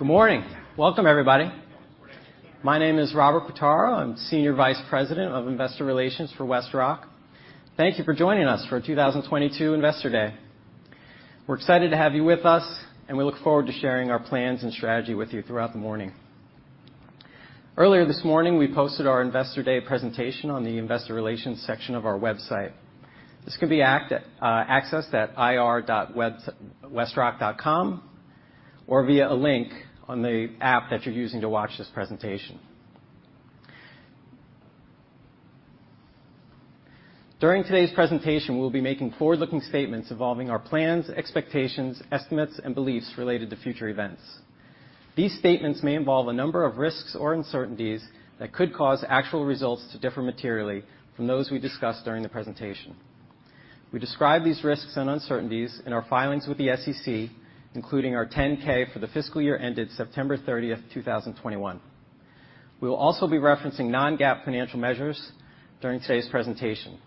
Good morning. Welcome, everybody. My name is Robert Quartaro. I'm Senior Vice President of Investor Relations for WestRock. Thank you for joining us for our 2022 Investor Day. We're excited to have you with us, and we look forward to sharing our plans and strategy with you throughout the morning. Earlier this morning, we posted our Investor Day presentation on the investor relations section of our website. This can be accessed at ir.westrock.com or via a link on the app that you're using to watch this presentation. During today's presentation, we'll be making forward-looking statements involving our plans, expectations, estimates, and beliefs related to future events. These statements may involve a number of risks or uncertainties that could cause actual results to differ materially from those we discuss during the presentation. We describe these risks and uncertainties in our filings with the SEC, including our 10-K for the fiscal year ended September 30th, 2021. We will also be referencing non-GAAP financial measures during today's presentation.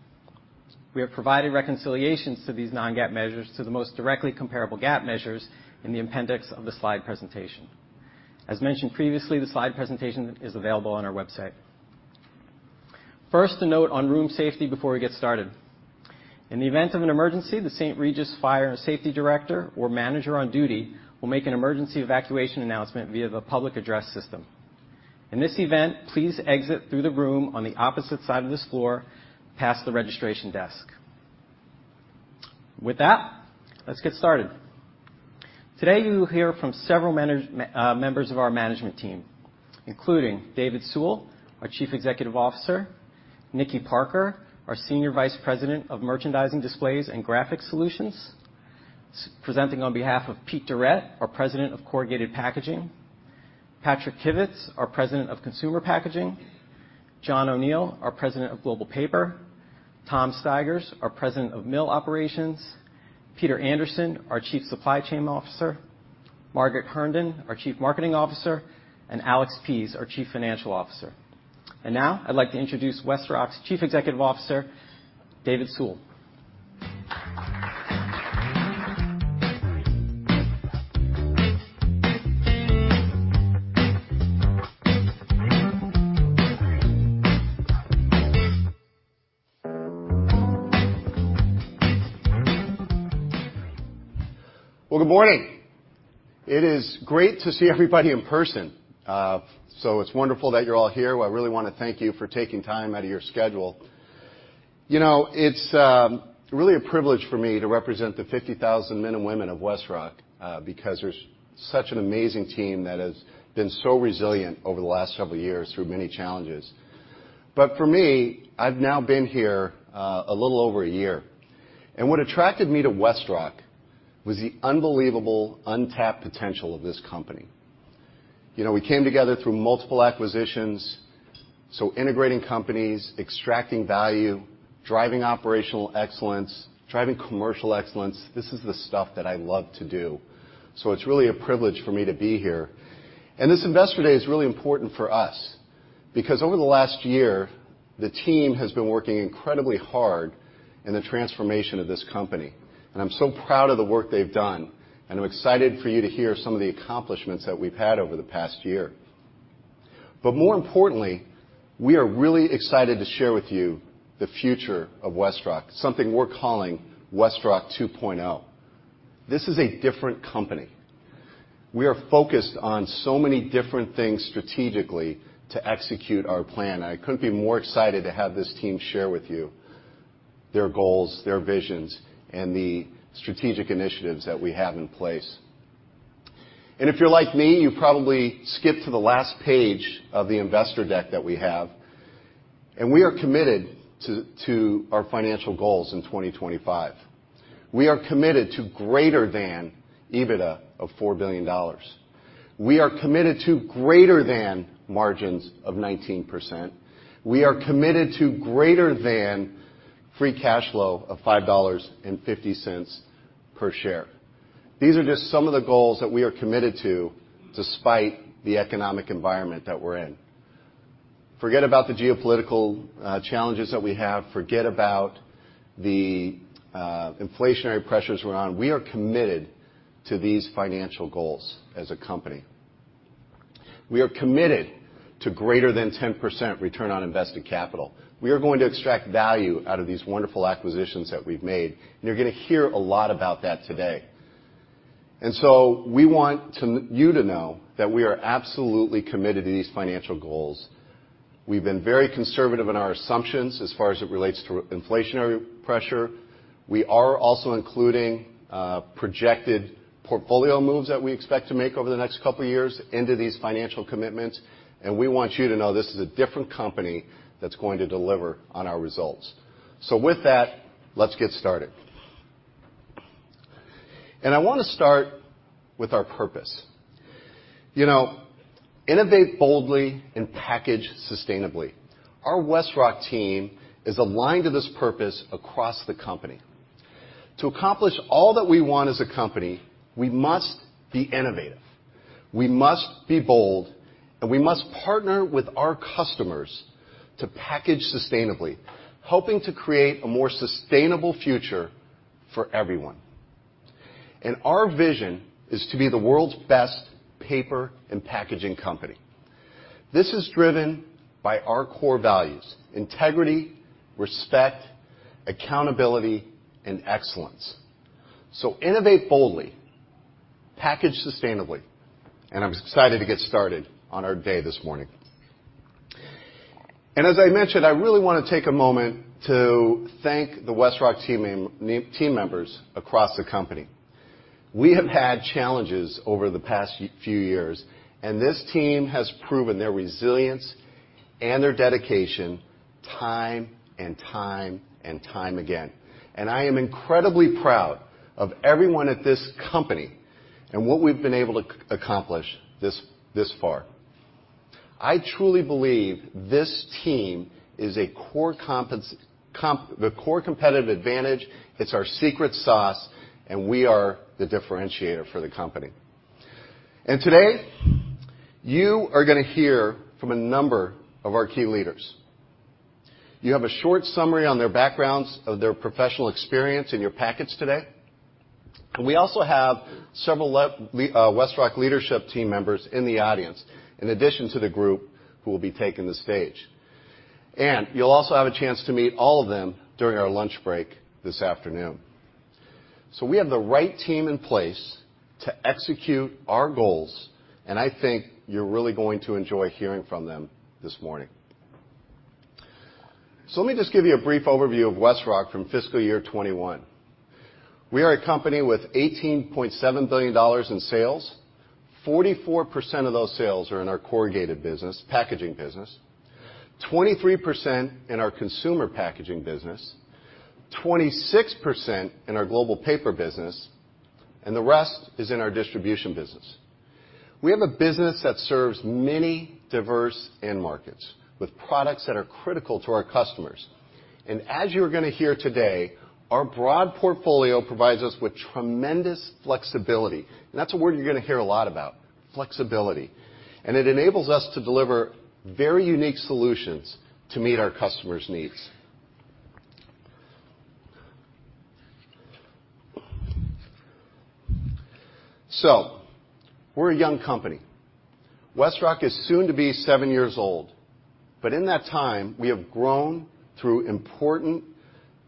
We have provided reconciliations to these non-GAAP measures to the most directly comparable GAAP measures in the appendix of the slide presentation. As mentioned previously, the slide presentation is available on our website. First, a note on room safety before we get started. In the event of an emergency, the St. Regis Fire and Safety Director or Manager on duty will make an emergency evacuation announcement via the Public Address system. In this event, please exit through the room on the opposite side of this floor, past the registration desk. With that, let's get started. Today, you will hear from several members of our management team, including David Sewell, our Chief Executive Officer, Nickie Parker, our Senior Vice President of Merchandising, Displays and Graphics Solutions, presenting on behalf of Peter Durette, our President of Corrugated Packaging, Patrick Kivits, our President of Consumer Packaging, John O'Neal, our President of Global Paper, Tom Stigers, our President of Mill Operations, Peter Anderson, our Chief Supply Chain Officer, Margaret Herndon, our Chief Marketing Officer, and Alex Pease, our Chief Financial Officer. Now I'd like to introduce WestRock's Chief Executive Officer, David Sewell. Good morning. It is great to see everybody in person. It's wonderful that you're all here. I really want to thank you for taking time out of your schedule. It's really a privilege for me to represent the 50,000 men and women of WestRock, because there's such an amazing team that has been so resilient over the last several years through many challenges. For me, I've now been here a little over a year. What attracted me to WestRock was the unbelievable untapped potential of this company. We came together through multiple acquisitions, integrating companies, extracting value, driving operational excellence, driving commercial excellence. This is the stuff that I love to do. It's really a privilege for me to be here. This Investor Day is really important for us, because over the last year, the team has been working incredibly hard in the transformation of this company. I'm so proud of the work they've done, and I'm excited for you to hear some of the accomplishments that we've had over the past year. More importantly, we are really excited to share with you the future of WestRock, something we're calling WestRock 2.0. This is a different company. We are focused on so many different things strategically to execute our plan. I couldn't be more excited to have this team share with you their goals, their visions, and the strategic initiatives that we have in place. If you're like me, you probably skipped to the last page of the investor deck that we have. We are committed to our financial goals in 2025. We are committed to greater than EBITDA of $4 billion. We are committed to greater than margins of 19%. We are committed to greater than free cash flow of $5.50 per share. These are just some of the goals that we are committed to, despite the economic environment that we're in. Forget about the geopolitical challenges that we have. Forget about the inflationary pressures we're on. We are committed to these financial goals as a company. We are committed to greater than 10% return on invested capital. We are going to extract value out of these wonderful acquisitions that we've made, and you're going to hear a lot about that today. We want you to know that we are absolutely committed to these financial goals. We've been very conservative in our assumptions as far as it relates to inflationary pressure. We are also including projected portfolio moves that we expect to make over the next couple of years into these financial commitments, and we want you to know this is a different company that's going to deliver on our results. With that, let's get started. I want to start with our purpose. Innovate boldly and package sustainably. Our WestRock team is aligned to this purpose across the company. To accomplish all that we want as a company, we must be innovative. We must be bold, and we must partner with our customers to package sustainably, hoping to create a more sustainable future. For everyone. Our vision is to be the world's best paper and packaging company. This is driven by our core values, integrity, respect, accountability, and excellence. Innovate boldly, package sustainably, and I'm excited to get started on our day this morning. As I mentioned, I really want to take a moment to thank the WestRock team members across the company. We have had challenges over the past few years, and this team has proven their resilience and their dedication time and time and time again. I am incredibly proud of everyone at this company and what we've been able to accomplish thus far. I truly believe this team is the core competitive advantage, it's our secret sauce, and we are the differentiator for the company. Today, you are going to hear from a number of our key leaders. You have a short summary on their backgrounds, of their professional experience in your packets today. We also have several WestRock leadership team members in the audience, in addition to the group who will be taking the stage. You'll also have a chance to meet all of them during our lunch break this afternoon. We have the right team in place to execute our goals, and I think you're really going to enjoy hearing from them this morning. Let me just give you a brief overview of WestRock from fiscal year 2021. We are a company with $18.7 billion in sales, 44% of those sales are in our corrugated business, packaging business, 23% in our consumer packaging business, 26% in our global paper business, and the rest is in our distribution business. We have a business that serves many diverse end markets with products that are critical to our customers. As you're going to hear today, our broad portfolio provides us with tremendous flexibility. That's a word you're going to hear a lot about, flexibility. It enables us to deliver very unique solutions to meet our customers' needs. We're a young company. WestRock is soon to be seven years old. In that time, we have grown through important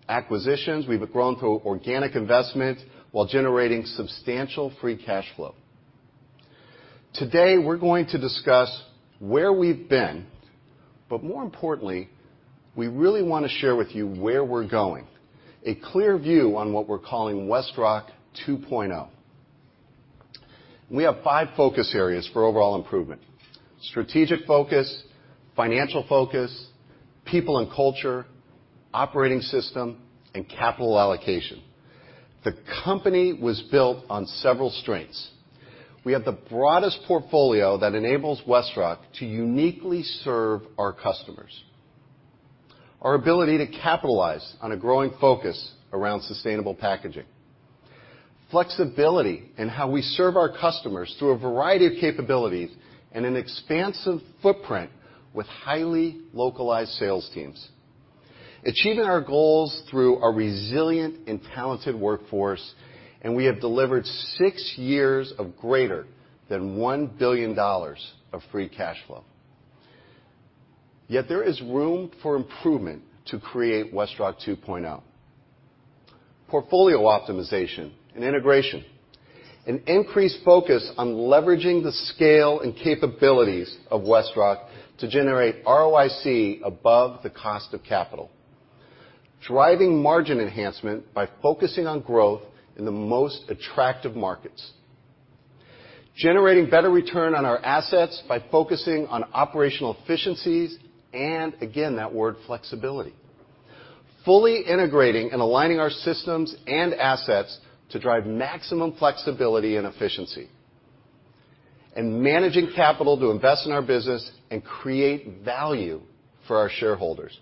acquisitions, we've grown through organic investment while generating substantial free cash flow. Today, we're going to discuss where we've been, but more importantly, we really want to share with you where we're going. A clear view on what we're calling WestRock 2.0. We have five focus areas for overall improvement, strategic focus, financial focus, people and culture, operating system, and capital allocation. The company was built on several strengths. We have the broadest portfolio that enables WestRock to uniquely serve our customers. Our ability to capitalize on a growing focus around sustainable packaging. Flexibility in how we serve our customers through a variety of capabilities, and an expansive footprint with highly localized sales teams. Achieving our goals through a resilient and talented workforce, and we have delivered six years of greater than $1 billion of free cash flow. There is room for improvement to create WestRock 2.0. Portfolio optimization and integration. An increased focus on leveraging the scale and capabilities of WestRock to generate ROIC above the cost of capital. Driving margin enhancement by focusing on growth in the most attractive markets. Generating better return on our assets by focusing on operational efficiencies, and again, that word, flexibility. Fully integrating and aligning our systems and assets to drive maximum flexibility and efficiency. Managing capital to invest in our business and create value for our shareholders.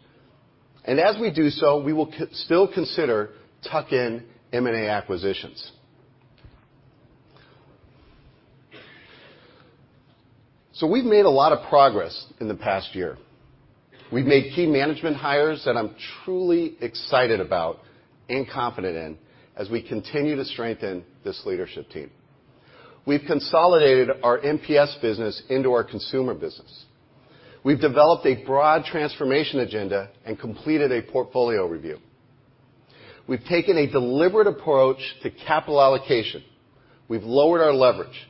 As we do so, we will still consider tuck-in M&A acquisitions. We've made a lot of progress in the past year. We've made key management hires that I'm truly excited about and confident in as we continue to strengthen this leadership team. We've consolidated our MPS business into our consumer business. We've developed a broad transformation agenda and completed a portfolio review. We've taken a deliberate approach to capital allocation. We've lowered our leverage.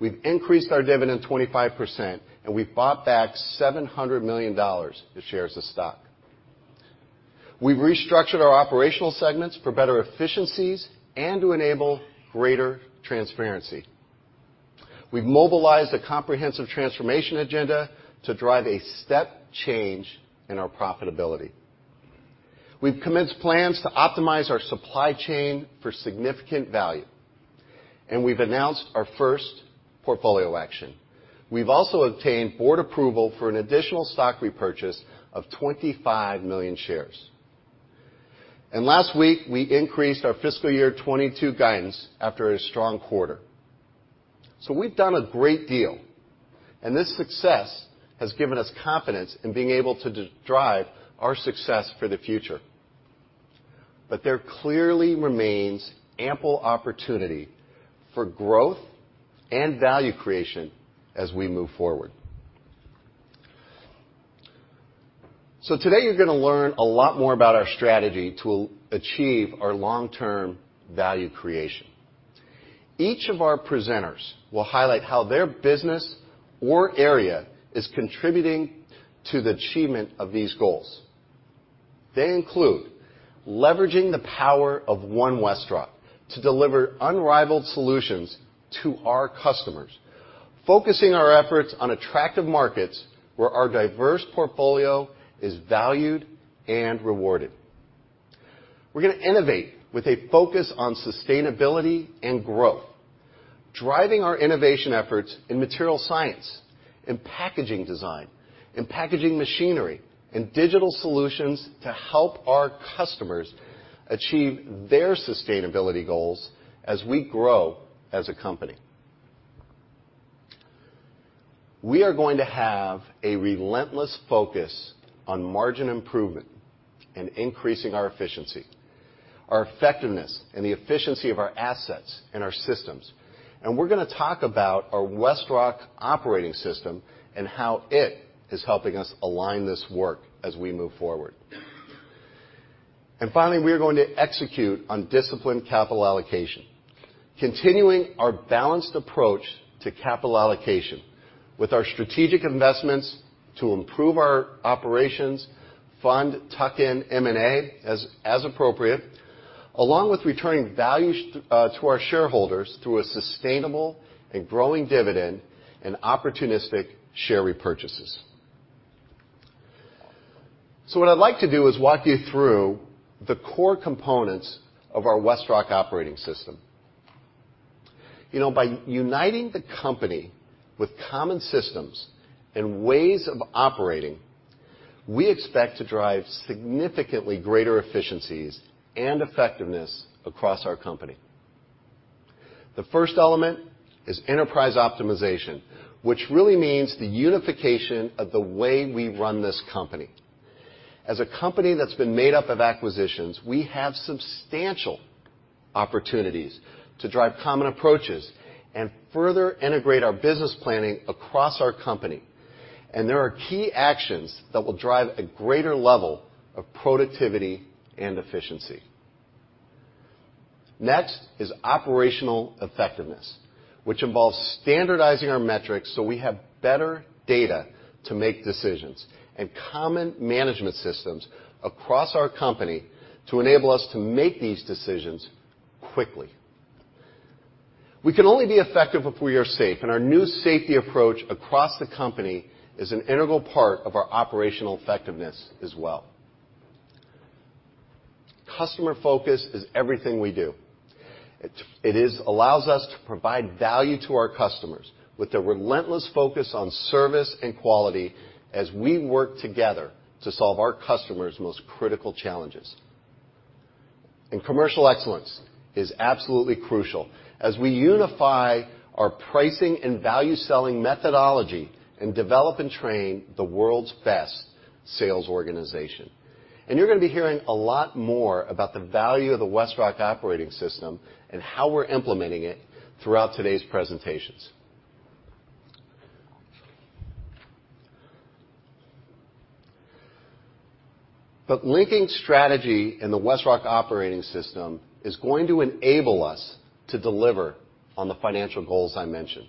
We've increased our dividend 25%, and we've bought back $700 million of shares of stock. We've restructured our operational segments for better efficiencies and to enable greater transparency. We've mobilized a comprehensive transformation agenda to drive a step change in our profitability. We've commenced plans to optimize our supply chain for significant value, and we've announced our first portfolio action. We've also obtained board approval for an additional stock repurchase of 25 million shares. Last week, we increased our fiscal year 2022 guidance after a strong quarter. We've done a great deal, and this success has given us confidence in being able to drive our success for the future. There clearly remains ample opportunity for growth and value creation as we move forward. Today, you're going to learn a lot more about our strategy to achieve our long-term value creation. Each of our presenters will highlight how their business or area is contributing to the achievement of these goals. They include leveraging the power of One WestRock to deliver unrivaled solutions to our customers, focusing our efforts on attractive markets where our diverse portfolio is valued and rewarded. We're going to innovate with a focus on sustainability and growth, driving our innovation efforts in material science, in packaging design, in packaging machinery, in digital solutions to help our customers achieve their sustainability goals as we grow as a company. We are going to have a relentless focus on margin improvement and increasing our efficiency, our effectiveness, and the efficiency of our assets and our systems. We're going to talk about our WestRock operating system and how it is helping us align this work as we move forward. Finally, we are going to execute on disciplined capital allocation, continuing our balanced approach to capital allocation with our strategic investments to improve our operations fund, tuck-in M&A as appropriate, along with returning value to our shareholders through a sustainable and growing dividend and opportunistic share repurchases. What I'd like to do is walk you through the core components of our WestRock Operating System. By uniting the company with common systems and ways of operating, we expect to drive significantly greater efficiencies and effectiveness across our company. The first element is Enterprise Optimization, which really means the unification of the way we run this company. As a company that's been made up of acquisitions, we have substantial opportunities to drive common approaches and further integrate our business planning across our company. There are key actions that will drive a greater level of productivity and efficiency. Next is Operational Effectiveness, which involves standardizing our metrics so we have better data to make decisions and common management systems across our company to enable us to make these decisions quickly. We can only be effective if we are safe, and our new safety approach across the company is an integral part of our operational effectiveness as well. Customer focus is everything we do. It allows us to provide value to our customers with a relentless focus on service and quality as we work together to solve our customers' most critical challenges. Commercial excellence is absolutely crucial as we unify our pricing and value-selling methodology and develop and train the world's best sales organization. You're going to be hearing a lot more about the value of the WestRock Operating System and how we're implementing it throughout today's presentations. Linking strategy in the WestRock Operating System is going to enable us to deliver on the financial goals I mentioned.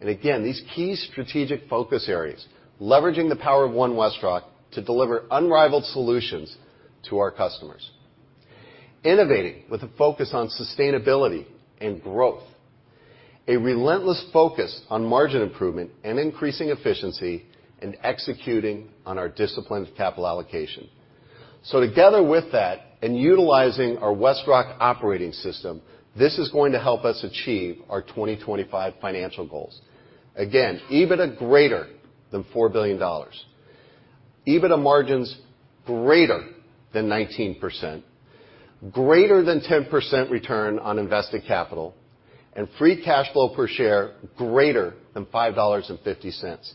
Again, these key strategic focus areas, leveraging the power of One WestRock to deliver unrivaled solutions to our customers, innovating with a focus on sustainability and growth, a relentless focus on margin improvement and increasing efficiency, and executing on our disciplined capital allocation. Together with that and utilizing our WestRock operating system, this is going to help us achieve our 2025 financial goals. Again, EBITDA greater than $4 billion, EBITDA margins greater than 19%, greater than 10% return on invested capital, and free cash flow per share greater than $5.50.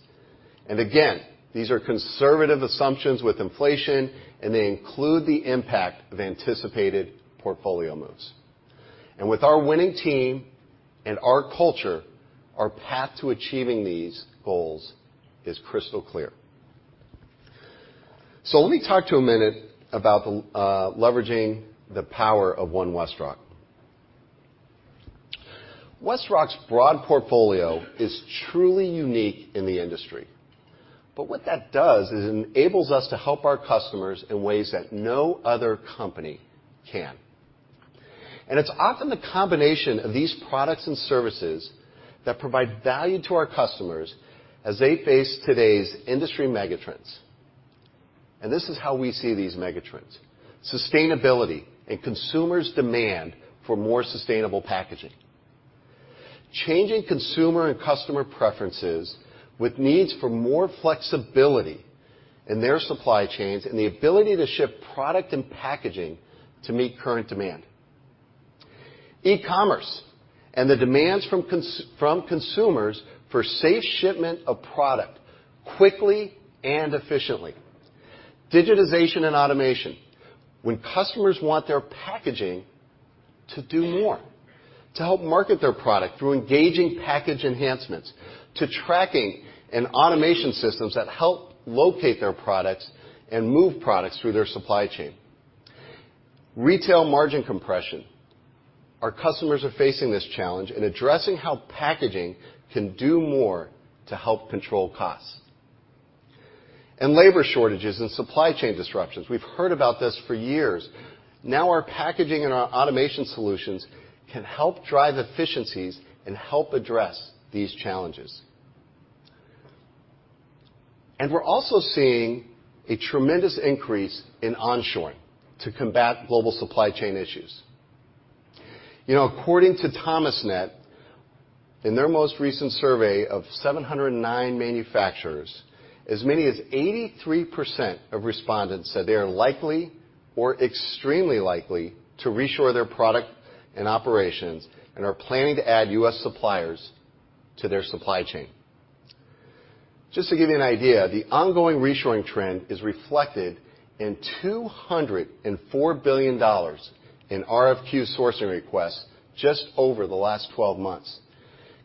Again, these are conservative assumptions with inflation, and they include the impact of anticipated portfolio moves. With our winning team and our culture, our path to achieving these goals is crystal clear. Let me talk to a minute about leveraging the power of One WestRock. WestRock's broad portfolio is truly unique in the industry. What that does is enables us to help our customers in ways that no other company can. It's often the combination of these products and services that provide value to our customers as they face today's industry megatrends. This is how we see these megatrends, sustainability and consumers' demand for more sustainable packaging. Changing consumer and customer preferences with needs for more flexibility in their supply chains and the ability to ship product and packaging to meet current demand. E-commerce and the demands from consumers for safe shipment of product quickly and efficiently. Digitization and automation. When customers want their packaging to do more, to help market their product through engaging package enhancements, to tracking and automation systems that help locate their products and move products through their supply chain. Retail margin compression. Our customers are facing this challenge in addressing how packaging can do more to help control costs. Labor shortages and supply chain disruptions. We've heard about this for years. Our packaging and our automation solutions can help drive efficiencies and help address these challenges. We're also seeing a tremendous increase in onshoring to combat global supply chain issues. According to Thomasnet, in their most recent survey of 709 manufacturers, as many as 83% of respondents said they are likely or extremely likely to reshore their product and operations and are planning to add U.S. suppliers to their supply chain. Just to give you an idea, the ongoing reshoring trend is reflected in $204 billion in RFQ sourcing requests just over the last 12 months.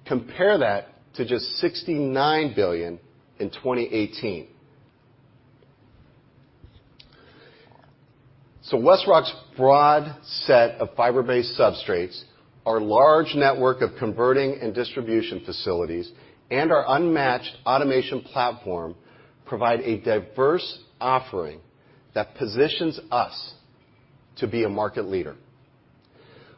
Compare that to just $69 billion in 2018. WestRock's broad set of fiber-based substrates, our large network of converting and distribution facilities, and our unmatched automation platform provide a diverse offering that positions us to be a market leader.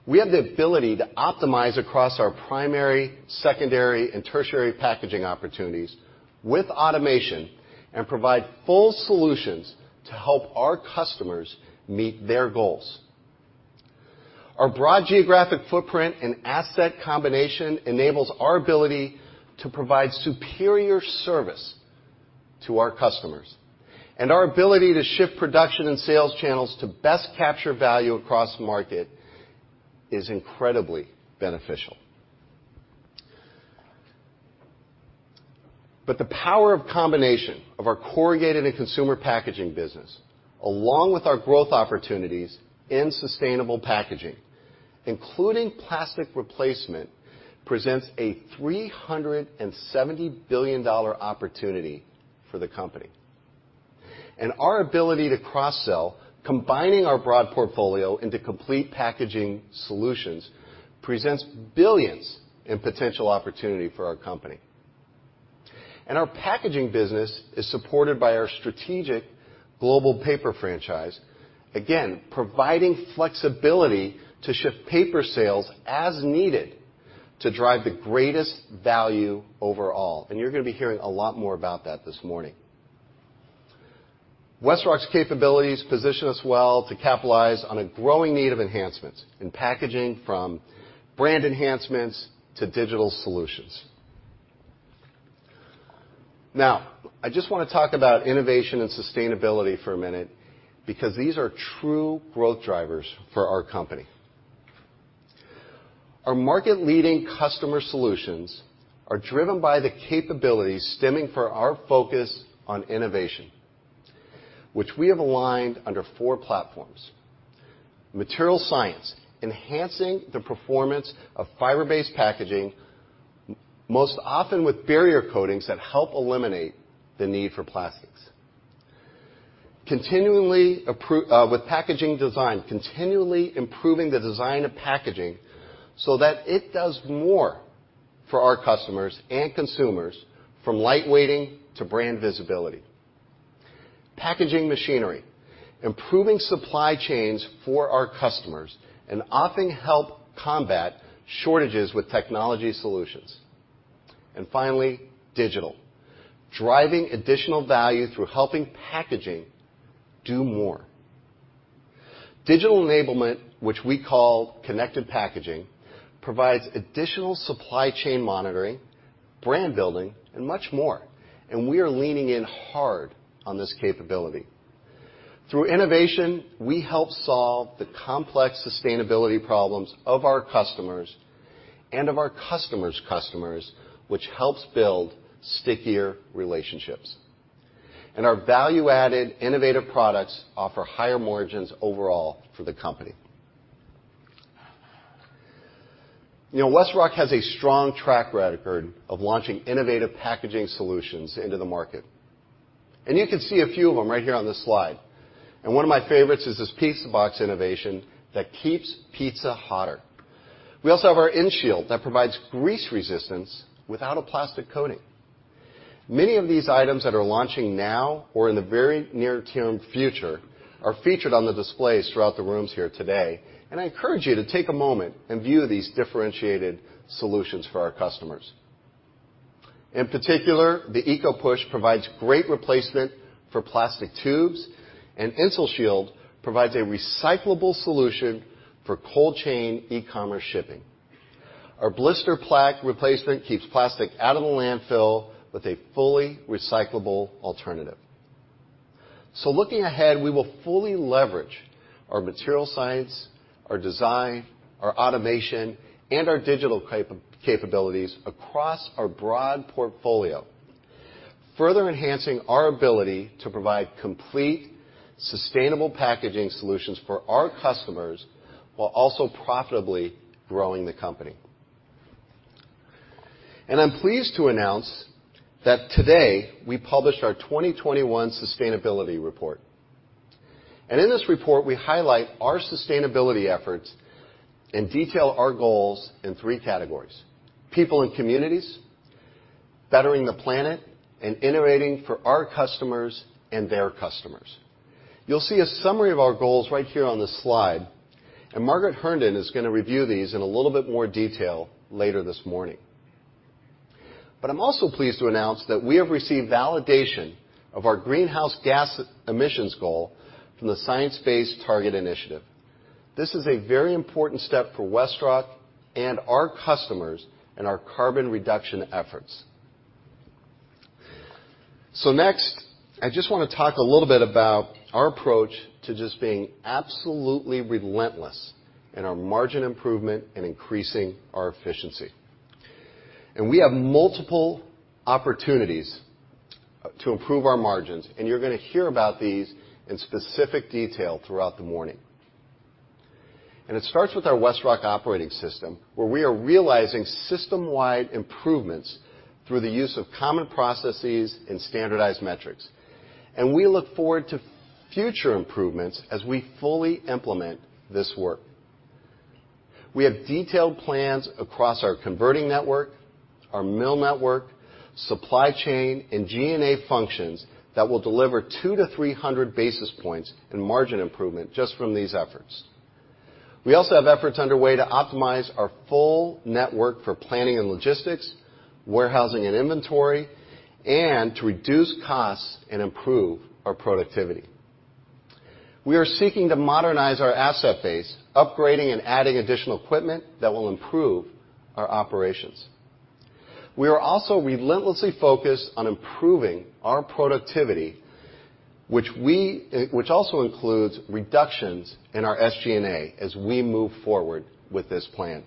We have the ability to optimize across our primary, secondary, and tertiary packaging opportunities with automation and provide full solutions to help our customers meet their goals. Our broad geographic footprint and asset combination enables our ability to provide superior service to our customers, and our ability to shift production and sales channels to best capture value across market is incredibly beneficial. The power of combination of our corrugated and consumer packaging business, along with our growth opportunities in sustainable packaging, including plastic replacement, presents a $370 billion opportunity for the company. Our ability to cross-sell, combining our broad portfolio into complete packaging solutions, presents billions in potential opportunity for our company. Our packaging business is supported by our strategic global paper franchise, again, providing flexibility to shift paper sales as needed to drive the greatest value overall, and you're going to be hearing a lot more about that this morning. WestRock's capabilities position us well to capitalize on a growing need of enhancements in packaging, from brand enhancements to digital solutions. I just want to talk about innovation and sustainability for a minute because these are true growth drivers for our company. Our market-leading customer solutions are driven by the capabilities stemming from our focus on innovation, which we have aligned under four platforms. Material science, enhancing the performance of fiber-based packaging, most often with barrier coatings that help eliminate the need for plastics. With packaging design, continually improving the design of packaging so that it does more for our customers and consumers, from lightweighting to brand visibility. Packaging machinery. Improving supply chains for our customers often help combat shortages with technology solutions. Finally, digital. Driving additional value through helping packaging do more. Digital enablement, which we call connected packaging, provides additional supply chain monitoring, brand building, and much more, and we are leaning in hard on this capability. Through innovation, we help solve the complex sustainability problems of our customers and of our customers' customers, which helps build stickier relationships. Our value-added innovative products offer higher margins overall for the company. WestRock has a strong track record of launching innovative packaging solutions into the market, and you can see a few of them right here on this slide. One of my favorites is this pizza box innovation that keeps pizza hotter. We also have our EnShield that provides grease resistance without a plastic coating. Many of these items that are launching now or in the very near-term future are featured on the displays throughout the rooms here today, and I encourage you to take a moment and view these differentiated solutions for our customers. In particular, the EcoPush provides great replacement for plastic tubes, and InsulShield provides a recyclable solution for cold chain e-commerce shipping. Our blister pack replacement keeps plastic out of the landfill with a fully recyclable alternative. Looking ahead, we will fully leverage our material science, our design, our automation, and our digital capabilities across our broad portfolio, further enhancing our ability to provide complete sustainable packaging solutions for our customers, while also profitably growing the company. I'm pleased to announce that today we published our 2021 sustainability report. In this report, we highlight our sustainability efforts and detail our goals in three categories: people and communities, bettering the planet, and innovating for our customers and their customers. You'll see a summary of our goals right here on this slide, and Margaret Herndon is going to review these in a little bit more detail later this morning. I'm also pleased to announce that we have received validation of our greenhouse gas emissions goal from the Science Based Targets initiative. This is a very important step for WestRock and our customers in our carbon reduction efforts. Next, I just want to talk a little bit about our approach to just being absolutely relentless in our margin improvement and increasing our efficiency. We have multiple opportunities to improve our margins, and you're going to hear about these in specific detail throughout the morning. It starts with our WestRock operating system, where we are realizing system-wide improvements through the use of common processes and standardized metrics. We look forward to future improvements as we fully implement this work. We have detailed plans across our converting network, our mill network, supply chain, and G&A functions that will deliver 200-300 basis points in margin improvement just from these efforts. We also have efforts underway to optimize our full network for planning and logistics, warehousing and inventory, and to reduce costs and improve our productivity. We are seeking to modernize our asset base, upgrading and adding additional equipment that will improve our operations. We are also relentlessly focused on improving our productivity, which also includes reductions in our SG&A as we move forward with this plan.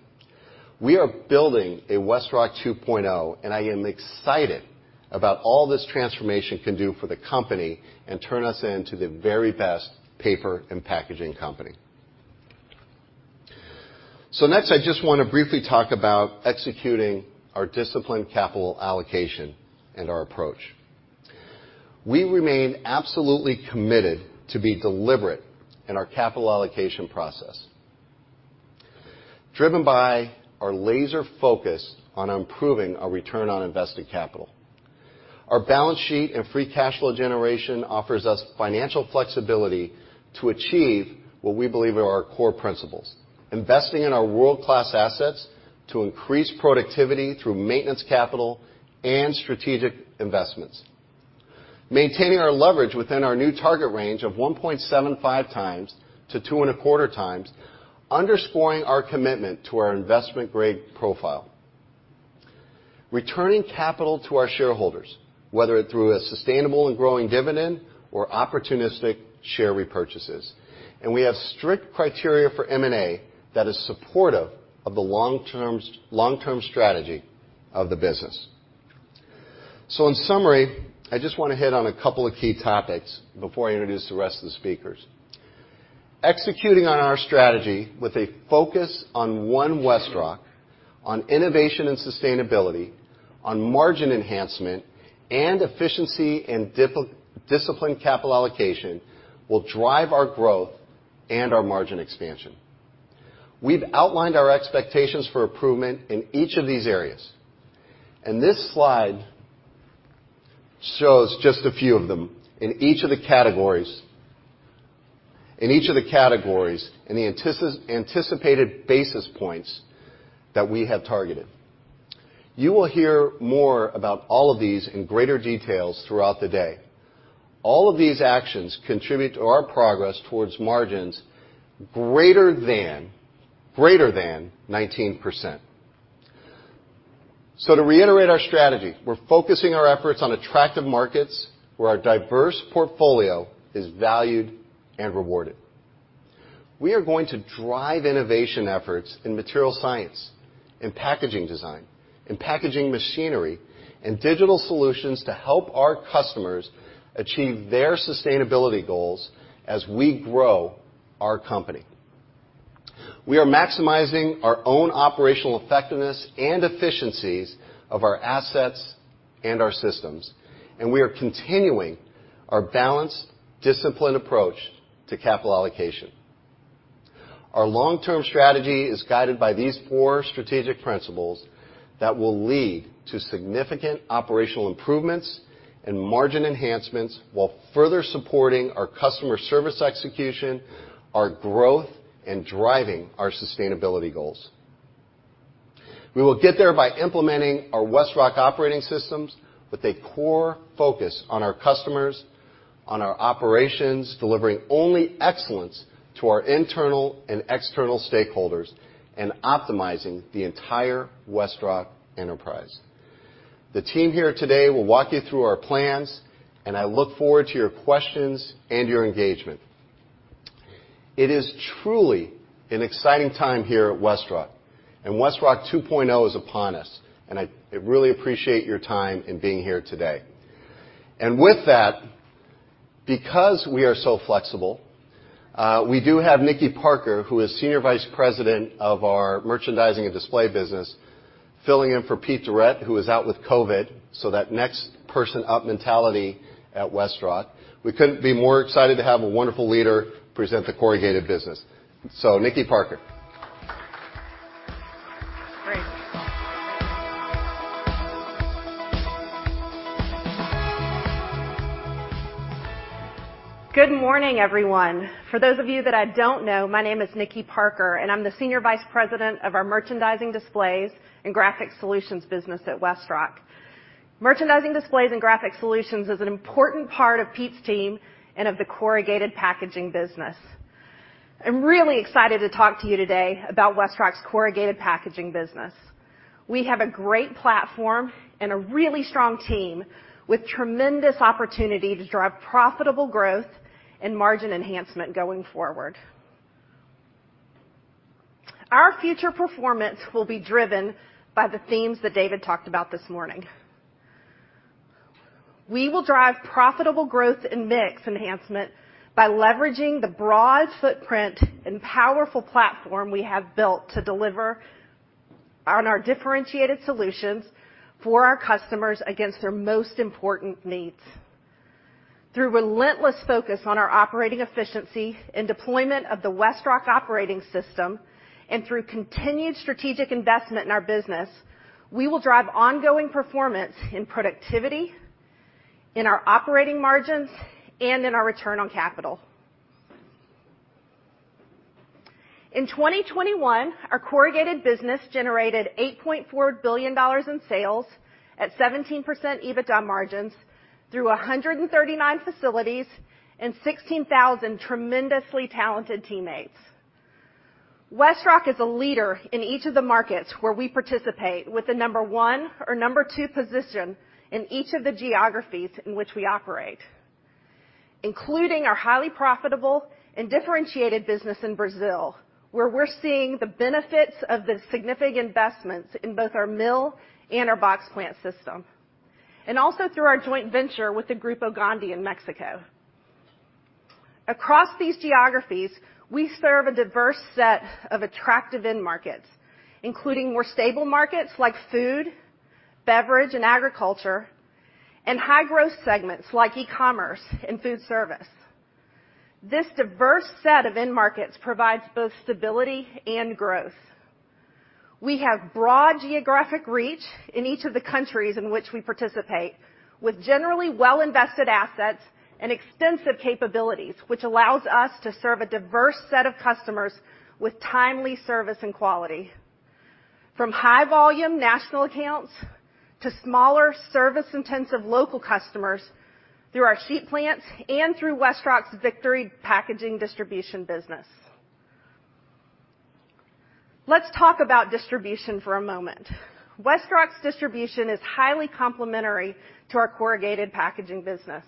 We are building a WestRock 2.0, I am excited about all this transformation can do for the company and turn us into the very best paper and packaging company. Next, I just want to briefly talk about executing our disciplined capital allocation and our approach. We remain absolutely committed to be deliberate in our capital allocation process, driven by our laser focus on improving our return on invested capital. Our balance sheet and free cash flow generation offers us financial flexibility to achieve what we believe are our core principles, investing in our world-class assets to increase productivity through maintenance capital and strategic investments. Maintaining our leverage within our new target range of 1.75x-2.25x, underscoring our commitment to our investment-grade profile. Returning capital to our shareholders, whether through a sustainable and growing dividend or opportunistic share repurchases. We have strict criteria for M&A that is supportive of the long-term strategy of the business. In summary, I just want to hit on a couple of key topics before I introduce the rest of the speakers. Executing on our strategy with a focus on One WestRock, on innovation and sustainability, on margin enhancement, and efficiency and disciplined capital allocation will drive our growth and our margin expansion. We've outlined our expectations for improvement in each of these areas. This slide shows just a few of them in each of the categories, and the anticipated basis points that we have targeted. You will hear more about all of these in greater details throughout the day. All of these actions contribute to our progress towards margins greater than 19%. To reiterate our strategy, we're focusing our efforts on attractive markets where our diverse portfolio is valued and rewarded. We are going to drive innovation efforts in material science, in packaging design, in packaging machinery, and digital solutions to help our customers achieve their sustainability goals as we grow our company. We are maximizing our own operational effectiveness and efficiencies of our assets and our systems, and we are continuing our balanced, disciplined approach to capital allocation. Our long-term strategy is guided by these four strategic principles that will lead to significant operational improvements and margin enhancements while further supporting our customer service execution, our growth, and driving our sustainability goals. We will get there by implementing our WestRock operating systems with a core focus on our customers, on our operations, delivering only excellence to our internal and external stakeholders, and optimizing the entire WestRock enterprise. The team here today will walk you through our plans, I look forward to your questions and your engagement. It is truly an exciting time here at WestRock 2.0 is upon us. I really appreciate your time in being here today. With that, because we are so flexible, we do have Nickie Parker, who is Senior Vice President of our Merchandising and Display business, filling in for Pete Durette, who is out with COVID, so that next person up mentality at WestRock. We couldn't be more excited to have a wonderful leader present the corrugated business. Nickie Parker. Great. Good morning, everyone. For those of you that I don't know, my name is Nickie Parker, and I'm the Senior Vice President of our Merchandising Displays and Graphics Solutions business at WestRock. Merchandising Displays and Graphics Solutions is an important part of Pete's team and of the corrugated packaging business. I'm really excited to talk to you today about WestRock's corrugated packaging business. We have a great platform and a really strong team with tremendous opportunity to drive profitable growth and margin enhancement going forward. Our future performance will be driven by the themes that David talked about this morning. We will drive profitable growth and mix enhancement by leveraging the broad footprint and powerful platform we have built to deliver on our differentiated solutions for our customers against their most important needs. Through relentless focus on our operating efficiency and deployment of the WestRock operating system, through continued strategic investment in our business, we will drive ongoing performance in productivity, in our operating margins, and in our return on capital. In 2021, our corrugated business generated $8.4 billion in sales at 17% EBITDA margins through 139 facilities and 16,000 tremendously talented teammates. WestRock is a leader in each of the markets where we participate, with the number one or number two position in each of the geographies in which we operate, including our highly profitable and differentiated business in Brazil, where we're seeing the benefits of the significant investments in both our mill and our box plant system, and also through our joint venture with the Grupo Gondi in Mexico. Across these geographies, we serve a diverse set of attractive end markets, including more stable markets like food, beverage, and agriculture, and high growth segments like e-commerce and food service. This diverse set of end markets provides both stability and growth. We have broad geographic reach in each of the countries in which we participate, with generally well invested assets and extensive capabilities, which allows us to serve a diverse set of customers with timely service and quality, from high volume national accounts to smaller service intensive local customers through our sheet plants and through WestRock's Victory Packaging Distribution business. Let's talk about distribution for a moment. WestRock's distribution is highly complementary to our corrugated packaging business.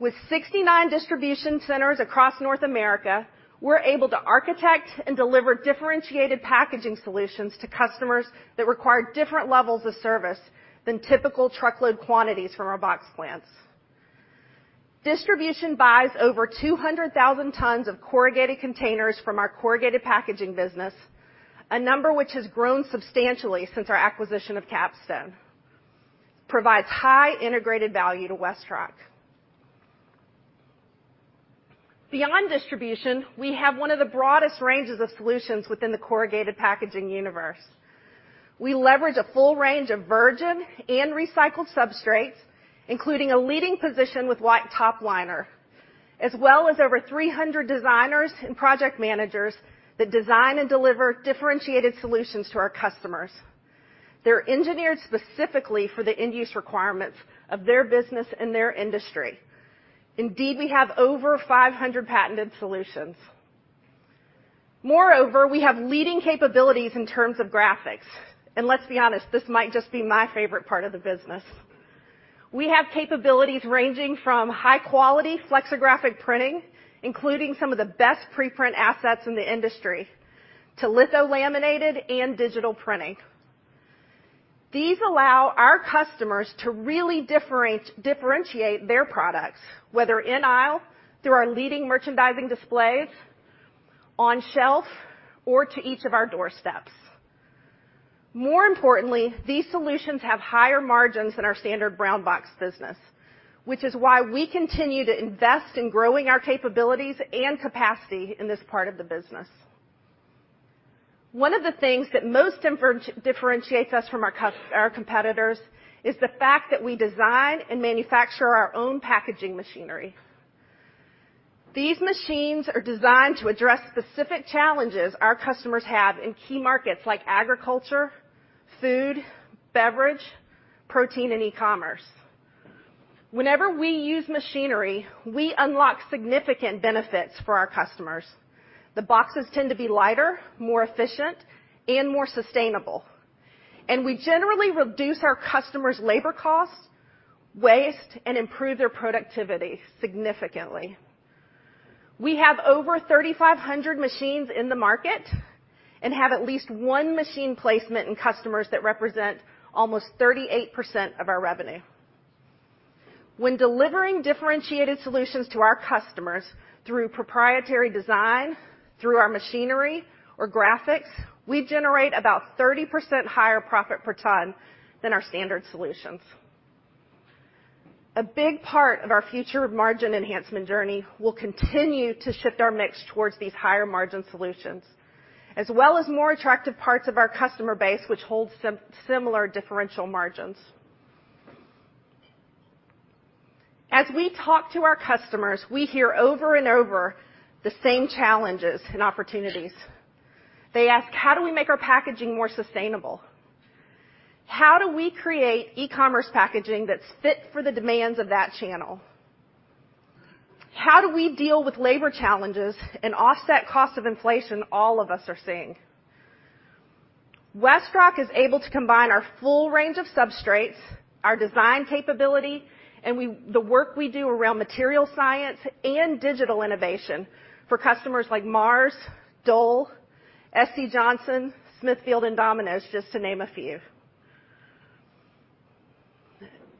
With 69 distribution centers across North America, we're able to architect and deliver differentiated packaging solutions to customers that require different levels of service than typical truckload quantities from our box plants. Distribution buys over 200,000 tons of corrugated containers from our corrugated packaging business, a number which has grown substantially since our acquisition of KapStone. Provides high integrated value to WestRock. Beyond distribution, we have one of the broadest ranges of solutions within the corrugated packaging universe. We leverage a full range of virgin and recycled substrates, including a leading position with white top liner, as well as over 300 designers and project managers that design and deliver differentiated solutions to our customers. They're engineered specifically for the end use requirements of their business and their industry. Indeed, we have over 500 patented solutions. Moreover, we have leading capabilities in terms of graphics. Let's be honest, this might just be my favorite part of the business. We have capabilities ranging from high quality flexographic printing, including some of the best pre-print assets in the industry, to litho laminated and digital printing. These allow our customers to really differentiate their products, whether in aisle, through our leading merchandising displays, on shelf, or to each of our doorsteps. More importantly, these solutions have higher margins than our standard brown box business, which is why we continue to invest in growing our capabilities and capacity in this part of the business. One of the things that most differentiates us from our competitors is the fact that we design and manufacture our own packaging machinery. These machines are designed to address specific challenges our customers have in key markets like agriculture, food, beverage, protein, and e-commerce. Whenever we use machinery, we unlock significant benefits for our customers. The boxes tend to be lighter, more efficient, and more sustainable, and we generally reduce our customers' labor costs, waste, and improve their productivity significantly. We have over 3,500 machines in the market and have at least one machine placement in customers that represent almost 38% of our revenue. When delivering differentiated solutions to our customers through proprietary design, through our machinery or graphics, we generate about 30% higher profit per ton than our standard solutions. A big part of our future margin enhancement journey will continue to shift our mix towards these higher margin solutions, as well as more attractive parts of our customer base, which holds similar differential margins. As we talk to our customers, we hear over and over the same challenges and opportunities. They ask, "How do we make our packaging more sustainable? How do we create e-commerce packaging that's fit for the demands of that channel? How do we deal with labor challenges and offset cost of inflation all of us are seeing? WestRock is able to combine our full range of substrates, our design capability, and the work we do around material science and digital innovation for customers like Mars, Dole, SC Johnson, Smithfield, and Domino's, just to name a few.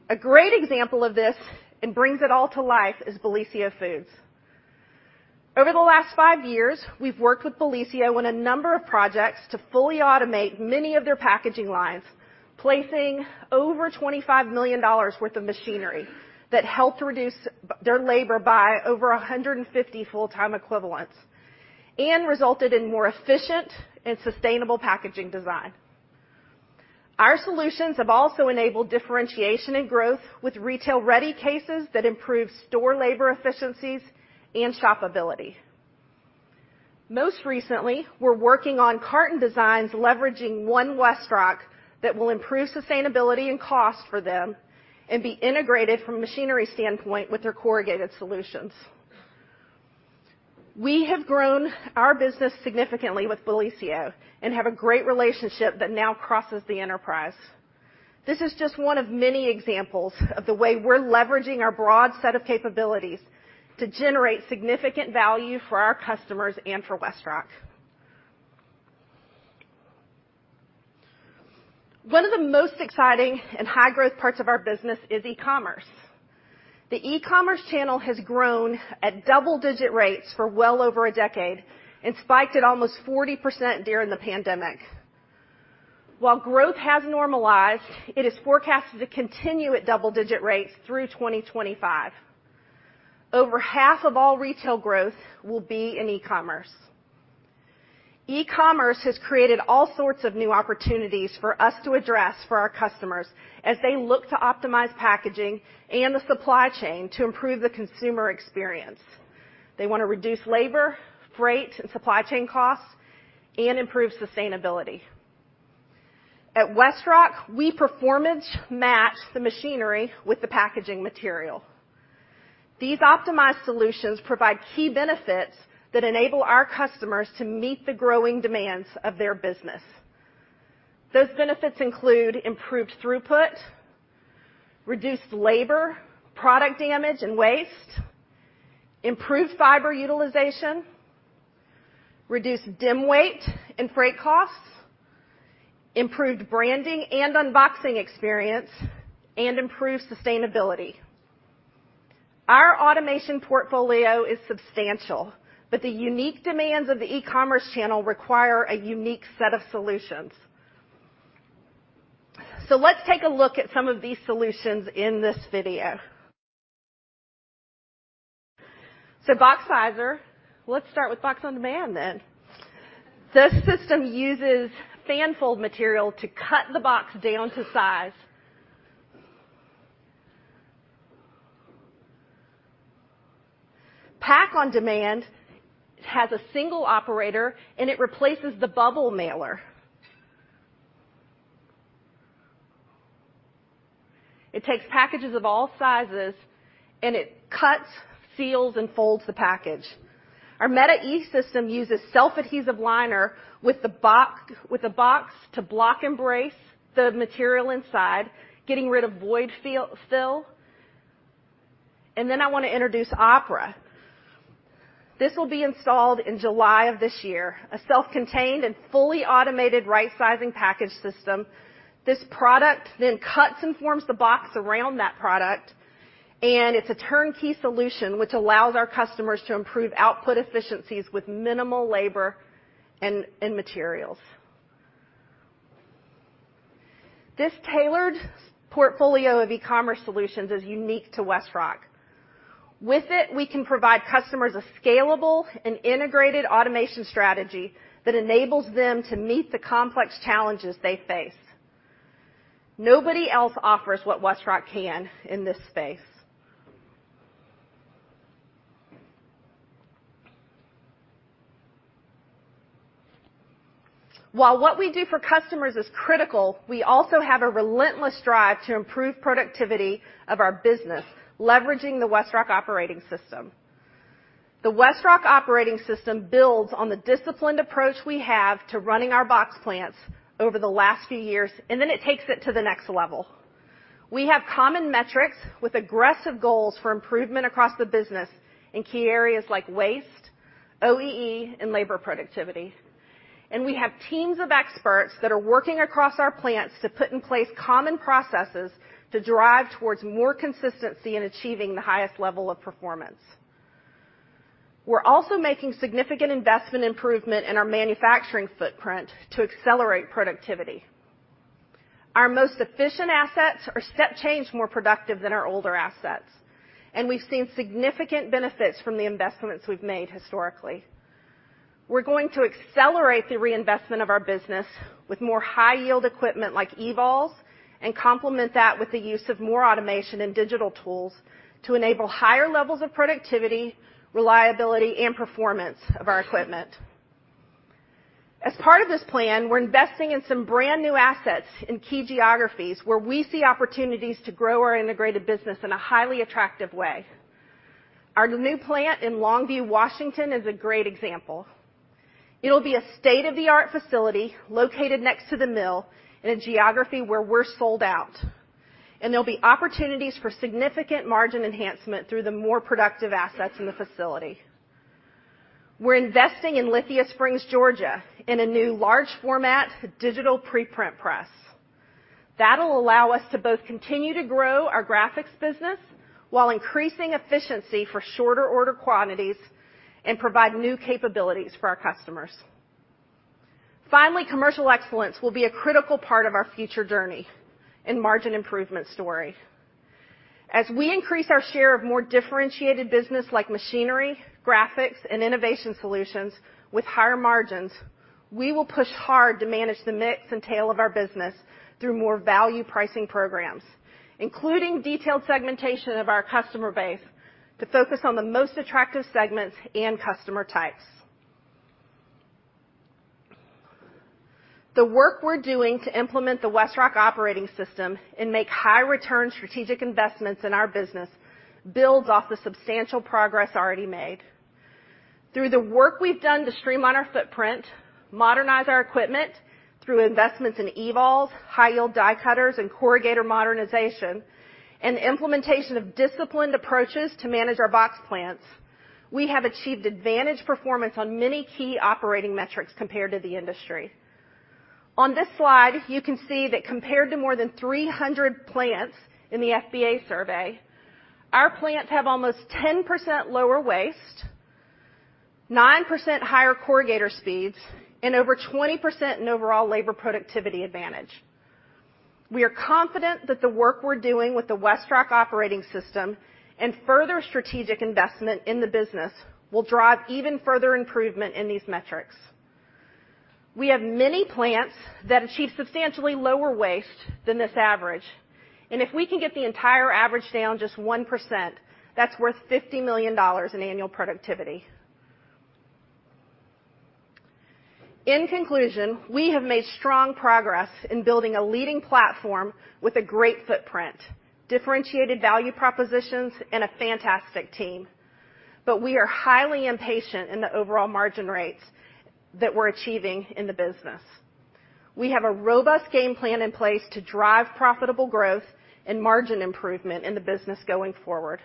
A great example of this, and brings it all to life, is Bellisio Foods. Over the last five years, we've worked with Bellisio on a number of projects to fully automate many of their packaging lines, placing over $25 million worth of machinery that helped reduce their labor by over 150 full-time equivalents and resulted in more efficient and sustainable packaging design. Our solutions have also enabled differentiation and growth with retail-ready cases that improve store labor efficiencies and shopability. Most recently, we're working on carton designs leveraging One WestRock that will improve sustainability and cost for them and be integrated from a machinery standpoint with their corrugated solutions. We have grown our business significantly with Bellisio and have a great relationship that now crosses the enterprise. This is just one of many examples of the way we're leveraging our broad set of capabilities to generate significant value for our customers and for WestRock. One of the most exciting and high-growth parts of our business is e-commerce. The e-commerce channel has grown at double-digit rates for well over a decade and spiked at almost 40% during the pandemic. While growth has normalized, it is forecasted to continue at double-digit rates through 2025. Over half of all retail growth will be in e-commerce. E-commerce has created all sorts of new opportunities for us to address for our customers as they look to optimize packaging and the supply chain to improve the consumer experience. They want to reduce labor, freight, and supply chain costs and improve sustainability. At WestRock, we performance match the machinery with the packaging material. These optimized solutions provide key benefits that enable our customers to meet the growing demands of their business. Those benefits include improved throughput, reduced labor, product damage, and waste, improved fiber utilization, reduced dim weight and freight costs, improved branding and unboxing experience, and improved sustainability. Our automation portfolio is substantial, but the unique demands of the e-commerce channel require a unique set of solutions. Let's take a look at some of these solutions in this video. BoxSizer®. Let's start with Box On Demand. This system uses fanfold material to cut the box down to size. Pak On Demand has a single operator, and it replaces the bubble mailer. It takes packages of all sizes, and it cuts, seals, and folds the package. Our Meta® e system uses self-adhesive liner with the box to block and brace the material inside, getting rid of void fill. I want to introduce Opera. This will be installed in July of this year. A self-contained and fully automated right-sizing package system. This product cuts and forms the box around that product, and it's a turnkey solution which allows our customers to improve output efficiencies with minimal labor and materials. This tailored portfolio of e-commerce solutions is unique to WestRock. With it, we can provide customers a scalable and integrated automation strategy that enables them to meet the complex challenges they face. Nobody else offers what WestRock can in this space. While what we do for customers is critical, we also have a relentless drive to improve productivity of our business, leveraging the WestRock Operating System. The WestRock Operating System builds on the disciplined approach we have to running our box plants over the last few years, and then it takes it to the next level. We have common metrics with aggressive goals for improvement across the business in key areas like waste, OEE, and labor productivity. We have teams of experts that are working across our plants to put in place common processes to drive towards more consistency in achieving the highest level of performance. We're also making significant investment improvement in our manufacturing footprint to accelerate productivity. Our most efficient assets are step change more productive than our older assets, and we've seen significant benefits from the investments we've made historically. We're going to accelerate the reinvestment of our business with more high-yield equipment like EVOLs, and complement that with the use of more automation and digital tools to enable higher levels of productivity, reliability, and performance of our equipment. As part of this plan, we're investing in some brand-new assets in key geographies where we see opportunities to grow our integrated business in a highly attractive way. Our new plant in Longview, Washington is a great example. It'll be a state-of-the-art facility located next to the mill in a geography where we're sold out, and there'll be opportunities for significant margin enhancement through the more productive assets in the facility. We're investing in Lithia Springs, Georgia in a new large format digital pre-print press. That'll allow us to both continue to grow our graphics business while increasing efficiency for shorter order quantities and provide new capabilities for our customers. Finally, commercial excellence will be a critical part of our future journey and margin improvement story. As we increase our share of more differentiated business like machinery, graphics, and innovation solutions with higher margins, we will push hard to manage the mix and tail of our business through more value pricing programs, including detailed segmentation of our customer base to focus on the most attractive segments and customer types. The work we're doing to implement the WestRock Operating System and make high return strategic investments in our business builds off the substantial progress already made. Through the work we've done to streamline our footprint, modernize our equipment through investments in EVOL, high-yield die cutters, and corrugator modernization, and the implementation of disciplined approaches to manage our box plants, we have achieved advantage performance on many key operating metrics compared to the industry. On this slide, you can see that compared to more than 300 plants in the FBA survey, our plants have almost 10% lower waste, 9% higher corrugator speeds, and over 20% in overall labor productivity advantage. We are confident that the work we're doing with the WestRock operating system and further strategic investment in the business will drive even further improvement in these metrics. If we can get the entire average down just 1%, that's worth $50 million in annual productivity. In conclusion, we have made strong progress in building a leading platform with a great footprint, differentiated value propositions, and a fantastic team. We are highly impatient in the overall margin rates that we're achieving in the business. We have a robust game plan in place to drive profitable growth and margin improvement in the business going forward.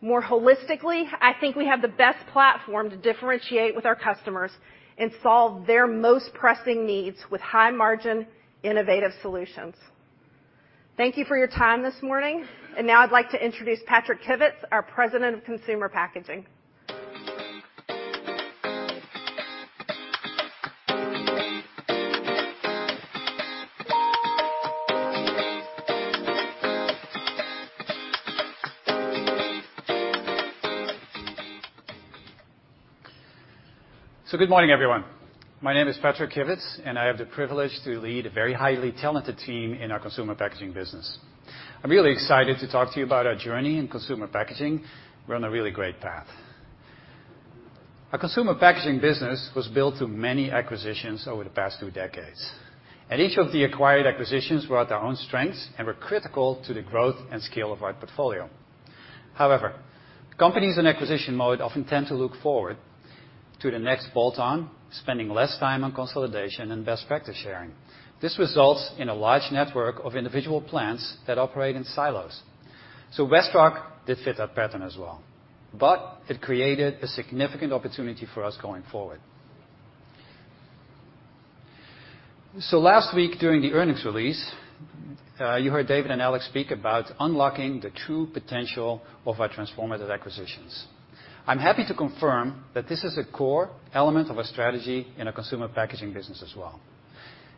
More holistically, I think we have the best platform to differentiate with our customers and solve their most pressing needs with high margin, innovative solutions. Thank you for your time this morning. Now I'd like to introduce Patrick Kivits, our President of Consumer Packaging. Good morning, everyone. My name is Patrick Kivits, and I have the privilege to lead a very highly talented team in our consumer packaging business. I'm really excited to talk to you about our journey in consumer packaging. We're on a really great path. Our consumer packaging business was built through many acquisitions over the past two decades. Each of the acquired acquisitions brought their own strengths and were critical to the growth and scale of our portfolio. Companies in acquisition mode often tend to look forward to the next bolt-on, spending less time on consolidation and best practice sharing. This results in a large network of individual plants that operate in silos. WestRock did fit that pattern as well, but it created a significant opportunity for us going forward. Last week during the earnings release, you heard David and Alex speak about unlocking the true potential of our transformative acquisitions. I'm happy to confirm that this is a core element of our strategy in our consumer packaging business as well.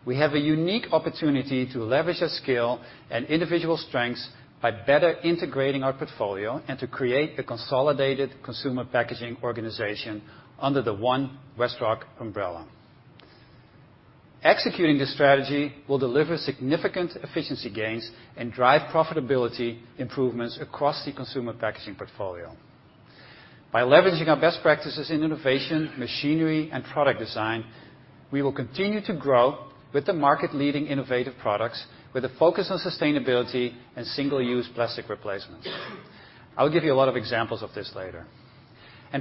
We have a unique opportunity to leverage our scale and individual strengths by better integrating our portfolio and to create a consolidated consumer packaging organization under the One WestRock umbrella. Executing this strategy will deliver significant efficiency gains and drive profitability improvements across the consumer packaging portfolio. By leveraging our best practices in innovation, machinery, and product design, we will continue to grow with the market-leading innovative products with a focus on sustainability and single-use plastic replacements. I will give you a lot of examples of this later.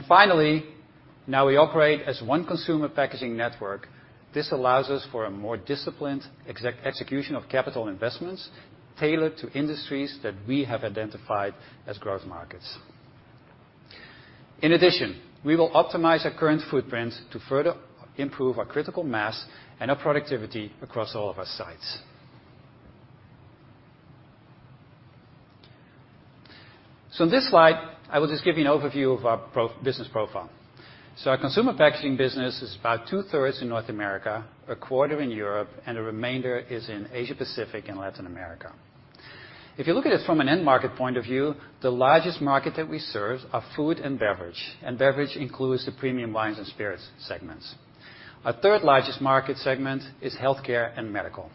Finally, now we operate as one consumer packaging network. This allows us for a more disciplined execution of capital investments tailored to industries that we have identified as growth markets. In addition, we will optimize our current footprint to further improve our critical mass and our productivity across all of our sites. On this slide, I will just give you an overview of our business profile. Our consumer packaging business is about 2/3 in North America, a quarter in Europe, and the remainder is in Asia-Pacific and Latin America. If you look at it from an end market point of view, the largest market that we serve are food and beverage. Beverage includes the premium wines and spirits segments. Our third largest market segment is healthcare and medical.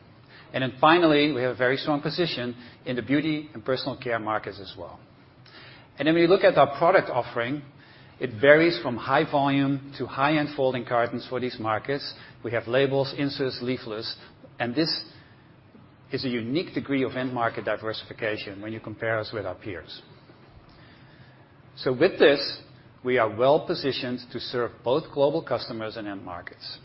Finally, we have a very strong position in the beauty and personal care markets as well. When you look at our product offering, it varies from high volume to high-end folding cartons for these markets. We have labels, inserts, leaflets, and this is a unique degree of end market diversification when you compare us with our peers. With this, we are well-positioned to serve both global customers and end markets.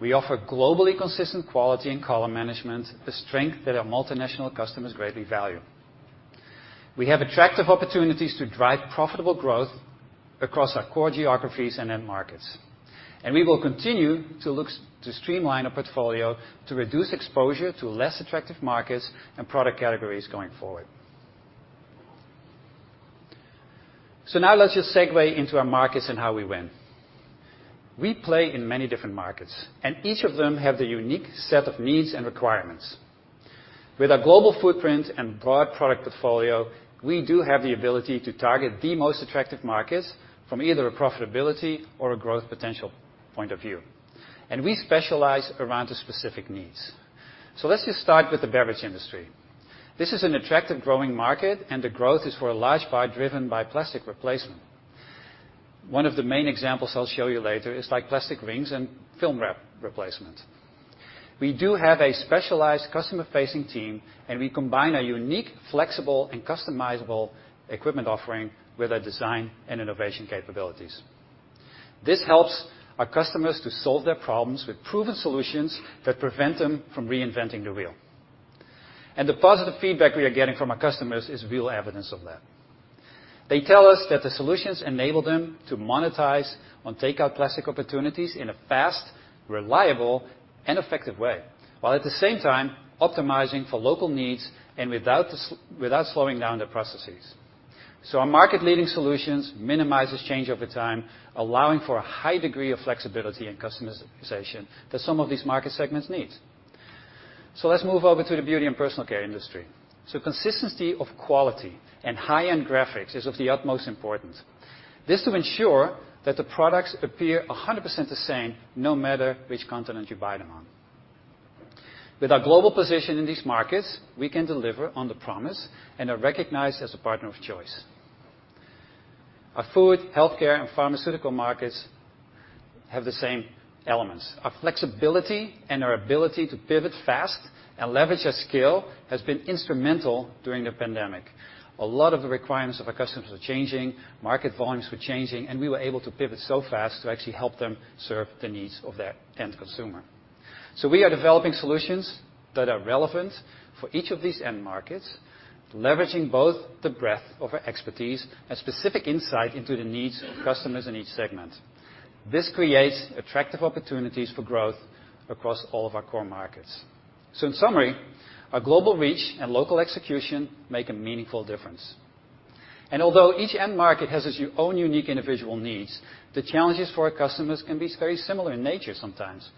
We offer globally consistent quality and color management, a strength that our multinational customers greatly value. We have attractive opportunities to drive profitable growth across our core geographies and end markets, and we will continue to streamline our portfolio to reduce exposure to less attractive markets and product categories going forward. Now let's just segue into our markets and how we win. We play in many different markets, and each of them have their unique set of needs and requirements. With our global footprint and broad product portfolio, we do have the ability to target the most attractive markets from either a profitability or a growth potential point of view. We specialize around the specific needs. Let's just start with the beverage industry. This is an attractive growing market, and the growth is for a large part driven by plastic replacement. One of the main examples I'll show you later is plastic rings and film wrap replacement. We do have a specialized customer-facing team, and we combine a unique, flexible, and customizable equipment offering with our design and innovation capabilities. This helps our customers to solve their problems with proven solutions that prevent them from reinventing the wheel. The positive feedback we are getting from our customers is real evidence of that. They tell us that the solutions enable them to monetize on take-out plastic opportunities in a fast, reliable, and effective way, while at the same time optimizing for local needs and without slowing down their processes. Our market-leading solutions minimize this change over time, allowing for a high degree of flexibility and customization that some of these market segments need. Let's move over to the beauty and personal care industry. Consistency of quality and high-end graphics is of the utmost importance. This is to ensure that the products appear 100% the same, no matter which continent you buy them on. With our global position in these markets, we can deliver on the promise and are recognized as a partner of choice. Our food, healthcare, and pharmaceutical markets have the same elements. Our flexibility and our ability to pivot fast and leverage our skill has been instrumental during the pandemic. A lot of the requirements of our customers were changing, market volumes were changing. We were able to pivot so fast to actually help them serve the needs of their end consumer. We are developing solutions that are relevant for each of these end markets, leveraging both the breadth of our expertise and specific insight into the needs of customers in each segment. This creates attractive opportunities for growth across all of our core markets. In summary, our global reach and local execution make a meaningful difference. Although each end market has its own unique individual needs, the challenges for our customers can be very similar in nature sometimes.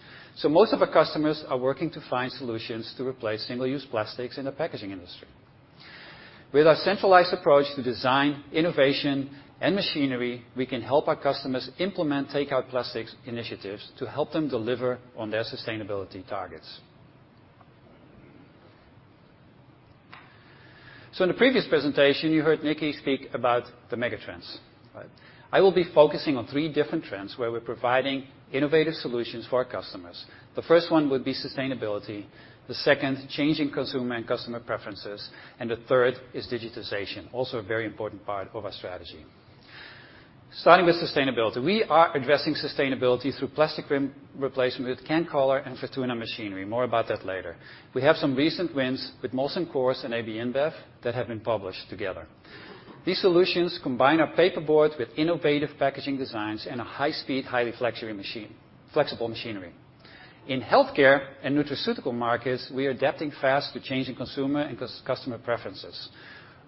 Most of our customers are working to find solutions to replace single-use plastics in the packaging industry. With our centralized approach to design, innovation, and machinery, we can help our customers implement take-out plastics initiatives to help them deliver on their sustainability targets. In the previous presentation, you heard Nickie speak about the mega trends, right? I will be focusing on three different trends where we're providing innovative solutions for our customers. The first one would be sustainability, the second, changing consumer and customer preferences, and the third is digitization, also a very important part of our strategy. Starting with sustainability. We are addressing sustainability through plastic replacement with CanCollar and Fortuna® Machinery. More about that later. We have some recent wins with Molson Coors and AB InBev that have been published together. These solutions combine our paperboard with innovative packaging designs and a high-speed, highly flexible machinery. In healthcare and nutraceutical markets, we are adapting fast to changing consumer and customer preferences.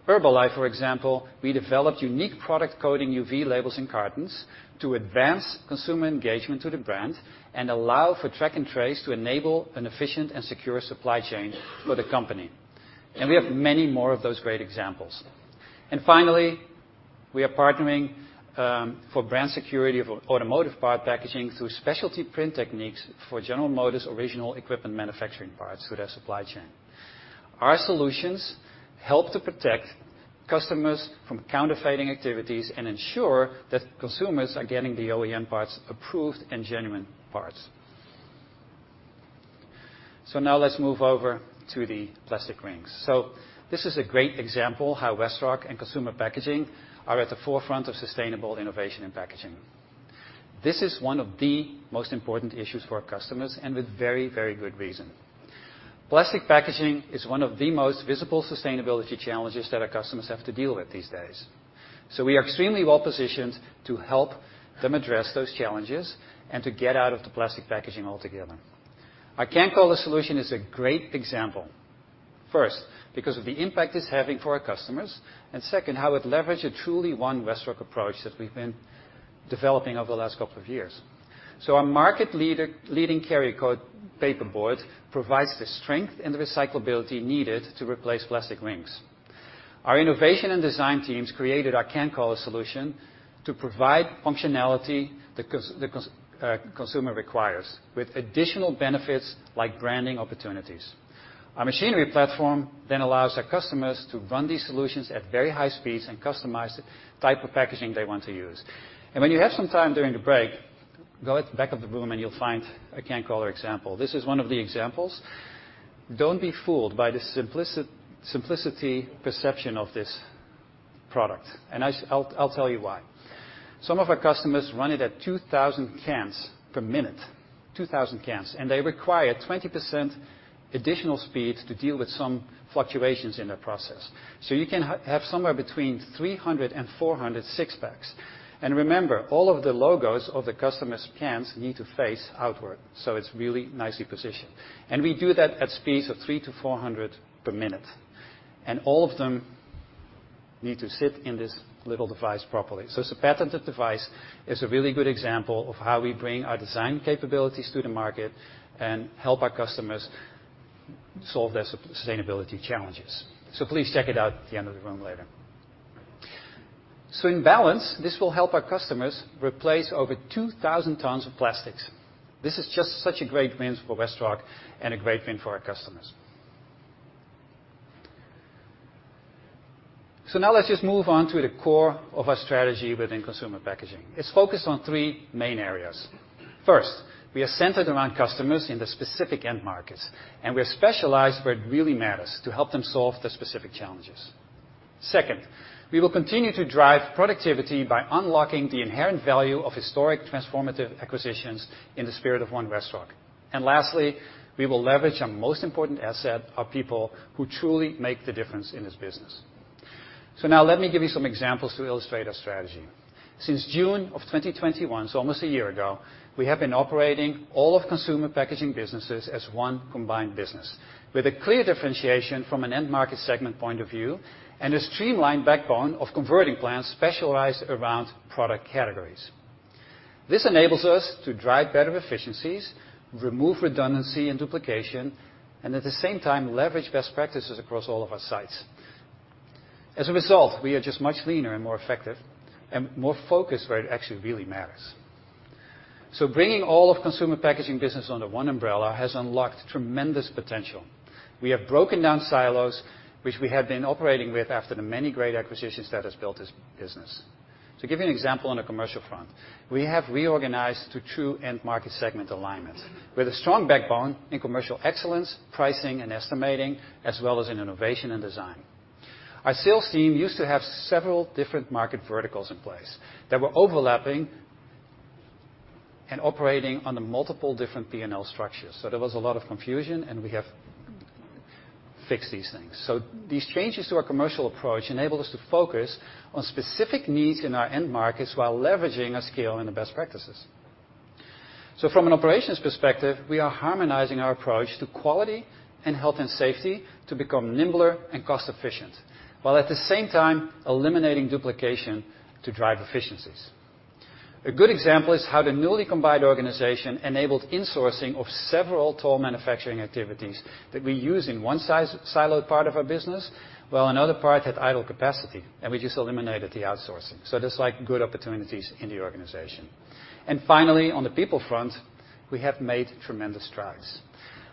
Herbalife, for example, we developed unique product coding, UV labels, and cartons to advance consumer engagement to the brand and allow for track and trace to enable an efficient and secure supply chain for the company. We have many more of those great examples. Finally, we are partnering for brand security of automotive part packaging through specialty print techniques for General Motors original equipment manufacturing parts through their supply chain. Our solutions help to protect customers from counterfeiting activities and ensure that consumers are getting the OEM parts, approved and genuine parts. Now let's move over to the plastic rings. This is a great example how WestRock and Consumer Packaging are at the forefront of sustainable innovation in packaging. This is one of the most important issues for our customers, and with very good reason. Plastic packaging is one of the most visible sustainability challenges that our customers have to deal with these days. We are extremely well-positioned to help them address those challenges and to get out of the plastic packaging altogether. Our CanCollar solution is a great example, first, because of the impact it's having for our customers, and second, how it leverages a truly One WestRock approach that we've been developing over the last couple of years. Our market-leading CarrierKote paperboard provides the strength and the recyclability needed to replace plastic rings. Our innovation and design teams created our CanCollar solution to provide functionality the consumer requires, with additional benefits like branding opportunities. Our machinery platform allows our customers to run these solutions at very high speeds and customize the type of packaging they want to use. When you have some time during the break, go at the back of the room and you'll find a CanCollar example. This is one of the examples. Don't be fooled by the simplicity perception of this product. I'll tell you why. Some of our customers run it at 2,000 cans per minute. 2,000 cans. They require 20% additional speed to deal with some fluctuations in their process. You can have somewhere between 300 and 400 six-packs. Remember, all of the logos of the customer's cans need to face outward, so it's really nicely positioned. We do that at speeds of 300 to 400 per minute, and all of them need to sit in this little device properly. It's a patented device. It's a really good example of how we bring our design capabilities to the market and help our customers solve their sustainability challenges. Please check it out at the end of the room later. In balance, this will help our customers replace over 2,000 tons of plastics. This is just such a great win for WestRock and a great win for our customers. Now let's just move on to the core of our strategy within Consumer Packaging. It's focused on three main areas. First, we are centered around customers in the specific end markets, and we are specialized where it really matters to help them solve the specific challenges. Second, we will continue to drive productivity by unlocking the inherent value of historic transformative acquisitions in the spirit of One WestRock. Lastly, we will leverage our most important asset, our people, who truly make the difference in this business. Now let me give you some examples to illustrate our strategy. Since June of 2021, so almost a year ago, we have been operating all of Consumer Packaging businesses as one combined business, with a clear differentiation from an end market segment point of view, and a streamlined backbone of converting plants specialized around product categories. This enables us to drive better efficiencies, remove redundancy and duplication, and at the same time, leverage best practices across all of our sites. As a result, we are just much leaner and more effective and more focused where it actually really matters. Bringing all of Consumer Packaging business under one umbrella has unlocked tremendous potential. We have broken down silos, which we have been operating with after the many great acquisitions that has built this business. To give you an example on the commercial front, we have reorganized to true end market segment alignment with a strong backbone in commercial excellence, pricing, and estimating, as well as in innovation and design. Our sales team used to have several different market verticals in place that were overlapping and operating under multiple different P&L structures. There was a lot of confusion, and we have fixed these things. These changes to our commercial approach enable us to focus on specific needs in our end markets while leveraging our scale and the best practices. From an operations perspective, we are harmonizing our approach to quality and health and safety to become nimbler and cost efficient, while at the same time eliminating duplication to drive efficiencies. A good example is how the newly combined organization enabled insourcing of several tool manufacturing activities that we use in one siloed part of our business, while another part had idle capacity, and we just eliminated the outsourcing. Just, like, good opportunities in the organization. Finally, on the people front, we have made tremendous strides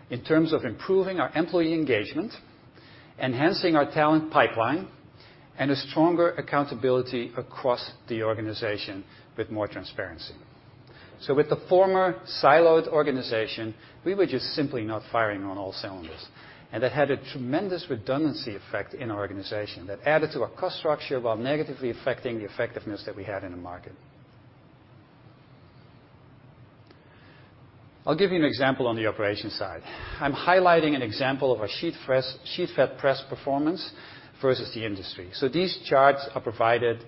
in terms of improving our employee engagement, enhancing our talent pipeline, and a stronger accountability across the organization with more transparency. With the former siloed organization, we were just simply not firing on all cylinders, and that had a tremendous redundancy effect in our organization that added to our cost structure while negatively affecting the effectiveness that we had in the market. I'll give you an example on the operations side. I'm highlighting an example of our sheet fed press performance versus the industry. These charts are provided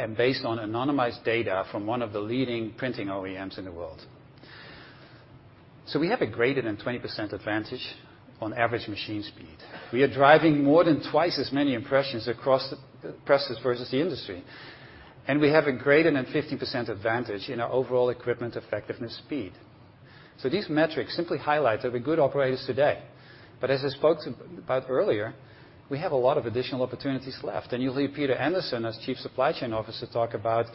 and based on anonymized data from one of the leading printing OEMs in the world. We have a greater than 20% advantage on average machine speed. We are driving more than twice as many impressions across the presses versus the industry, and we have a greater than 50% advantage in our overall equipment effectiveness speed. These metrics simply highlight that we're good operators today. As I spoke about earlier, we have a lot of additional opportunities left. You'll hear Peter Anderson, as Chief Supply Chain Officer, talk about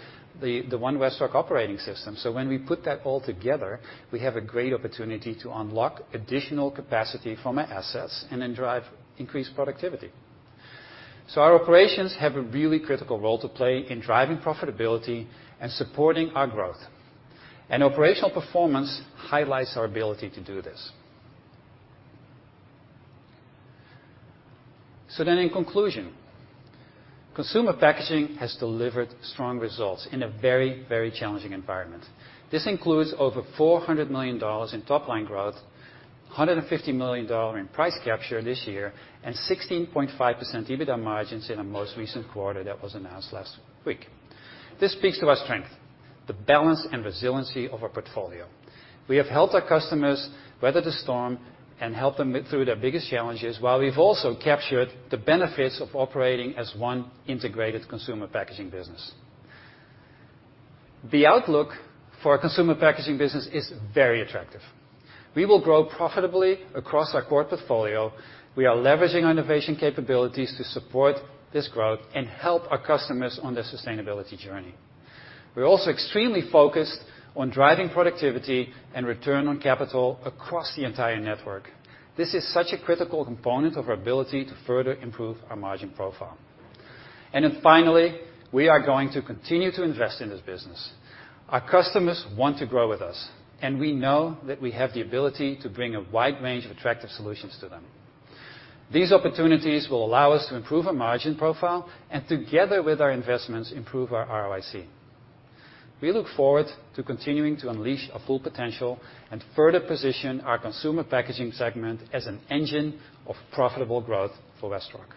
the One WestRock operating system. When we put that all together, we have a great opportunity to unlock additional capacity from our assets and then drive increased productivity. Our operations have a really critical role to play in driving profitability and supporting our growth, and operational performance highlights our ability to do this. In conclusion, Consumer Packaging has delivered strong results in a very, very challenging environment. This includes over $400 million in top-line growth, $150 million in price capture this year, and 16.5% EBITDA margins in our most recent quarter that was announced last week. This speaks to our strength, the balance, and resiliency of our portfolio. We have helped our customers weather the storm and help them through their biggest challenges, while we've also captured the benefits of operating as one integrated Consumer Packaging business. The outlook for our Consumer Packaging business is very attractive. We will grow profitably across our core portfolio. We are leveraging our innovation capabilities to support this growth and help our customers on their sustainability journey. We're also extremely focused on driving productivity and return on capital across the entire network. This is such a critical component of our ability to further improve our margin profile. Finally, we are going to continue to invest in this business. Our customers want to grow with us, and we know that we have the ability to bring a wide range of attractive solutions to them. These opportunities will allow us to improve our margin profile, and together with our investments, improve our ROIC. We look forward to continuing to unleash our full potential and further position our Consumer Packaging Segment as an engine of profitable growth for WestRock.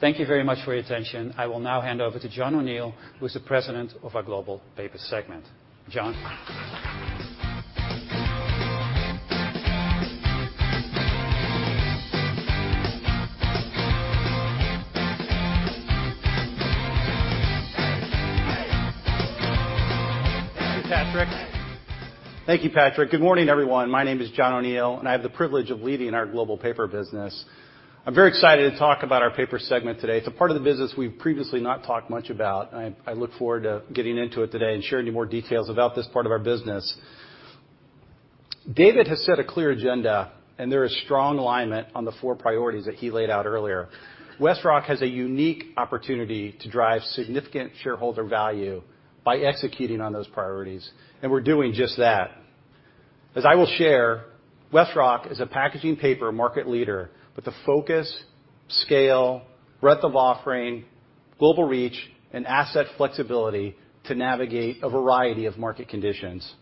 Thank you very much for your attention. I will now hand over to John O'Neal, who is the president of our Global Paper segment. John. Thank you, Patrick. Good morning, everyone. My name is John O'Neal. I have the privilege of leading our global paper business. I'm very excited to talk about our paper segment today. It's a part of the business we've previously not talked much about. I look forward to getting into it today and sharing more details about this part of our business. David has set a clear agenda. There is strong alignment on the four priorities that he laid out earlier. WestRock has a unique opportunity to drive significant shareholder value by executing on those priorities. We're doing just that. As I will share, WestRock is a packaging paper market leader with a focus, scale, breadth of offering, global reach, and asset flexibility to navigate a variety of market conditions.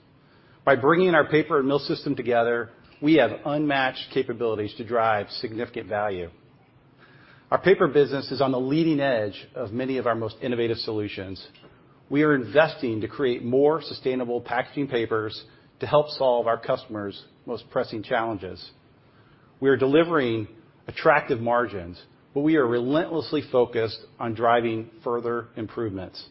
By bringing our paper and mill system together, we have unmatched capabilities to drive significant value. Our paper business is on the leading edge of many of our most innovative solutions. We are investing to create more sustainable packaging papers to help solve our customers' most pressing challenges. We are delivering attractive margins, but we are relentlessly focused on driving further improvements.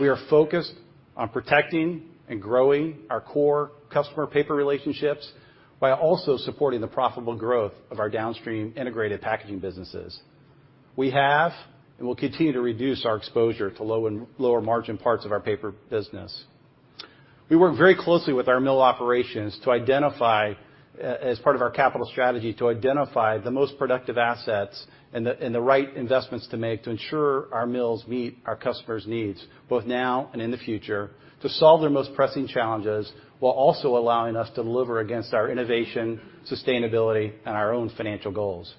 We are focused on protecting and growing our core customer paper relationships while also supporting the profitable growth of our downstream integrated packaging businesses. We have, and will continue to reduce our exposure to lower margin parts of our paper business. We work very closely with our mill operations, as part of our capital strategy, to identify the most productive assets and the right investments to make to ensure our mills meet our customers' needs, both now and in the future, to solve their most pressing challenges, while also allowing us to deliver against our innovation, sustainability, and our own financial goals.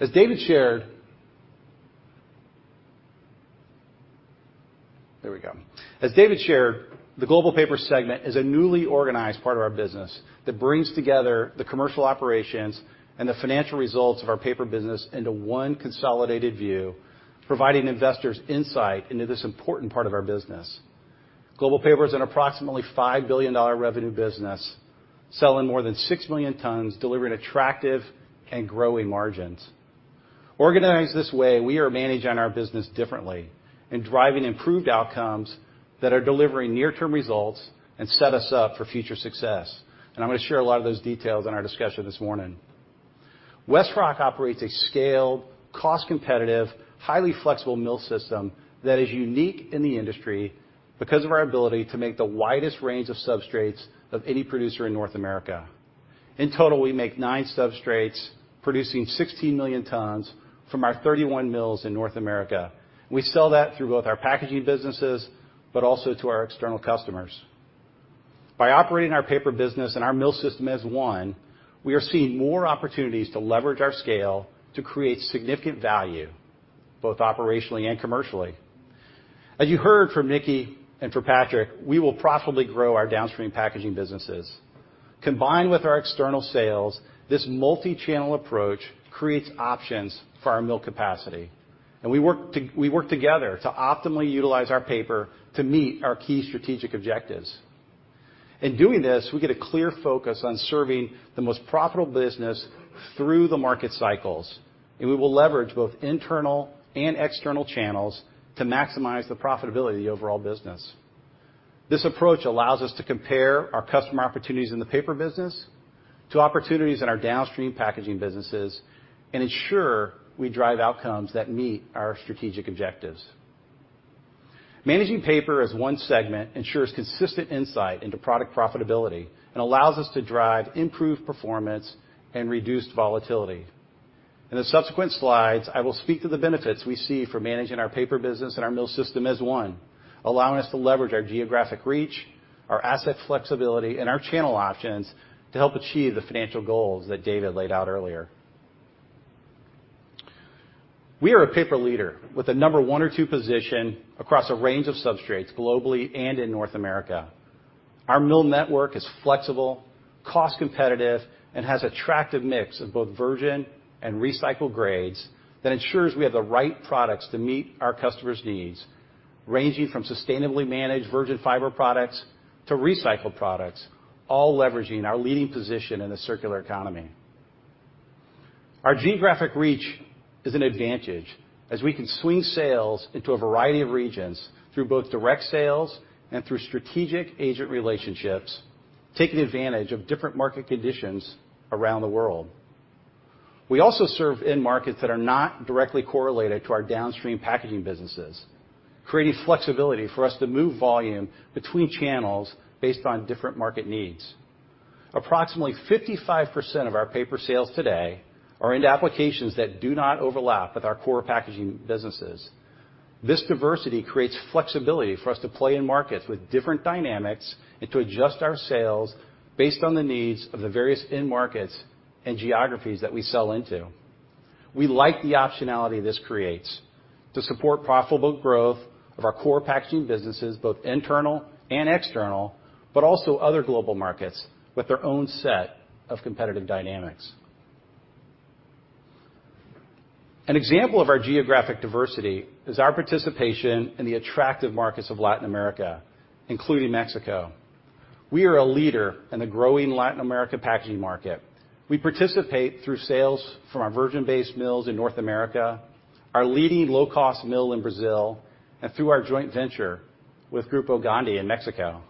As David shared. There we go. As David shared, the Global Paper segment is a newly organized part of our business that brings together the commercial operations and the financial results of our paper business into one consolidated view, providing investors insight into this important part of our business. Global Paper is an approximately $5 billion revenue business, selling more than six million tons, delivering attractive and growing margins. Organized this way, we are managing our business differently and driving improved outcomes that are delivering near-term results and set us up for future success. I'm going to share a lot of those details in our discussion this morning. WestRock operates a scaled, cost-competitive, highly flexible mill system that is unique in the industry because of our ability to make the widest range of substrates of any producer in North America. In total, we make nine substrates, producing 16 million tons from our 31 mills in North America. We sell that through both our packaging businesses, but also to our external customers. By operating our paper business and our mill system as one, we are seeing more opportunities to leverage our scale to create significant value, both operationally and commercially. As you heard from Nickie and from Patrick, we will profitably grow our downstream packaging businesses. Combined with our external sales, this multi-channel approach creates options for our mill capacity, and we work together to optimally utilize our paper to meet our key strategic objectives. In doing this, we get a clear focus on serving the most profitable business through the market cycles. We will leverage both internal and external channels to maximize the profitability of the overall business. This approach allows us to compare our customer opportunities in the paper business to opportunities in our downstream packaging businesses and ensure we drive outcomes that meet our strategic objectives. Managing paper as one segment ensures consistent insight into product profitability and allows us to drive improved performance and reduced volatility. In the subsequent slides, I will speak to the benefits we see for managing our paper business and our mill system as one, allowing us to leverage our geographic reach, our asset flexibility, and our channel options to help achieve the financial goals that David laid out earlier. We are a paper leader with a number one or two position across a range of substrates globally and in North America. Our mill network is flexible, cost-competitive, and has attractive mix of both virgin and recycled grades that ensures we have the right products to meet our customers' needs, ranging from sustainably managed virgin fiber products to recycled products, all leveraging our leading position in the circular economy. Our geographic reach is an advantage as we can swing sales into a variety of regions through both direct sales and through strategic agent relationships, taking advantage of different market conditions around the world. We also serve end markets that are not directly correlated to our downstream packaging businesses, creating flexibility for us to move volume between channels based on different market needs. Approximately 55% of our paper sales today are into applications that do not overlap with our core packaging businesses. This diversity creates flexibility for us to play in markets with different dynamics and to adjust our sales based on the needs of the various end markets and geographies that we sell into. We like the optionality this creates to support profitable growth of our core packaging businesses, both internal and external, but also other global markets with their own set of competitive dynamics. An example of our geographic diversity is our participation in the attractive markets of Latin America, including Mexico. We are a leader in the growing Latin America packaging market. We participate through sales from our virgin-based mills in North America, our leading low-cost mill in Brazil, and through our joint venture with Grupo Gondi in Mexico.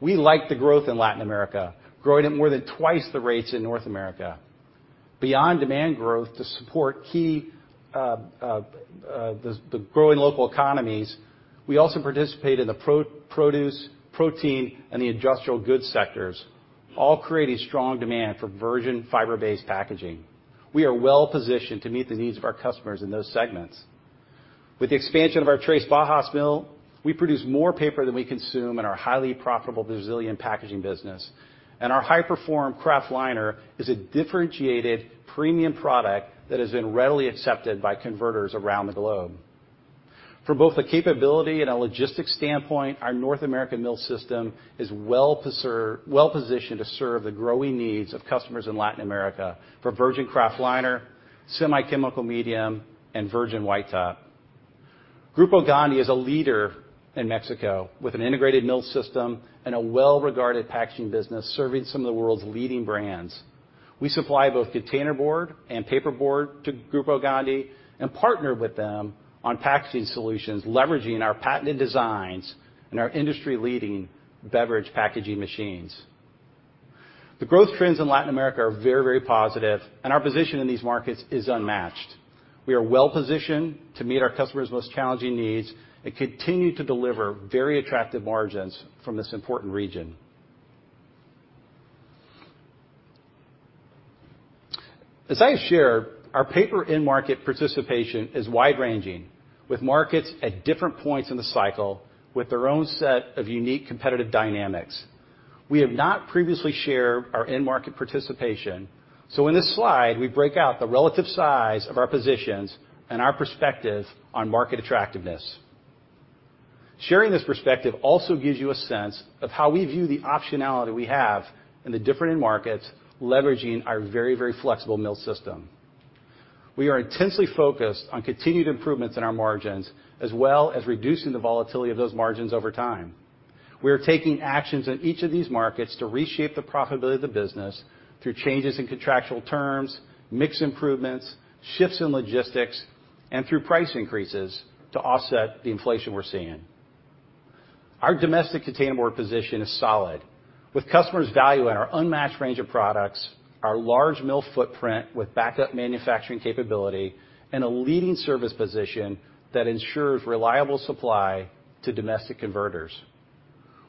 We like the growth in Latin America, growing at more than twice the rates in North America. Beyond demand growth to support the growing local economies, we also participate in the produce, protein, and the industrial goods sectors, all creating strong demand for virgin fiber-based packaging. We are well positioned to meet the needs of our customers in those segments. With the expansion of our Três Barras mill, we produce more paper than we consume in our highly profitable Brazilian packaging business. Our high-perform kraft liner is a differentiated premium product that has been readily accepted by converters around the globe. From both a capability and a logistics standpoint, our North American mill system is well positioned to serve the growing needs of customers in Latin America for virgin kraft liner, semi-chemical medium, and virgin white top. Grupo Gondi is a leader in Mexico with an integrated mill system and a well-regarded packaging business serving some of the world's leading brands. We supply both containerboard and paperboard to Grupo Gondi and partner with them on packaging solutions, leveraging our patented designs and our industry-leading beverage packaging machines. The growth trends in Latin America are very positive, and our position in these markets is unmatched. We are well positioned to meet our customers' most challenging needs and continue to deliver very attractive margins from this important region. As I share, our paper end market participation is wide-ranging, with markets at different points in the cycle with their own set of unique competitive dynamics. We have not previously shared our end market participation, so in this slide, we break out the relative size of our positions and our perspective on market attractiveness. Sharing this perspective also gives you a sense of how we view the optionality we have in the different end markets, leveraging our very flexible mill system. We are intensely focused on continued improvements in our margins, as well as reducing the volatility of those margins over time. We are taking actions in each of these markets to reshape the profitability of the business through changes in contractual terms, mix improvements, shifts in logistics, and through price increases to offset the inflation we're seeing. Our domestic containerboard position is solid, with customers valuing our unmatched range of products, our large mill footprint with backup manufacturing capability, and a leading service position that ensures reliable supply to domestic converters.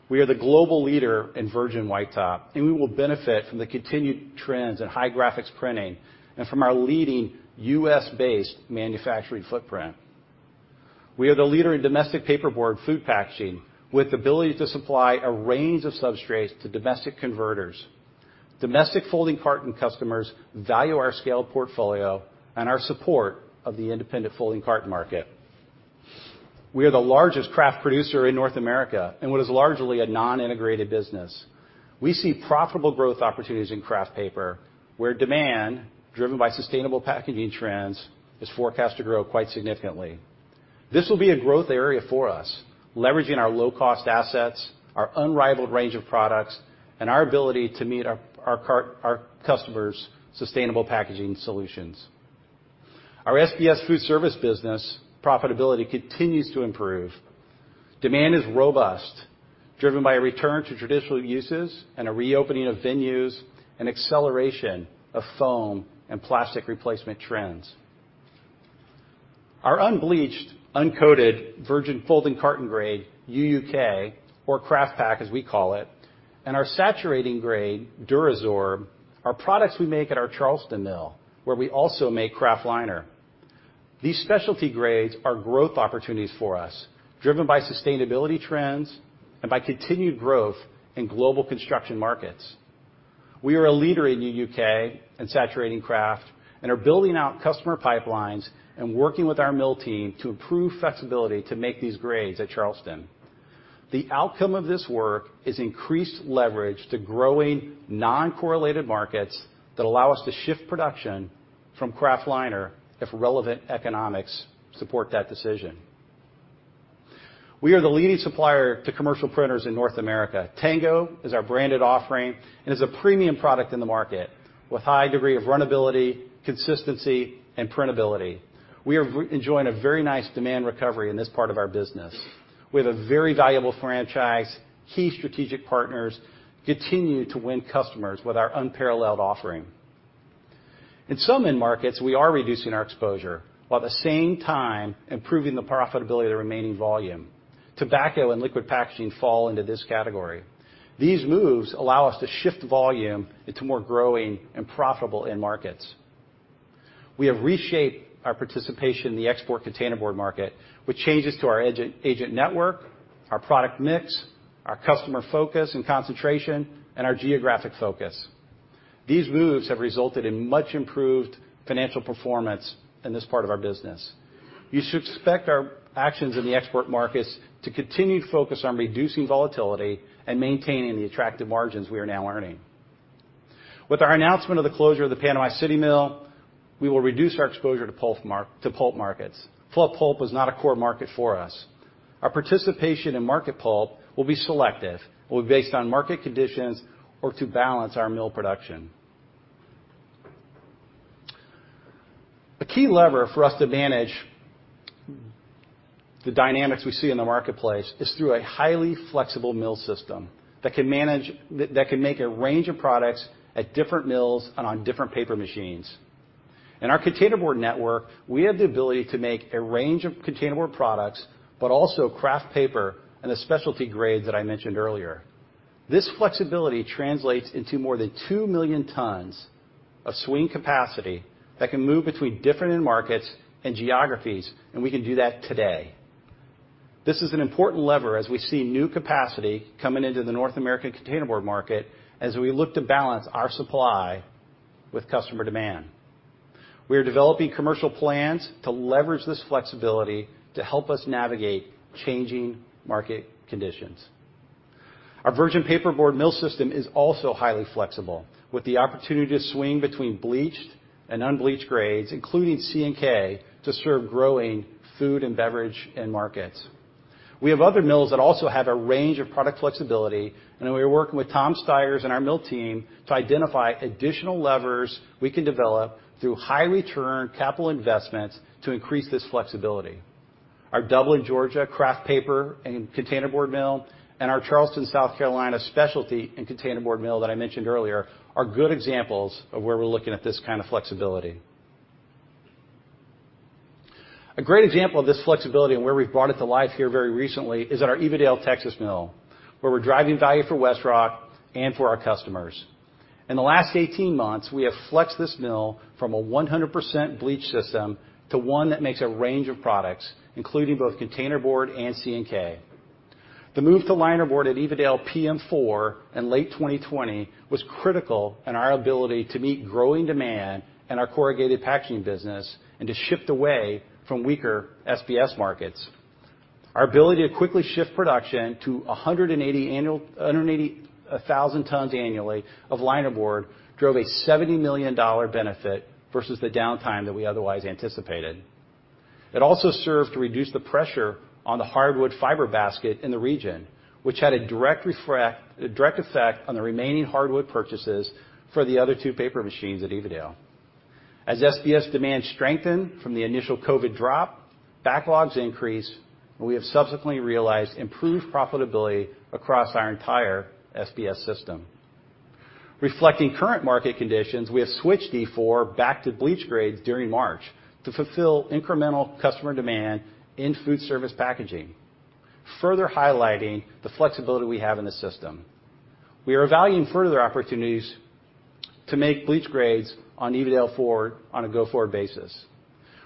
We are the global leader in virgin white top, and we will benefit from the continued trends in high graphics printing and from our leading U.S.-based manufacturing footprint. We are the leader in domestic paperboard food packaging, with the ability to supply a range of substrates to domestic converters. Domestic folding carton customers value our scaled portfolio and our support of the independent folding carton market. We are the largest kraft producer in North America in what is largely a non-integrated business. We see profitable growth opportunities in kraft paper, where demand driven by sustainable packaging trends is forecast to grow quite significantly. This will be a growth area for us, leveraging our low-cost assets, our unrivaled range of products, and our ability to meet our customers' sustainable packaging solutions. Our SBS food service business profitability continues to improve. Demand is robust, driven by a return to traditional uses and a reopening of venues and acceleration of foam and plastic replacement trends. Our unbleached, uncoated, virgin folding carton grade, UUK, or KraftPak as we call it, and our saturating grade, DuraSorb, are products we make at our Charleston mill, where we also make kraft liner. These specialty grades are growth opportunities for us, driven by sustainability trends and by continued growth in global construction markets. We are a leader in UUK and saturating kraft and are building out customer pipelines and working with our mill team to improve flexibility to make these grades at Charleston. The outcome of this work is increased leverage to growing, non-correlated markets that allow us to shift production from kraft liner if relevant economics support that decision. We are the leading supplier to commercial printers in North America. Tango is our branded offering and is a premium product in the market with a high degree of runnability, consistency, and printability. We are enjoying a very nice demand recovery in this part of our business. We have a very valuable franchise. Key strategic partners continue to win customers with our unparalleled offering. In some end markets, we are reducing our exposure, while at the same time improving the profitability of the remaining volume. Tobacco and liquid packaging fall into this category. These moves allow us to shift volume into more growing and profitable end markets. We have reshaped our participation in the export containerboard market with changes to our agent network, our product mix, our customer focus and concentration, and our geographic focus. These moves have resulted in much improved financial performance in this part of our business. You should expect our actions in the export markets to continue to focus on reducing volatility and maintaining the attractive margins we are now earning. With our announcement of the closure of the Panama City mill, we will reduce our exposure to pulp markets. Pulp is not a core market for us. Our participation in market pulp will be selective, will be based on market conditions or to balance our mill production. A key lever for us to manage the dynamics we see in the marketplace is through a highly flexible mill system that can make a range of products at different mills and on different paper machines. In our containerboard network, we have the ability to make a range of containerboard products, but also kraft paper and the specialty grades that I mentioned earlier. This flexibility translates into more than two million tons of swing capacity that can move between different end markets and geographies, and we can do that today. This is an important lever as we see new capacity coming into the North American containerboard market as we look to balance our supply with customer demand. We are developing commercial plans to leverage this flexibility to help us navigate changing market conditions. Our virgin paperboard mill system is also highly flexible, with the opportunity to swing between bleached and unbleached grades, including CNK, to serve growing food and beverage end markets. We have other mills that also have a range of product flexibility, and we are working with Tom Stigers and our mill team to identify additional levers we can develop through high-return capital investments to increase this flexibility. Our Dublin, Georgia, kraft paper and containerboard mill and our Charleston, South Carolina, specialty and containerboard mill that I mentioned earlier are good examples of where we're looking at this kind of flexibility. A great example of this flexibility and where we've brought it to life here very recently is at our Evadale, Texas mill, where we're driving value for WestRock and for our customers. In the last 18 months, we have flexed this mill from a 100% bleach system to one that makes a range of products, including both containerboard and CNK. The move to linerboard at Evadale PM4 in late 2020 was critical in our ability to meet growing demand in our corrugated packaging business and to shift away from weaker SBS markets. Our ability to quickly shift production to 180,000 tons annually of linerboard drove a $70 million benefit versus the downtime that we otherwise anticipated. It also served to reduce the pressure on the hardwood fiber basket in the region, which had a direct effect on the remaining hardwood purchases for the other two paper machines at Evadale. As SBS demand strengthened from the initial COVID drop, backlogs increased, and we have subsequently realized improved profitability across our entire SBS system. Reflecting current market conditions, we have switched PM4 back to bleach grades during March to fulfill incremental customer demand in food service packaging, further highlighting the flexibility we have in the system. We are evaluating further opportunities to make bleach grades on Evadale 4 on a go-forward basis.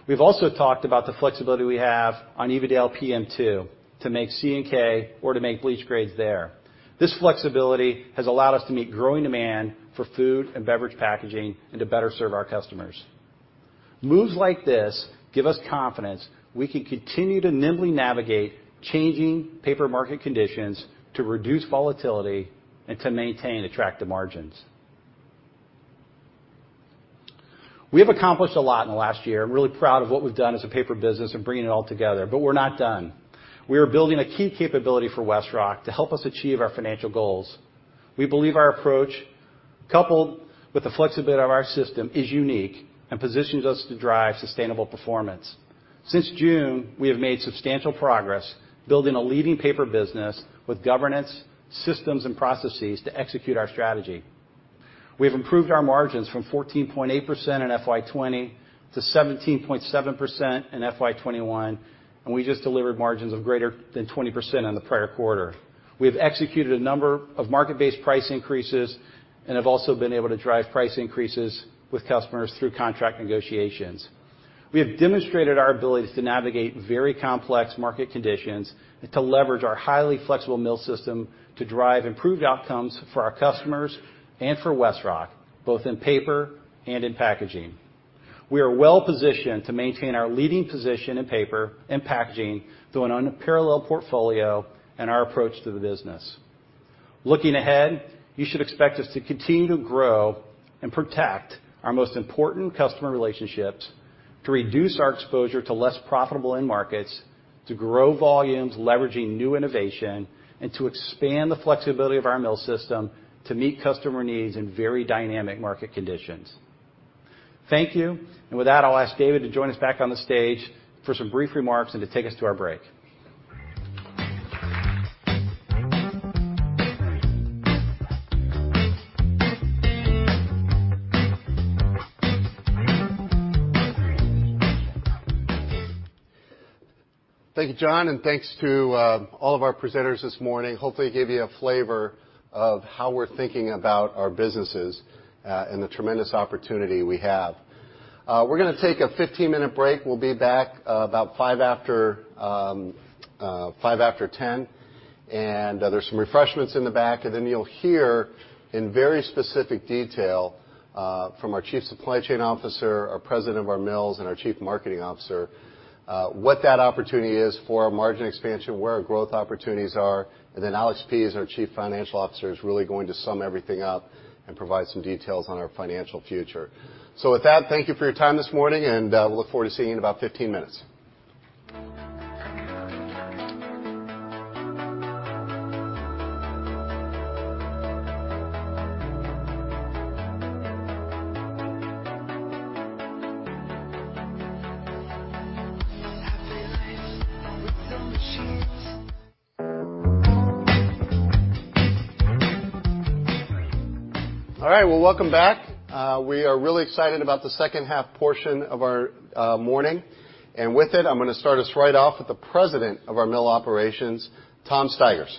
We've also talked about the flexibility we have on Evadale PM2 to make CNK or to make bleach grades there. This flexibility has allowed us to meet growing demand for food and beverage packaging and to better serve our customers. Moves like this give us confidence we can continue to nimbly navigate changing paper market conditions to reduce volatility and to maintain attractive margins. We have accomplished a lot in the last year. I'm really proud of what we've done as a paper business and bringing it all together, but we're not done. We are building a key capability for WestRock to help us achieve our financial goals. We believe our approach, coupled with the flexibility of our system, is unique and positions us to drive sustainable performance. Since June, we have made substantial progress building a leading paper business with governance, systems, and processes to execute our strategy. We have improved our margins from 14.8% in FY 2020 to 17.7% in FY 2021, and we just delivered margins of greater than 20% on the prior quarter. We have executed a number of market-based price increases and have also been able to drive price increases with customers through contract negotiations. We have demonstrated our ability to navigate very complex market conditions and to leverage our highly flexible mill system to drive improved outcomes for our customers and for WestRock, both in paper and in packaging. We are well-positioned to maintain our leading position in paper and packaging through an unparalleled portfolio and our approach to the business. Looking ahead, you should expect us to continue to grow and protect our most important customer relationships, to reduce our exposure to less profitable end markets, to grow volumes leveraging new innovation, and to expand the flexibility of our mill system to meet customer needs in very dynamic market conditions. Thank you. With that, I'll ask David to join us back on the stage for some brief remarks and to take us to our break. Thank you, John, and thanks to all of our presenters this morning. Hopefully, they gave you a flavor of how we're thinking about our businesses, and the tremendous opportunity we have. We're going to take a 15-minute break. We'll be back about five after ten. There are some refreshments in the back, and then you'll hear in very specific detail from our Chief Supply Chain Officer, our President of our mills, and our Chief Marketing Officer, what that opportunity is for our margin expansion, where our growth opportunities are. Alex Pease, our Chief Financial Officer, is really going to sum everything up and provide some details on our financial future. With that, thank you for your time this morning, and we look forward to seeing you in about 15 minutes. All right. Well, welcome back. We are really excited about the second half portion of our morning. With it, I'm going to start us right off with the President of our Mill Operations, Tom Stigers.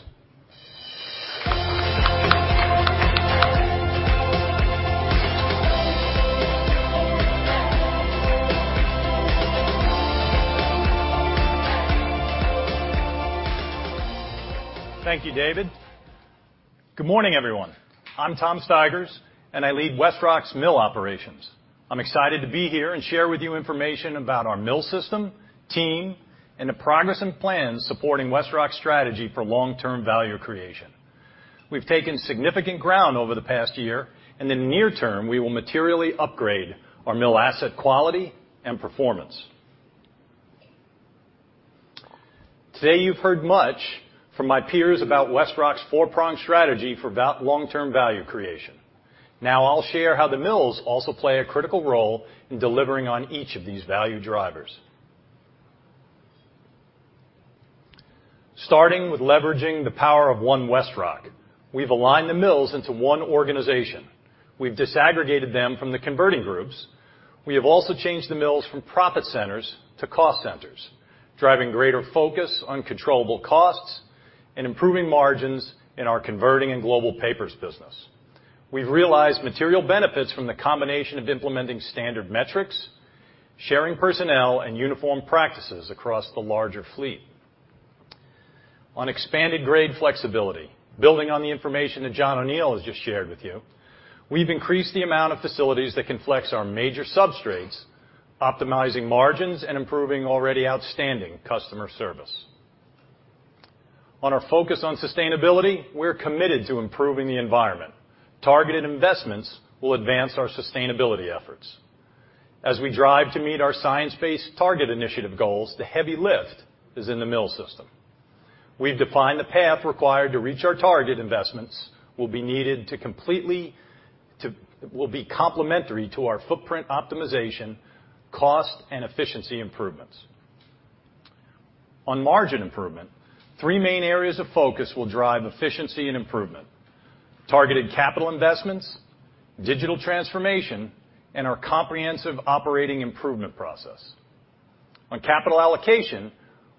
Thank you, David. Good morning, everyone. I'm Tom Stigers, and I lead WestRock's mill operations. I'm excited to be here and share with you information about our mill system, team, and the progress and plans supporting WestRock's strategy for long-term value creation. We've taken significant ground over the past year, and in the near term, we will materially upgrade our mill asset quality and performance. Today, you've heard much from my peers about WestRock's four-pronged strategy for long-term value creation. Now I'll share how the mills also play a critical role in delivering on each of these value drivers. Starting with leveraging the power of One WestRock. We've aligned the mills into one organization. We've disaggregated them from the converting groups. We have also changed the mills from profit centers to cost centers, driving greater focus on controllable costs, and improving margins in our converting and Global Paper business. We've realized material benefits from the combination of implementing standard metrics, sharing personnel, and uniform practices across the larger fleet. On expanded grade flexibility, building on the information that John O'Neal has just shared with you, we've increased the amount of facilities that can flex our major substrates, optimizing margins, and improving already outstanding customer service. On our focus on sustainability, we're committed to improving the environment. Targeted investments will advance our sustainability efforts. As we drive to meet our Science Based Targets initiative goals, the heavy lift is in the mill system. We've defined the path required to reach our target investments, will be complementary to our footprint optimization, cost, and efficiency improvements. On margin improvement, three main areas of focus will drive efficiency and improvement. Targeted capital investments, digital transformation, and our comprehensive operating improvement process. On capital allocation,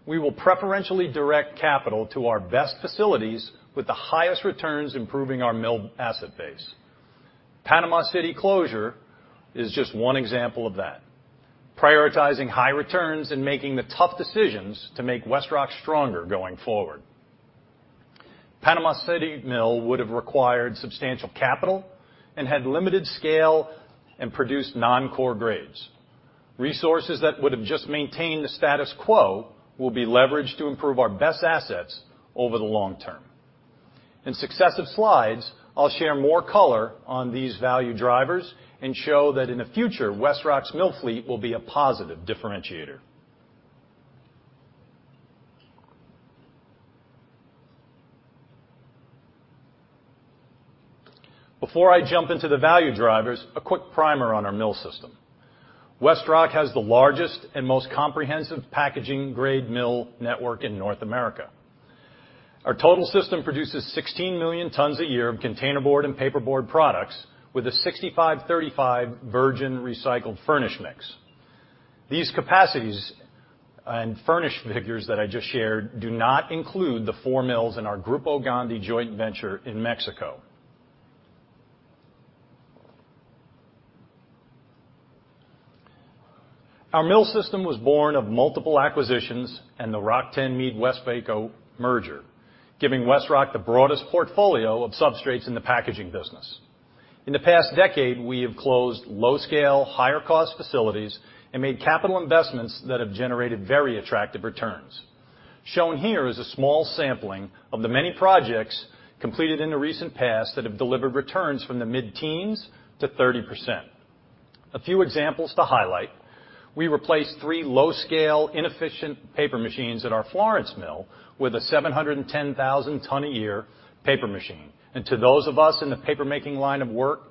we will preferentially direct capital to our best facilities with the highest returns improving our mill asset base. Panama City closure is just one example of that. Prioritizing high returns and making the tough decisions to make WestRock stronger going forward. Panama City mill would have required substantial capital and had limited scale and produced non-core grades. Resources that would have just maintained the status quo will be leveraged to improve our best assets over the long term. In successive slides, I'll share more color on these value drivers and show that in the future, WestRock's mill fleet will be a positive differentiator. Before I jump into the value drivers, a quick primer on our mill system. WestRock has the largest and most comprehensive packaging grade mill network in North America. Our total system produces 16 million tons a year of containerboard and paperboard products with a 65/35 virgin recycled furnish mix. These capacities and furnish figures that I just shared do not include the four mills in our Grupo Gondi joint venture in Mexico. Our mill system was born of multiple acquisitions and the RockTenn, MeadWestvaco merger, giving WestRock the broadest portfolio of substrates in the packaging business. In the past decade, we have closed low-scale, higher-cost facilities and made capital investments that have generated very attractive returns. Shown here is a small sampling of the many projects completed in the recent past that have delivered returns from the mid-teens to 30%. A few examples to highlight. We replaced three low-scale, inefficient paper machines at our Florence mill with a 710,000 ton a year paper machine. To those of us in the paper-making line of work,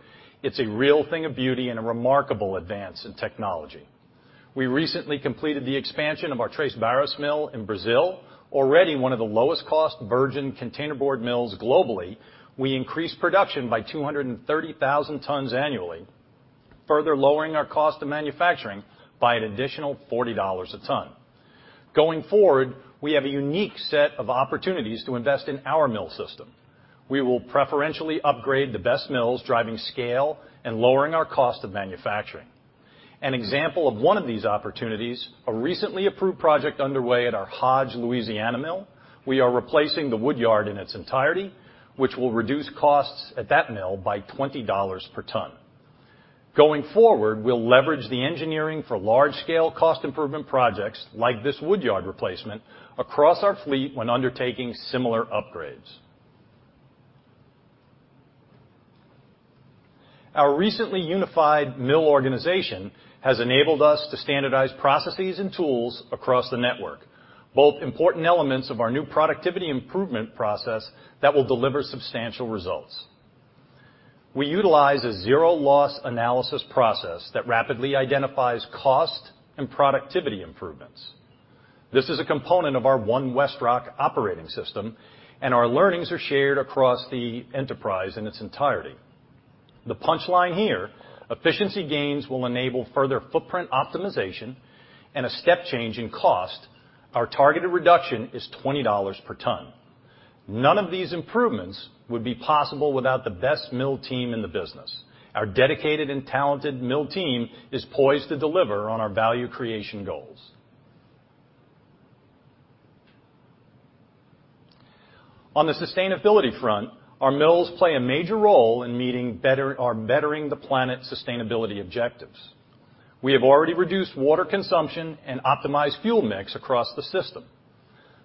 it's a real thing of beauty and a remarkable advance in technology. We recently completed the expansion of our Três Barras mill in Brazil. Already one of the lowest cost virgin containerboard mills globally, we increased production by 230,000 tons annually, further lowering our cost of manufacturing by an additional $40 a ton. Going forward, we have a unique set of opportunities to invest in our mill system. We will preferentially upgrade the best mills, driving scale and lowering our cost of manufacturing. An example of one of these opportunities, a recently approved project underway at our Hodge, Louisiana mill. We are replacing the wood yard in its entirety, which will reduce costs at that mill by $20 per ton. Going forward, we'll leverage the engineering for large-scale cost improvement projects, like this wood yard replacement, across our fleet when undertaking similar upgrades. Our recently unified mill organization has enabled us to standardize processes and tools across the network, both important elements of our new productivity improvement process that will deliver substantial results. We utilize a zero loss analysis process that rapidly identifies cost and productivity improvements. This is a component of our One WestRock operating system, and our learnings are shared across the enterprise in its entirety. The punchline here, efficiency gains will enable further footprint optimization and a step change in cost. Our targeted reduction is $20 per ton. None of these improvements would be possible without the best mill team in the business. Our dedicated and talented mill team is poised to deliver on our value creation goals. On the sustainability front, our mills play a major role in meeting our Bettering the Planet sustainability objectives. We have already reduced water consumption and optimized fuel mix across the system.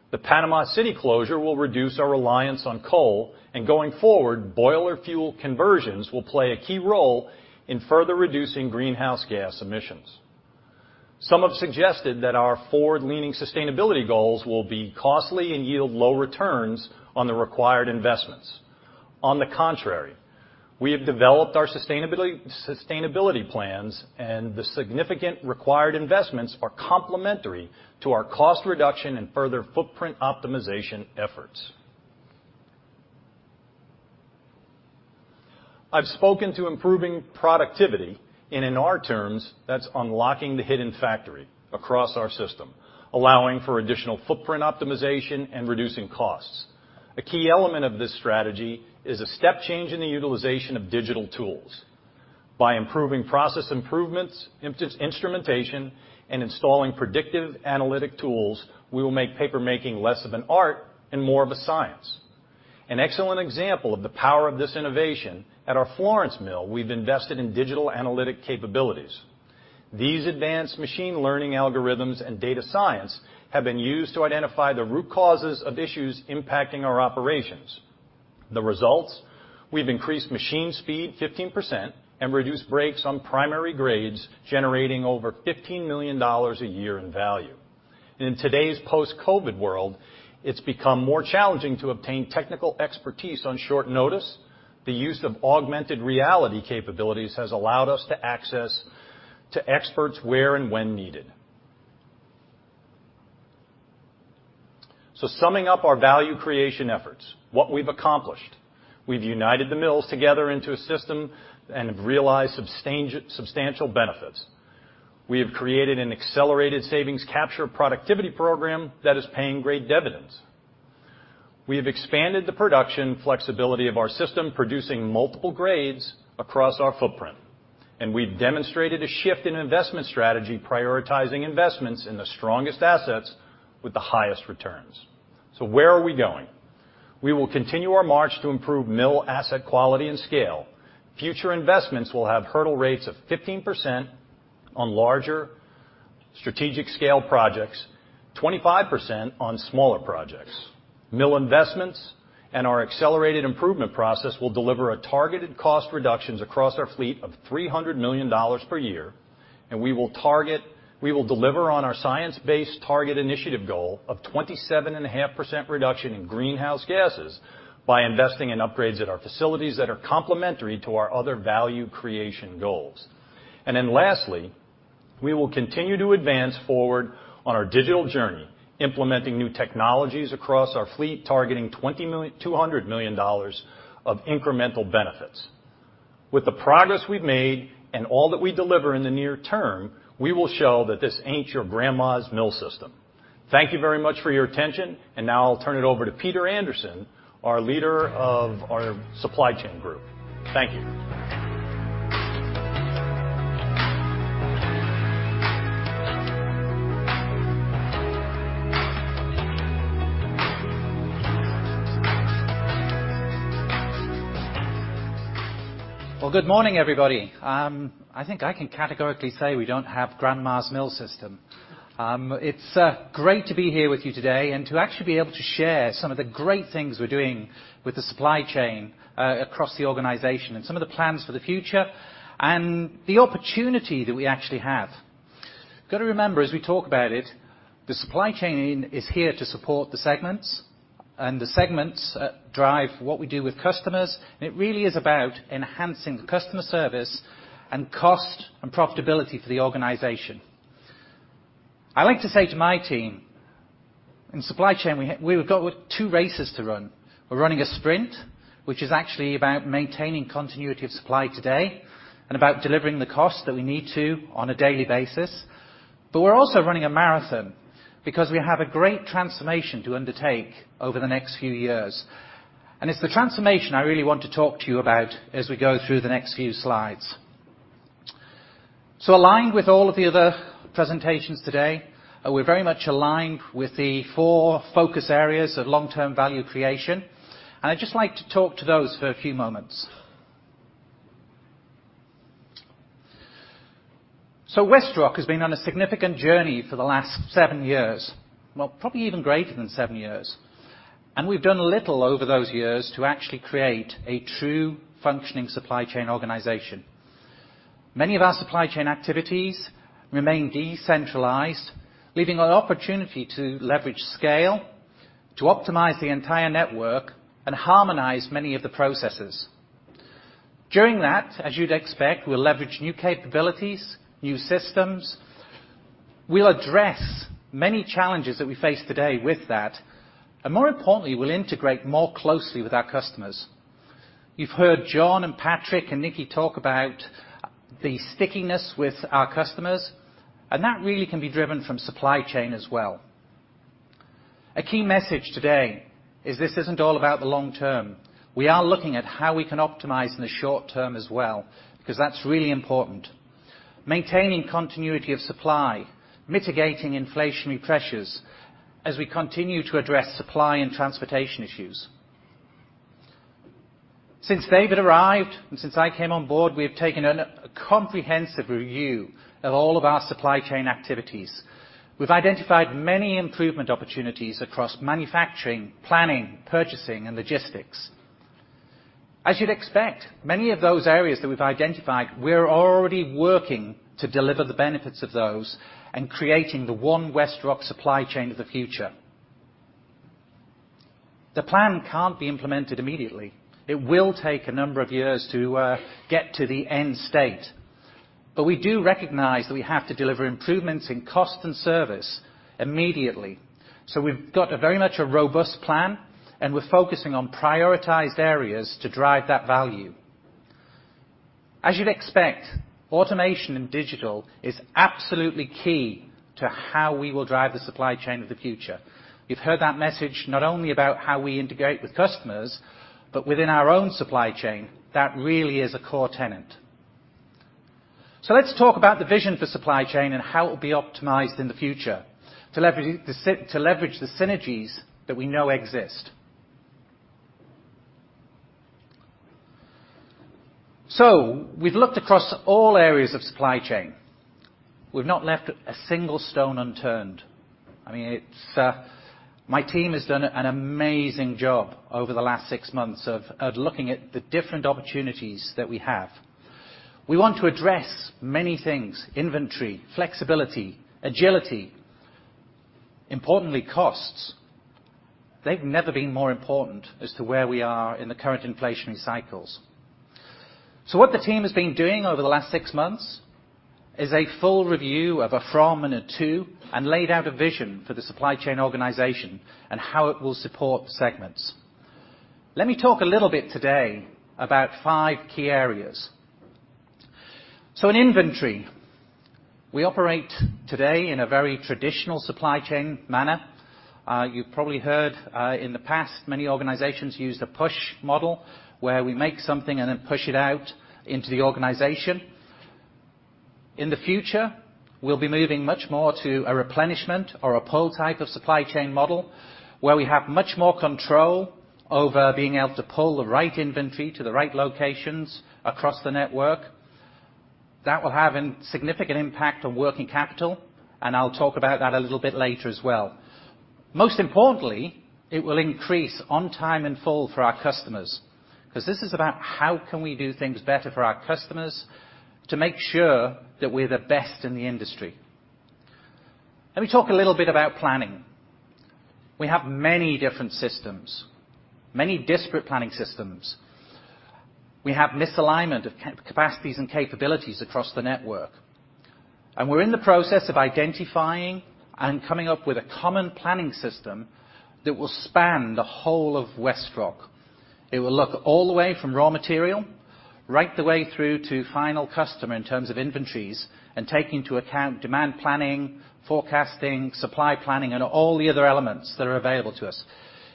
The Panama City closure will reduce our reliance on coal, and going forward, boiler fuel conversions will play a key role in further reducing greenhouse gas emissions. Some have suggested that our forward-leaning sustainability goals will be costly and yield low returns on the required investments. On the contrary, we have developed our sustainability plans, and the significant required investments are complementary to our cost reduction and further footprint optimization efforts. I've spoken to improving productivity, and in our terms, that's unlocking the hidden factory across our system, allowing for additional footprint optimization and reducing costs. A key element of this strategy is a step change in the utilization of digital tools. By improving process improvements, instrumentation, and installing predictive analytic tools, we will make paper-making less of an art and more of a science. An excellent example of the power of this innovation, at our Florence Mill, we've invested in digital analytic capabilities. These advanced machine learning algorithms and data science have been used to identify the root causes of issues impacting our operations. The results, we've increased machine speed 15% and reduced breaks on primary grades, generating over $15 million a year in value. In today's post-COVID world, it's become more challenging to obtain technical expertise on short notice. The use of augmented reality capabilities has allowed us to access to experts where and when needed. Summing up our value creation efforts, what we've accomplished, we've united the mills together into a system and have realized substantial benefits. We have created an accelerated savings capture productivity program that is paying great dividends. We have expanded the production flexibility of our system, producing multiple grades across our footprint. We've demonstrated a shift in investment strategy, prioritizing investments in the strongest assets with the highest returns. Where are we going? We will continue our march to improve mill asset quality and scale. Future investments will have hurdle rates of 15% on larger strategic scale projects, 25% on smaller projects. Mill investments and our accelerated improvement process will deliver a targeted cost reductions across our fleet of $300 million per year. We will deliver on our Science Based Targets initiative goal of 27.5% reduction in greenhouse gases by investing in upgrades at our facilities that are complementary to our other value creation goals. Lastly, we will continue to advance forward on our digital journey, implementing new technologies across our fleet, targeting $200 million of incremental benefits. With the progress we've made and all that we deliver in the near term, we will show that this ain't your grandma's mill system. Thank you very much for your attention. Now I'll turn it over to Peter Anderson, our Leader of our Supply Chain Group. Thank you. Well, good morning, everybody. I think I can categorically say we don't have grandma's mill system. It's great to be here with you today and to actually be able to share some of the great things we're doing with the supply chain across the organization and some of the plans for the future, and the opportunity that we actually have. Got to remember as we talk about it, the supply chain is here to support the segments, and the segments drive what we do with customers. It really is about enhancing the customer service and cost and profitability for the organization. I like to say to my team, in supply chain, we've got two races to run. We're running a sprint, which is actually about maintaining continuity of supply today and about delivering the cost that we need to on a daily basis. We're also running a marathon because we have a great transformation to undertake over the next few years. It's the transformation I really want to talk to you about as we go through the next few slides. Aligned with all of the other presentations today, we're very much aligned with the four focus areas of long-term value creation. I'd just like to talk to those for a few moments. WestRock has been on a significant journey for the last seven years. Well, probably even greater than seven years. We've done little over those years to actually create a true functioning supply chain organization. Many of our supply chain activities remain decentralized, leaving an opportunity to leverage scale, to optimize the entire network, and harmonize many of the processes. During that, as you'd expect, we'll leverage new capabilities, new systems. We'll address many challenges that we face today with that, and more importantly, we'll integrate more closely with our customers. You've heard John and Patrick and Nickie talk about the stickiness with our customers, and that really can be driven from supply chain as well. A key message today is this isn't all about the long term. We are looking at how we can optimize in the short term as well, because that's really important. Maintaining continuity of supply, mitigating inflationary pressures as we continue to address supply and transportation issues. Since David arrived and since I came on board, we have taken a comprehensive review of all of our supply chain activities. We've identified many improvement opportunities across manufacturing, planning, purchasing, and logistics. As you'd expect, many of those areas that we've identified, we're already working to deliver the benefits of those and creating the One WestRock supply chain of the future. The plan can't be implemented immediately. It will take a number of years to get to the end state. We do recognize that we have to deliver improvements in cost and service immediately. We've got a very much a robust plan, and we're focusing on prioritized areas to drive that value. As you'd expect, automation and digital is absolutely key to how we will drive the supply chain of the future. You've heard that message, not only about how we integrate with customers, but within our own supply chain. That really is a core tenet. Let's talk about the vision for supply chain and how it will be optimized in the future to leverage the synergies that we know exist. We've looked across all areas of supply chain. We've not left a single stone unturned. My team has done an amazing job over the last six months of looking at the different opportunities that we have. We want to address many things, inventory, flexibility, agility, importantly, costs. They've never been more important as to where we are in the current inflationary cycles. What the team has been doing over the last six months is a full review of a from and a to, and laid out a vision for the supply chain organization and how it will support the segments. Let me talk a little bit today about five key areas. In inventory, we operate today in a very traditional supply chain manner. You probably heard in the past, many organizations used a push model where we make something and then push it out into the organization. In the future, we'll be moving much more to a replenishment or a pull type of supply chain model where we have much more control over being able to pull the right inventory to the right locations across the network. That will have a significant impact on working capital, and I'll talk about that a little bit later as well. Most importantly, it will increase on time and full for our customers, because this is about how can we do things better for our customers to make sure that we're the best in the industry. Let me talk a little bit about planning. We have many different systems, many disparate planning systems. We have misalignment of capacities and capabilities across the network. We're in the process of identifying and coming up with a common planning system that will span the whole of WestRock. It will look all the way from raw material right the way through to final customer in terms of inventories and take into account demand planning, forecasting, supply planning, and all the other elements that are available to us.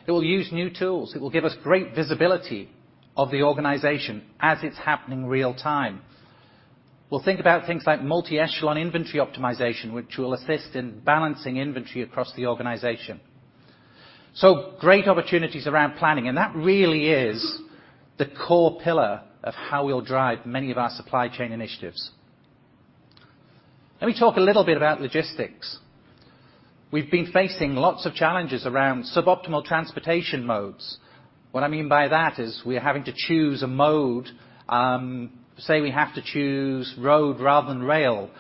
It will use new tools. It will give us great visibility of the organization as it's happening real time. We'll think about things like multi-echelon inventory optimization, which will assist in balancing inventory across the organization. Great opportunities around planning, and that really is the core pillar of how we'll drive many of our supply chain initiatives. Let me talk a little bit about logistics. We've been facing lots of challenges around suboptimal transportation modes. What I mean by that is we're having to choose a mode, say we have to choose road rather than rail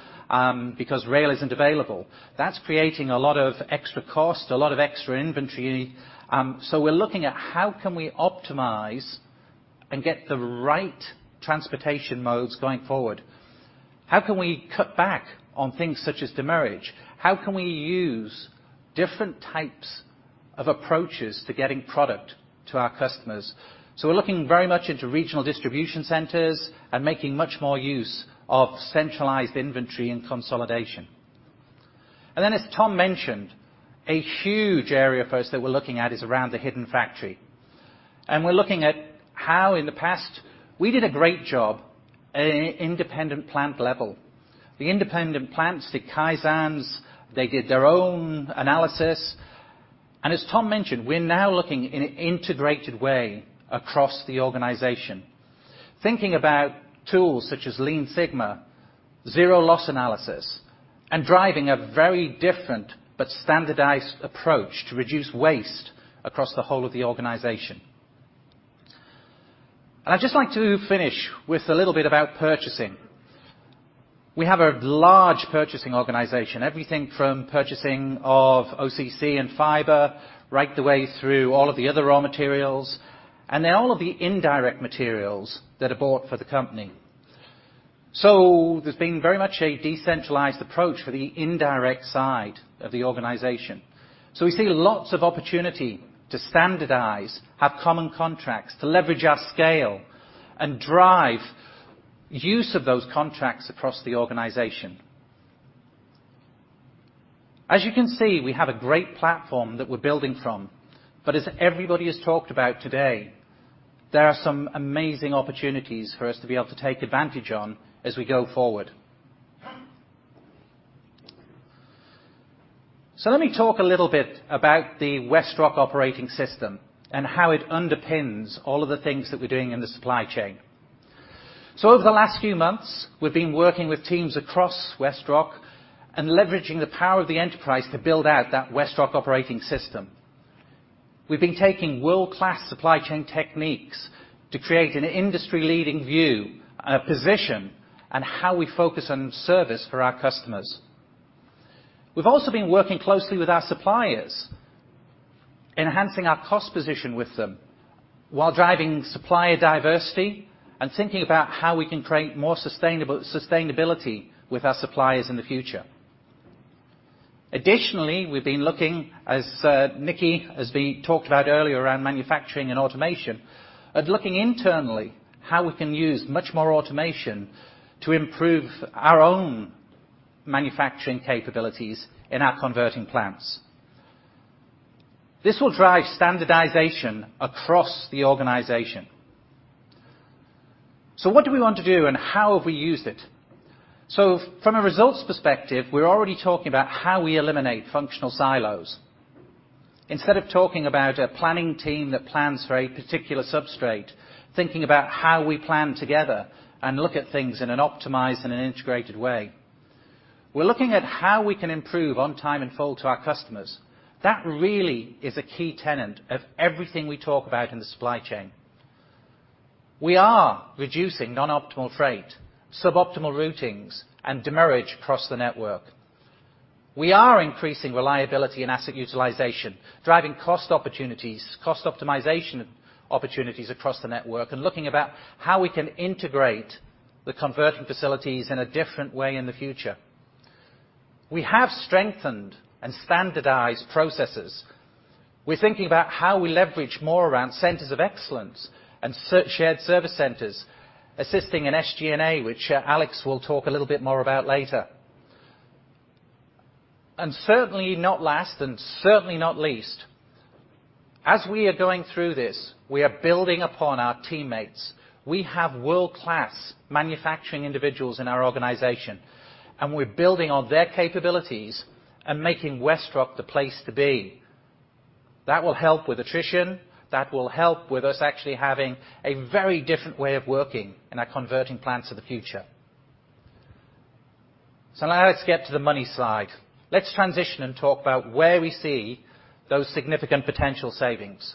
because rail isn't available. That's creating a lot of extra cost, a lot of extra inventory. We're looking at how can we optimize and get the right transportation modes going forward. How can we cut back on things such as demurrage? How can we use different types of approaches to getting product to our customers? We're looking very much into regional distribution centers and making much more use of centralized inventory and consolidation. Then as Tom mentioned, a huge area for us that we're looking at is around the hidden factory. We're looking at how in the past we did a great job at an independent plant level. The independent plants did Kaizens, they did their own analysis. As Tom mentioned, we're now looking in an integrated way across the organization. Thinking about tools such as Lean Sigma, zero loss analysis, and driving a very different but standardized approach to reduce waste across the whole of the organization. I'd just like to finish with a little bit about purchasing. We have a large purchasing organization, everything from purchasing of OCC and fiber right the way through all of the other raw materials, and then all of the indirect materials that are bought for the company. There's been very much a decentralized approach for the indirect side of the organization. We see lots of opportunity to standardize, have common contracts, to leverage our scale and drive use of those contracts across the organization. As you can see, we have a great platform that we're building from, but as everybody has talked about today, there are some amazing opportunities for us to be able to take advantage on as we go forward. Let me talk a little bit about the WestRock Operating System and how it underpins all of the things that we're doing in the supply chain. Over the last few months, we've been working with teams across WestRock and leveraging the power of the enterprise to build out that WestRock Operating System. We've been taking world-class supply chain techniques to create an industry-leading view and a position on how we focus on service for our customers. We've also been working closely with our suppliers, enhancing our cost position with them while driving supplier diversity and thinking about how we can create more sustainability with our suppliers in the future. Additionally, we've been looking as Nickie, as we talked about earlier around manufacturing and automation, at looking internally how we can use much more automation to improve our own manufacturing capabilities in our converting plants. This will drive standardization across the organization. What do we want to do and how have we used it? From a results perspective, we're already talking about how we eliminate functional silos. Instead of talking about a planning team that plans for a particular substrate, thinking about how we plan together and look at things in an optimized and an integrated way. We're looking at how we can improve on time and full to our customers. That really is a key tenet of everything we talk about in the supply chain. We are reducing non-optimal freight, suboptimal routings, and demurrage across the network. We are increasing reliability and asset utilization, driving cost opportunities, cost optimization opportunities across the network, looking about how we can integrate the converting facilities in a different way in the future. We have strengthened and standardized processes. We're thinking about how we leverage more around centers of excellence and shared service centers, assisting in SG&A, which Alex will talk a little bit more about later. Certainly not last and certainly not least, as we are going through this, we are building upon our teammates. We have world-class manufacturing individuals in our organization, and we're building on their capabilities and making WestRock the place to be. That will help with attrition, that will help with us actually having a very different way of working in our converting plants of the future. Now let's get to the money slide. Let's transition and talk about where we see those significant potential savings.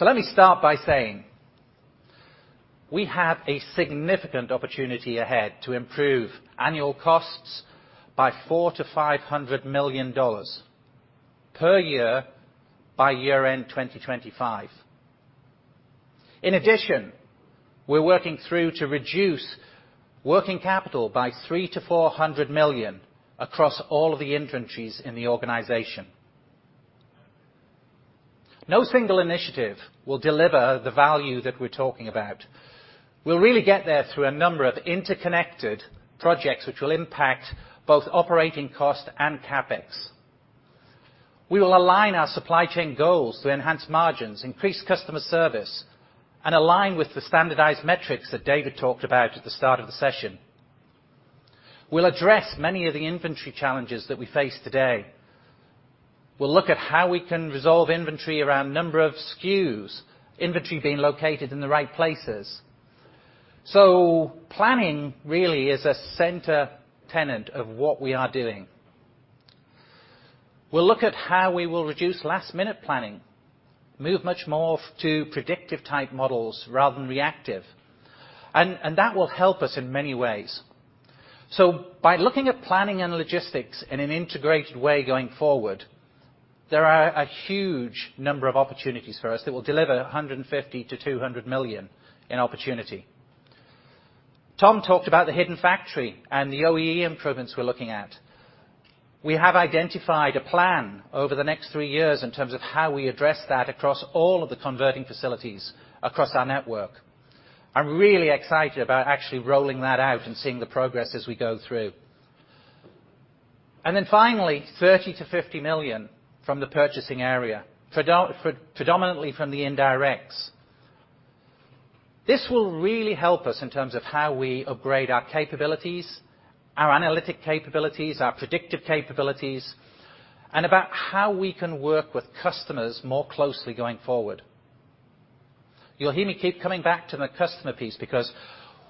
Let me start by saying we have a significant opportunity ahead to improve annual costs by $400 million to $500 million per year by year-end 2025. In addition, we're working through to reduce working capital by $300 million to $400 million across all of the inventories in the organization. No single initiative will deliver the value that we're talking about. We'll really get there through a number of interconnected projects which will impact both operating cost and CapEx. We will align our supply chain goals to enhance margins, increase customer service, and align with the standardized metrics that David talked about at the start of the session. We'll address many of the inventory challenges that we face today. We'll look at how we can resolve inventory around number of SKUs, inventory being located in the right places. Planning really is a center tenet of what we are doing. We'll look at how we will reduce last-minute planning, move much more to predictive type models rather than reactive, and that will help us in many ways. By looking at planning and logistics in an integrated way going forward, there are a huge number of opportunities for us that will deliver $150 million-$200 million in opportunity. Tom talked about the hidden factory and the OEE improvements we're looking at. We have identified a plan over the next three years in terms of how we address that across all of the converting facilities across our network. I'm really excited about actually rolling that out and seeing the progress as we go through. Finally, $30 million-$50 million from the purchasing area, predominantly from the indirects. This will really help us in terms of how we upgrade our capabilities, our analytic capabilities, our predictive capabilities, and about how we can work with customers more closely going forward. You'll hear me keep coming back to the customer piece because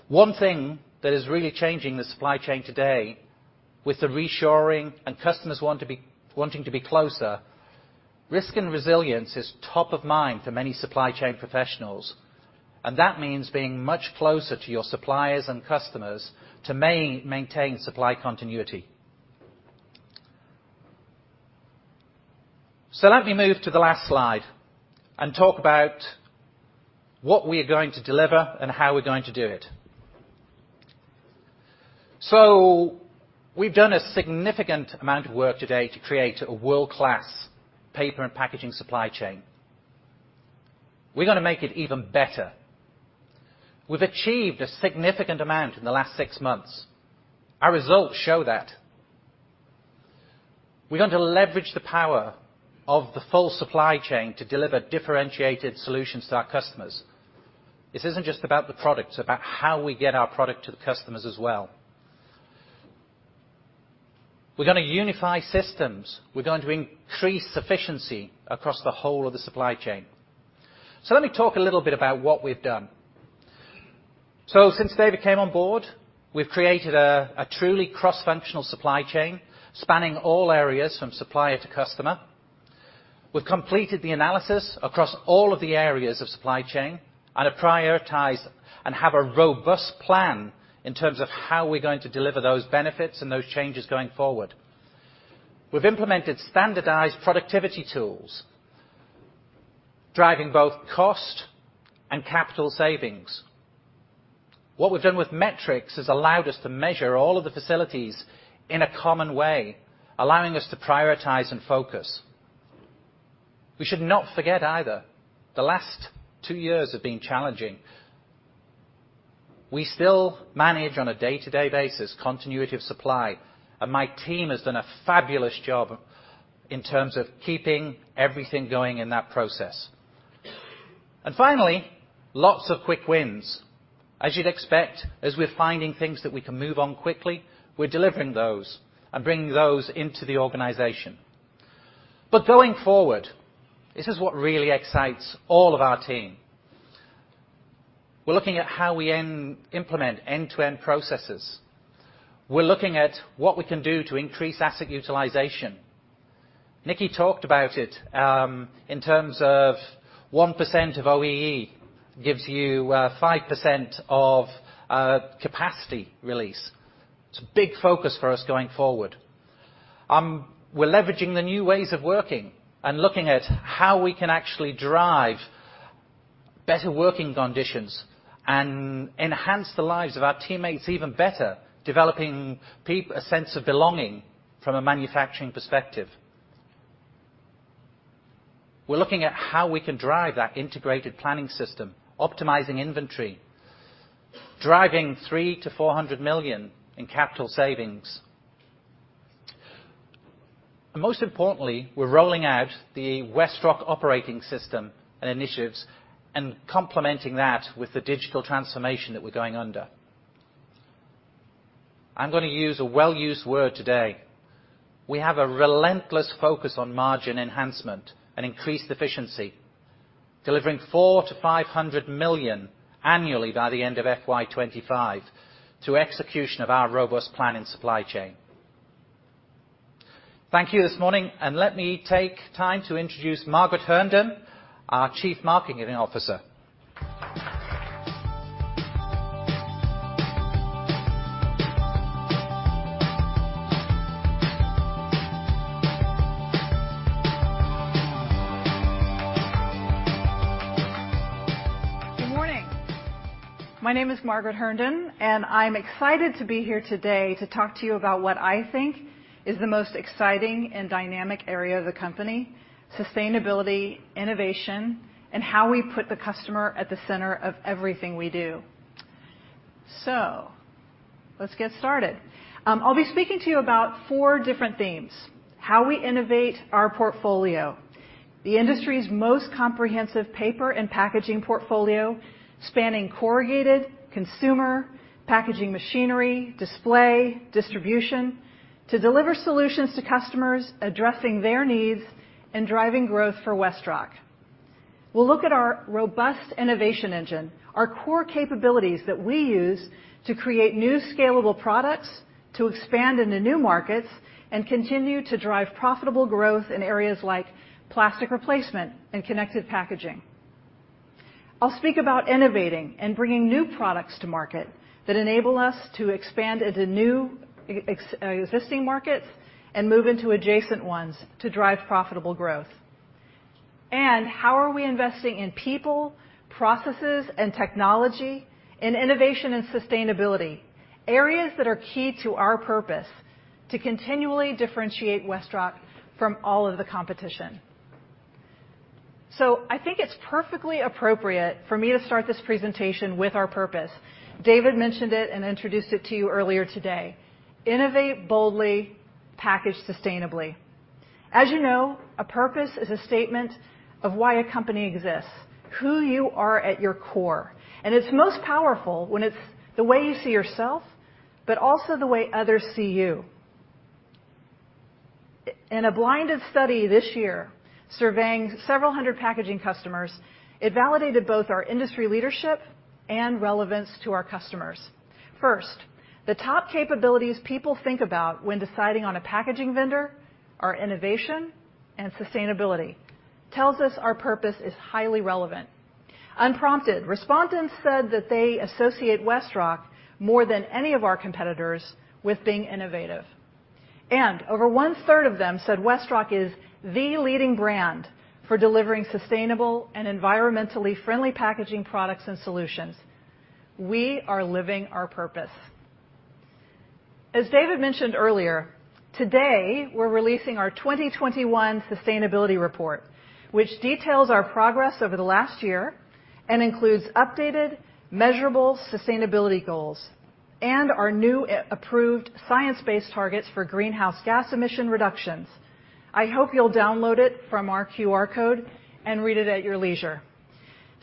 one thing that is really changing the supply chain today with the reshoring and customers wanting to be closer, risk and resilience is top of mind for many supply chain professionals, and that means being much closer to your suppliers and customers to maintain supply continuity. Let me move to the last slide and talk about what we are going to deliver and how we're going to do it. We've done a significant amount of work to date to create a world-class paper and packaging supply chain. We're going to make it even better. We've achieved a significant amount in the last six months. Our results show that. We're going to leverage the power of the full supply chain to deliver differentiated solutions to our customers. This isn't just about the product, it's about how we get our product to the customers as well. We're going to unify systems. We're going to increase efficiency across the whole of the supply chain. Let me talk a little bit about what we've done. Since David came on board, we've created a truly cross-functional supply chain spanning all areas from supplier to customer. We've completed the analysis across all of the areas of supply chain and have prioritized and have a robust plan in terms of how we're going to deliver those benefits and those changes going forward. We've implemented standardized productivity tools, driving both cost and capital savings. What we've done with metrics has allowed us to measure all of the facilities in a common way, allowing us to prioritize and focus. We should not forget either, the last two years have been challenging. We still manage on a day-to-day basis continuity of supply, and my team has done a fabulous job in terms of keeping everything going in that process. Finally, lots of quick wins. As you'd expect, as we're finding things that we can move on quickly, we're delivering those and bringing those into the organization. Going forward, this is what really excites all of our team. We're looking at how we implement end-to-end processes. We're looking at what we can do to increase asset utilization. Nikkie talked about it in terms of 1% of OEE gives you 5% of capacity release. It's a big focus for us going forward. We're leveraging the new ways of working and looking at how we can actually drive better working conditions and enhance the lives of our teammates even better, developing a sense of belonging from a manufacturing perspective. We're looking at how we can drive that integrated planning system, optimizing inventory, driving $300 million-$400 million in capital savings. Most importantly, we're rolling out the WestRock Operating System and initiatives and complementing that with the digital transformation that we're going under. I'm going to use a well-used word today. We have a relentless focus on margin enhancement and increased efficiency, delivering $400 million-$500 million annually by the end of FY 2025 through execution of our robust plan and supply chain. Thank you this morning, and let me take time to introduce Margaret Herndon, our Chief Marketing Officer. Good morning. My name is Margaret Herndon, and I'm excited to be here today to talk to you about what I think is the most exciting and dynamic area of the company, sustainability, innovation, and how we put the customer at the center of everything we do. Let's get started. I'll be speaking to you about four different themes. How we innovate our portfolio. The industry's most comprehensive paper and packaging portfolio, spanning corrugated, consumer, packaging machinery, display, distribution, to deliver solutions to customers addressing their needs and driving growth for WestRock. We'll look at our robust innovation engine, our core capabilities that we use to create new scalable products, to expand into new markets, and continue to drive profitable growth in areas like plastic replacement and connected packaging. I'll speak about innovating and bringing new products to market that enable us to expand into new existing markets and move into adjacent ones to drive profitable growth. How are we investing in people, processes, and technology, in innovation and sustainability, areas that are key to our purpose to continually differentiate WestRock from all of the competition. I think it's perfectly appropriate for me to start this presentation with our purpose. David mentioned it and introduced it to you earlier today. Innovate boldly, package sustainably. As you know, a purpose is a statement of why a company exists, who you are at your core, and it's most powerful when it's the way you see yourself, but also the way others see you. In a blinded study this year surveying several hundred packaging customers, it validated both our industry leadership and relevance to our customers. The top capabilities people think about when deciding on a packaging vendor are innovation and sustainability. Tells us our purpose is highly relevant. Unprompted, respondents said that they associate WestRock more than any of our competitors with being innovative. Over 1/3 of them said WestRock is the leading brand for delivering sustainable and environmentally friendly packaging products and solutions. We are living our purpose. As David mentioned earlier, today we're releasing our 2021 sustainability report, which details our progress over the last year and includes updated, measurable sustainability goals and our new approved Science-Based Targets for greenhouse gas emission reductions. I hope you'll download it from our QR code and read it at your leisure.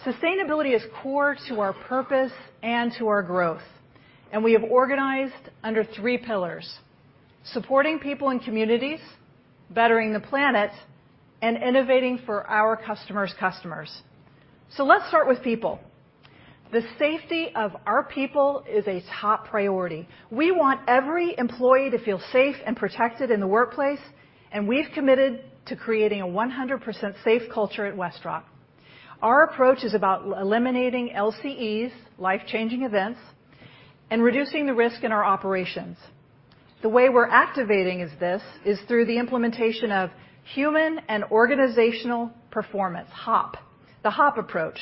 Sustainability is core to our purpose and to our growth. We have organized under three pillars: supporting people and communities, bettering the planet, and innovating for our customers' customers. Let's start with people. The safety of our people is a top priority. We want every employee to feel safe and protected in the workplace, and we've committed to creating a 100% safe culture at WestRock. Our approach is about eliminating LCEs, life-changing events, and reducing the risk in our operations. The way we're activating this is through the implementation of Human and Organizational Performance, HOP. The HOP approach,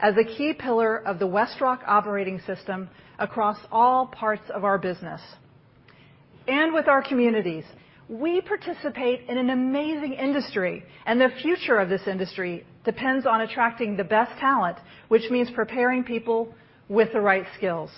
as a key pillar of the WestRock operating system across all parts of our business. With our communities. We participate in an amazing industry, and the future of this industry depends on attracting the best talent, which means preparing people with the right skills.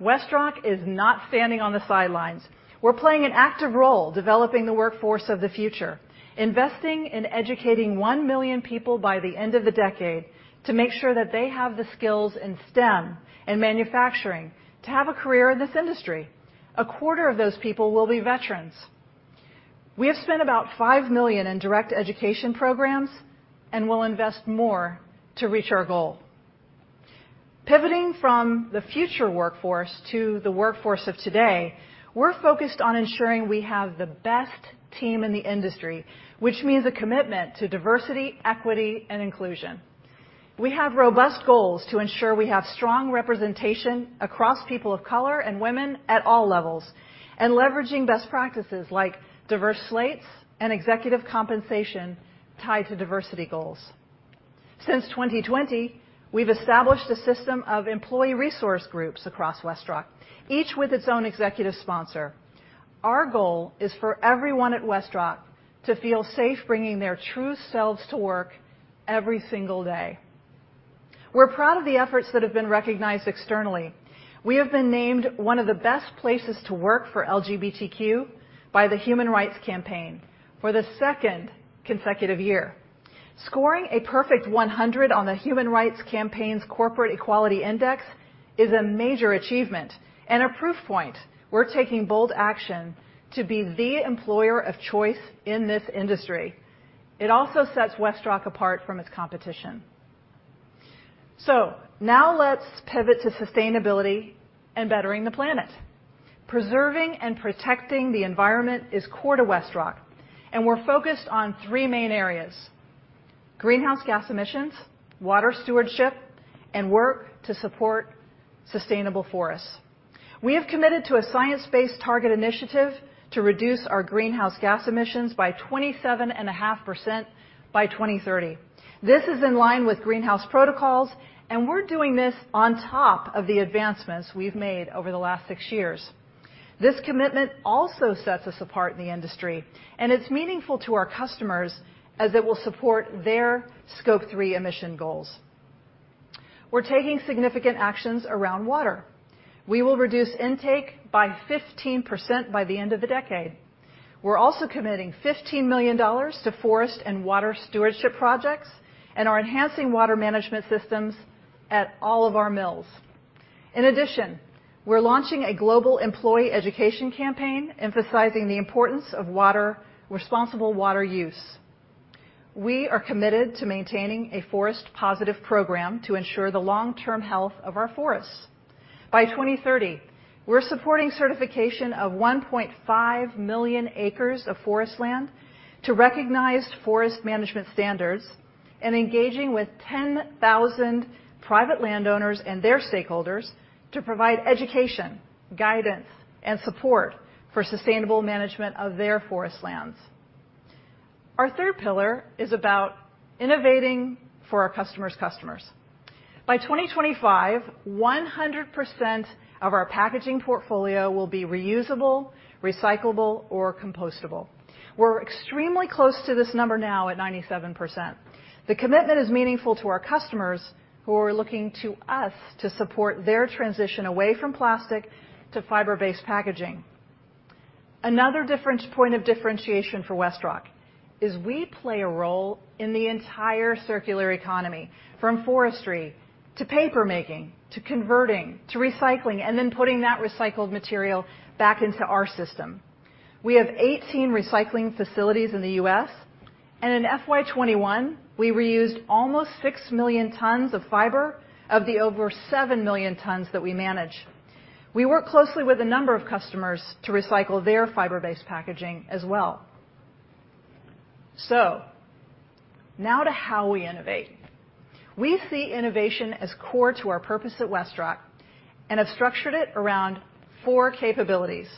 WestRock is not standing on the sidelines. We're playing an active role developing the workforce of the future, investing in educating one million people by the end of the decade to make sure that they have the skills in STEM and manufacturing to have a career in this industry. A quarter of those people will be veterans. We have spent about $5 million in direct education programs and will invest more to reach our goal. Pivoting from the future workforce to the workforce of today, we're focused on ensuring we have the best team in the industry, which means a commitment to diversity, equity, and inclusion. We have robust goals to ensure we have strong representation across people of color and women at all levels, and leveraging best practices like diverse slates and executive compensation tied to diversity goals. Since 2020, we've established a system of employee resource groups across WestRock, each with its own executive sponsor. Our goal is for everyone at WestRock to feel safe bringing their true selves to work every single day. We're proud of the efforts that have been recognized externally. We have been named one of the best places to work for LGBTQ by the Human Rights Campaign for the second consecutive year. Scoring a perfect 100 on the Human Rights Campaign's Corporate Equality Index is a major achievement and a proof point we're taking bold action to be the employer of choice in this industry. It also sets WestRock apart from its competition. Now let's pivot to sustainability and bettering the planet. Preserving and protecting the environment is core to WestRock, and we're focused on three main areas: greenhouse gas emissions, water stewardship, and work to support sustainable forests. We have committed to a Science Based Targets initiative to reduce our greenhouse gas emissions by 27.5% by 2030. This is in line with GHG Protocol, and we're doing this on top of the advancements we've made over the last six years. This commitment also sets us apart in the industry, and it's meaningful to our customers as it will support their Scope 3 emission goals. We're taking significant actions around water. We will reduce intake by 15% by the end of the decade. We're also committing $15 million to forest and water stewardship projects and are enhancing water management systems at all of our mills. In addition, we're launching a global employee education campaign emphasizing the importance of responsible water use. We are committed to maintaining a forest positive program to ensure the long-term health of our forests. By 2030, we're supporting certification of 1.5 million acres of forest land to recognized forest management standards and engaging with 10,000 private landowners and their stakeholders to provide education, guidance, and support for sustainable management of their forest lands. Our third pillar is about innovating for our customers' customers. By 2025, 100% of our packaging portfolio will be reusable, recyclable, or compostable. We're extremely close to this number now at 97%. The commitment is meaningful to our customers who are looking to us to support their transition away from plastic to fiber-based packaging. Another point of differentiation for WestRock is we play a role in the entire circular economy, from forestry to paper making, to converting, to recycling, and then putting that recycled material back into our system. We have 18 recycling facilities in the U.S., in FY 2021, we reused almost 6 million tons of fiber of the over 7 million tons that we manage. We work closely with a number of customers to recycle their fiber-based packaging as well. Now to how we innovate. We see innovation as core to our purpose at WestRock and have structured it around four capabilities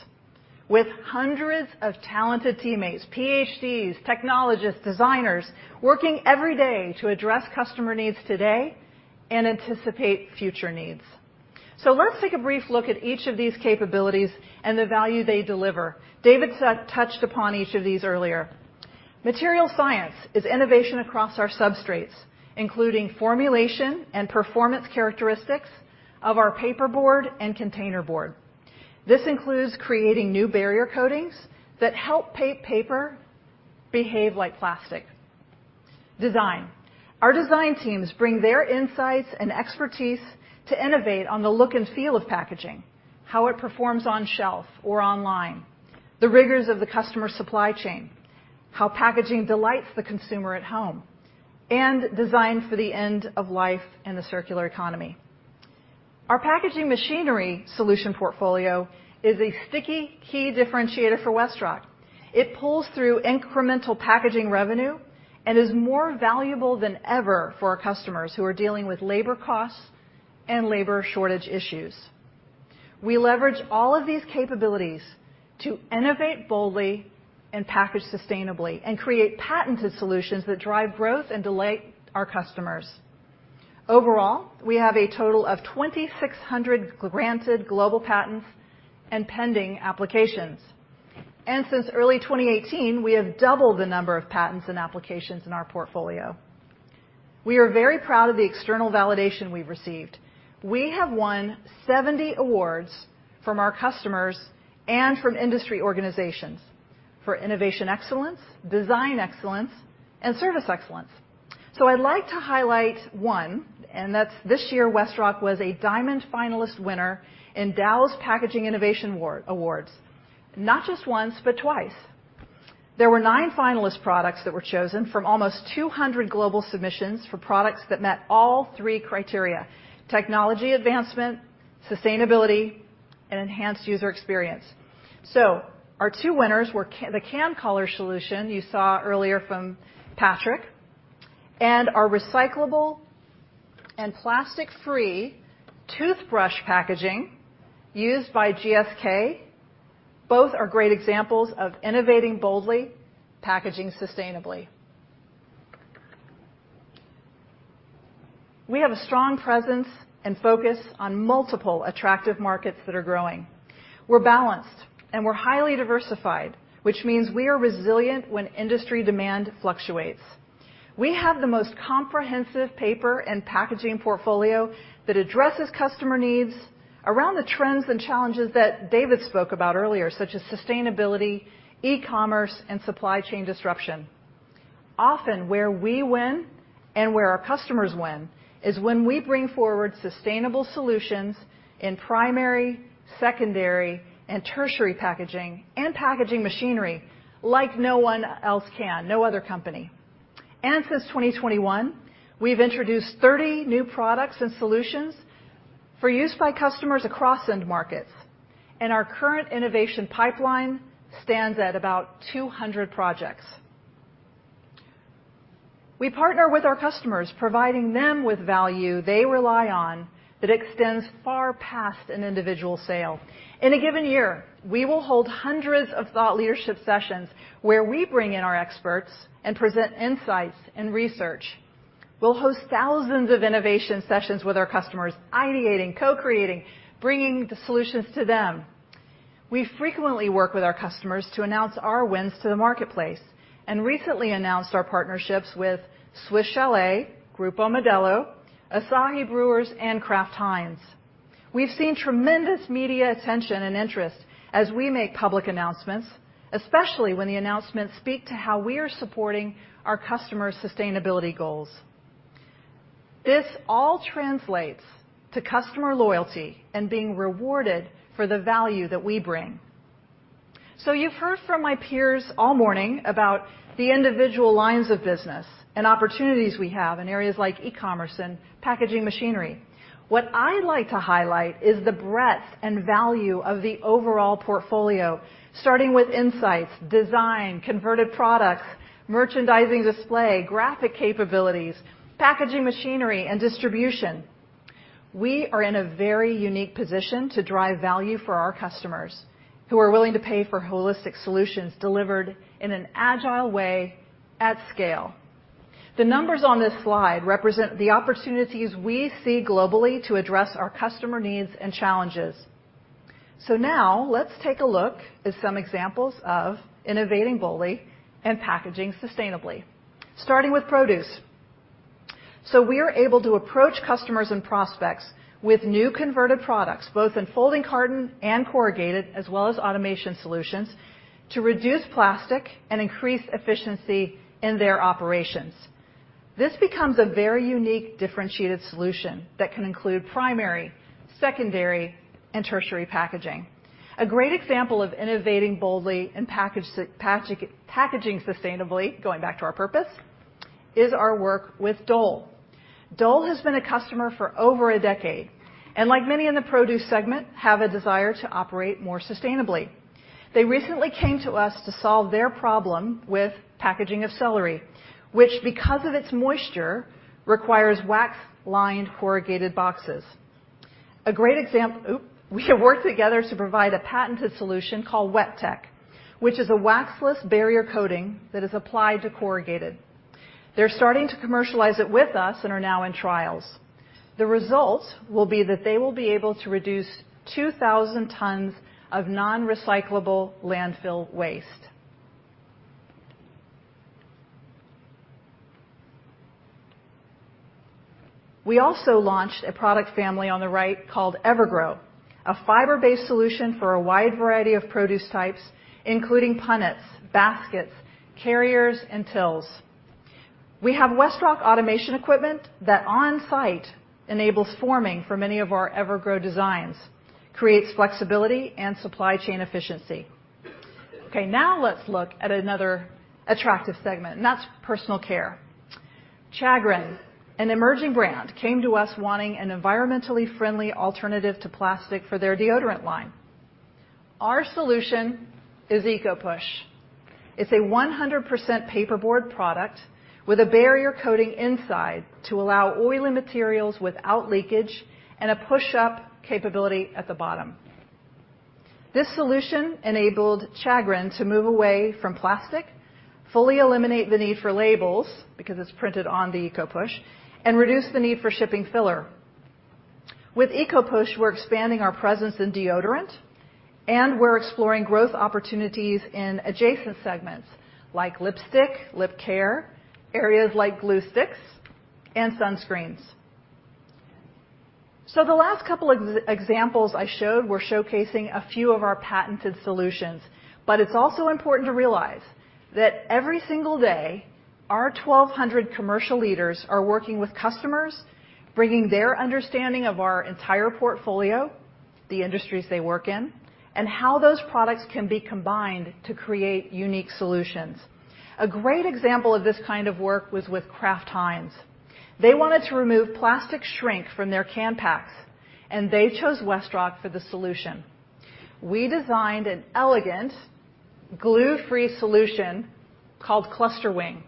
with hundreds of talented teammates, PhDs, technologists, designers, working every day to address customer needs today and anticipate future needs. Let's take a brief look at each of these capabilities and the value they deliver. David touched upon each of these earlier. Material science is innovation across our substrates, including formulation and performance characteristics of our paperboard and containerboard. This includes creating new barrier coatings that help paper behave like plastic. Design. Our design teams bring their insights and expertise to innovate on the look and feel of packaging, how it performs on shelf or online, the rigors of the customer supply chain, how packaging delights the consumer at home, and design for the end of life in the circular economy. Our packaging machinery solution portfolio is a sticky key differentiator for WestRock. It pulls through incremental packaging revenue and is more valuable than ever for our customers who are dealing with labor costs and labor shortage issues. We leverage all of these capabilities to innovate boldly and package sustainably and create patented solutions that drive growth and delight our customers. Overall, we have a total of 2,600 granted global patents and pending applications. Since early 2018, we have doubled the number of patents and applications in our portfolio. We are very proud of the external validation we've received. We have won 70 awards from our customers and from industry organizations for innovation excellence, design excellence, and service excellence. I'd like to highlight one, and that's this year, WestRock was a Diamond Finalist winner in Dow's Packaging Innovation Awards, not just once but twice. There were nine finalist products that were chosen from almost 200 global submissions for products that met all three criteria: technology advancement, sustainability, and enhanced user experience. Our two winners were the CanCollar solution you saw earlier from Patrick and our recyclable and plastic-free toothbrush packaging used by GSK. Both are great examples of innovating boldly, packaging sustainably. We have a strong presence and focus on multiple attractive markets that are growing. We're balanced, and we're highly diversified, which means we are resilient when industry demand fluctuates. We have the most comprehensive paper and packaging portfolio that addresses customer needs around the trends and challenges that David spoke about earlier, such as sustainability, e-commerce, and supply chain disruption. Often where we win and where our customers win is when we bring forward sustainable solutions in primary, secondary, and tertiary packaging, and packaging machinery like no one else can, no other company. Since 2021, we've introduced 30 new products and solutions for use by customers across end markets, and our current innovation pipeline stands at about 200 projects. We partner with our customers, providing them with value they rely on that extends far past an individual sale. In a given year, we will hold hundreds of thought leadership sessions where we bring in our experts and present insights and research. We'll host thousands of innovation sessions with our customers, ideating, co-creating, bringing the solutions to them. We frequently work with our customers to announce our wins to the marketplace and recently announced our partnerships with Swiss Chalet, Grupo Modelo, Asahi Breweries, and Kraft Heinz. We've seen tremendous media attention and interest as we make public announcements, especially when the announcements speak to how we are supporting our customers' sustainability goals. This all translates to customer loyalty and being rewarded for the value that we bring. You've heard from my peers all morning about the individual lines of business and opportunities we have in areas like e-commerce and packaging machinery. What I'd like to highlight is the breadth and value of the overall portfolio, starting with insights, design, converted products, merchandising display, graphic capabilities, packaging machinery, and distribution. We are in a very unique position to drive value for our customers who are willing to pay for holistic solutions delivered in an agile way at scale. The numbers on this slide represent the opportunities we see globally to address our customer needs and challenges. Now let's take a look at some examples of innovating boldly and packaging sustainably, starting with produce. We are able to approach customers and prospects with new converted products, both in folding carton and corrugated, as well as automation solutions to reduce plastic and increase efficiency in their operations. This becomes a very unique, differentiated solution that can include primary, secondary, and tertiary packaging. A great example of innovating boldly and packaging sustainably, going back to our purpose, is our work with Dole. Dole has been a customer for over a decade, and like many in the produce segment, have a desire to operate more sustainably. They recently came to us to solve their problem with packaging of celery, which, because of its moisture, requires wax-lined corrugated boxes. We have worked together to provide a patented solution called WetTech, which is a waxless barrier coating that is applied to corrugated. They're starting to commercialize it with us and are now in trials. The result will be that they will be able to reduce 2,000 tons of non-recyclable landfill waste. We also launched a product family on the right called EverGrow, a fiber-based solution for a wide variety of produce types, including punnets, baskets, carriers, and tills. We have WestRock automation equipment that on-site enables forming for many of our EverGrow designs, creates flexibility and supply chain efficiency. Okay. Let's look at another attractive segment, and that's personal care. Chagrin, an emerging brand, came to us wanting an environmentally friendly alternative to plastic for their deodorant line. Our solution is EcoPush. It's a 100% paperboard product with a barrier coating inside to allow oily materials without leakage and a push-up capability at the bottom. This solution enabled Chagrin to move away from plastic, fully eliminate the need for labels, because it's printed on the EcoPush, and reduce the need for shipping filler. With EcoPush, we're expanding our presence in deodorant, and we're exploring growth opportunities in adjacent segments like lipstick, lip care, areas like glue sticks, and sunscreens. The last couple examples I showed were showcasing a few of our patented solutions. It's also important to realize that every single day, our 1,200 commercial leaders are working with customers, bringing their understanding of our entire portfolio, the industries they work in, and how those products can be combined to create unique solutions. A great example of this kind of work was with Kraft Heinz. They wanted to remove plastic shrink from their can packs, and they chose WestRock for the solution. We designed an elegant glue-free solution called Cluster-Wing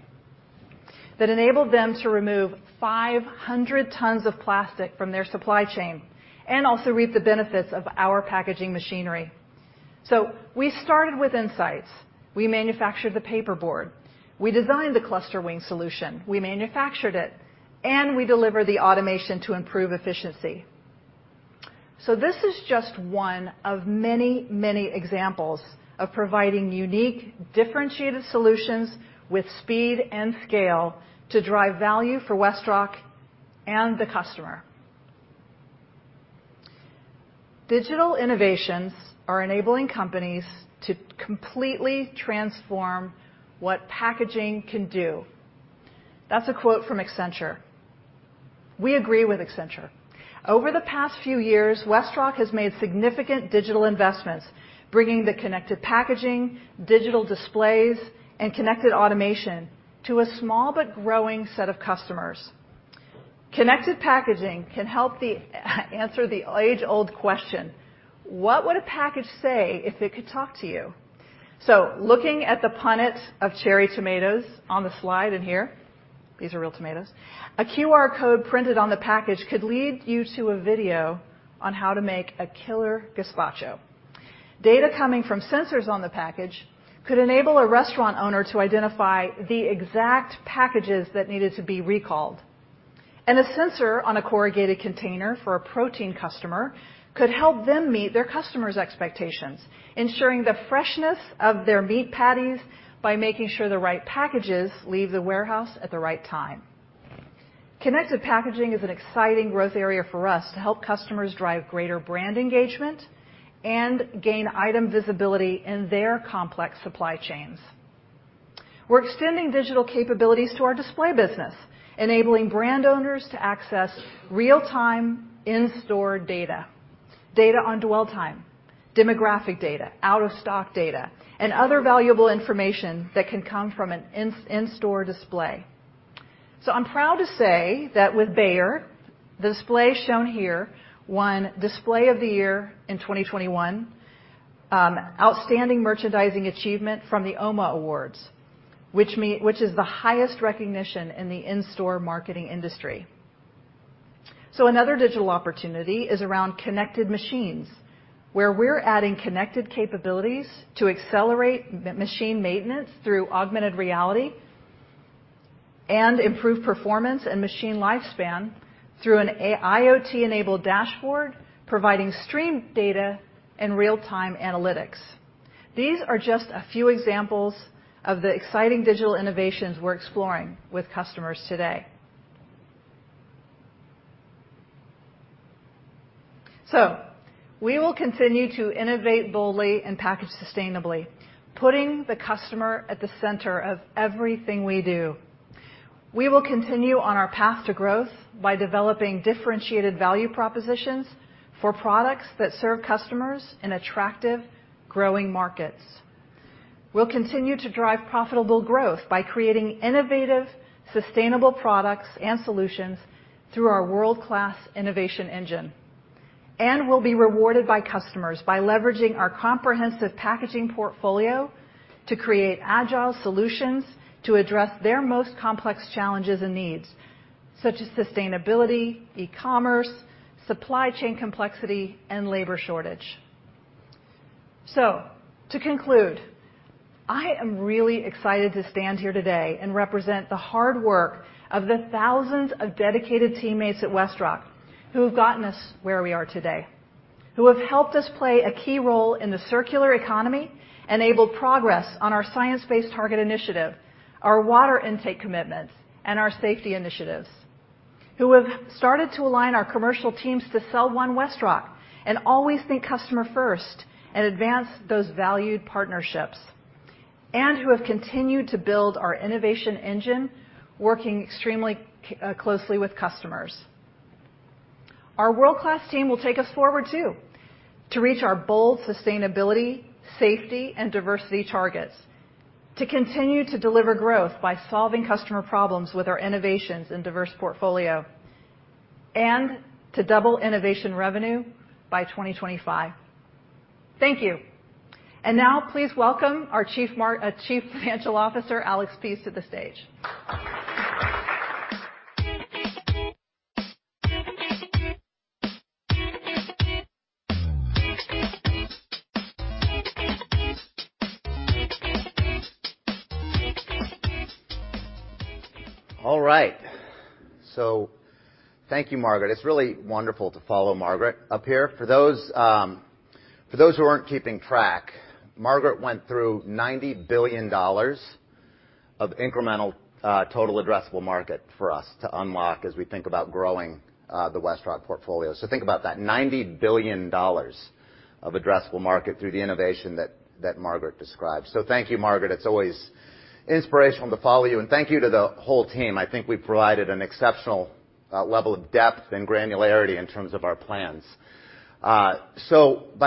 that enabled them to remove 500 tons of plastic from their supply chain and also reap the benefits of our packaging machinery. We started with insights. We manufactured the paperboard. We designed the Cluster-Wing solution. We manufactured it, and we deliver the automation to improve efficiency. This is just one of many, many examples of providing unique, differentiated solutions with speed and scale to drive value for WestRock and the customer. Digital innovations are enabling companies to completely transform what packaging can do." That's a quote from Accenture. We agree with Accenture. Over the past few years, WestRock has made significant digital investments, bringing the connected packaging, digital displays, and connected automation to a small but growing set of customers. Connected packaging can help answer the age-old question, what would a package say if it could talk to you? Looking at the punnet of cherry tomatoes on the slide in here, these are real tomatoes, a QR code printed on the package could lead you to a video on how to make a killer gazpacho. Data coming from sensors on the package could enable a restaurant owner to identify the exact packages that needed to be recalled. A sensor on a corrugated container for a protein customer could help them meet their customers' expectations, ensuring the freshness of their meat patties by making sure the right packages leave the warehouse at the right time. Connected packaging is an exciting growth area for us to help customers drive greater brand engagement and gain item visibility in their complex supply chains. We're extending digital capabilities to our display business, enabling brand owners to access real-time in-store data on dwell time, demographic data, out-of-stock data, and other valuable information that can come from an in-store display. I'm proud to say that with Bayer, the display shown here won Display of the Year in 2021, Outstanding Merchandising Achievement from the OMA Awards, which is the highest recognition in the in-store marketing industry. Another digital opportunity is around connected machines, where we're adding connected capabilities to accelerate machine maintenance through augmented reality and improve performance and machine lifespan through an IoT-enabled dashboard, providing streamed data and real-time analytics. These are just a few examples of the exciting digital innovations we're exploring with customers today. We will continue to innovate boldly and package sustainably, putting the customer at the center of everything we do. We will continue on our path to growth by developing differentiated value propositions for products that serve customers in attractive, growing markets. We'll continue to drive profitable growth by creating innovative, sustainable products and solutions through our world-class innovation engine. We'll be rewarded by customers by leveraging our comprehensive packaging portfolio to create agile solutions to address their most complex challenges and needs, such as sustainability, e-commerce, supply chain complexity, and labor shortage. To conclude, I am really excited to stand here today and represent the hard work of the thousands of dedicated teammates at WestRock who have gotten us where we are today, who have helped us play a key role in the circular economy, enable progress on our Science Based Targets initiative, our water intake commitments, and our safety initiatives. Who have started to align our commercial teams to sell One WestRock and always think customer first and advance those valued partnerships, and who have continued to build our innovation engine, working extremely closely with customers. Our world-class team will take us forward, too, to reach our bold sustainability, safety, and diversity targets, to continue to deliver growth by solving customer problems with our innovations and diverse portfolio, and to double innovation revenue by 2025. Thank you. Now please welcome our Chief Financial Officer, Alex Pease, to the stage. All right. Thank you, Margaret. It's really wonderful to follow Margaret up here. For those who aren't keeping track, Margaret went through $90 billion of incremental total addressable market for us to unlock as we think about growing the WestRock portfolio. Think about that, $90 billion of addressable market through the innovation that Margaret described. Thank you, Margaret. It's always inspirational to follow you, and thank you to the whole team. I think we've provided an exceptional level of depth and granularity in terms of our plans. By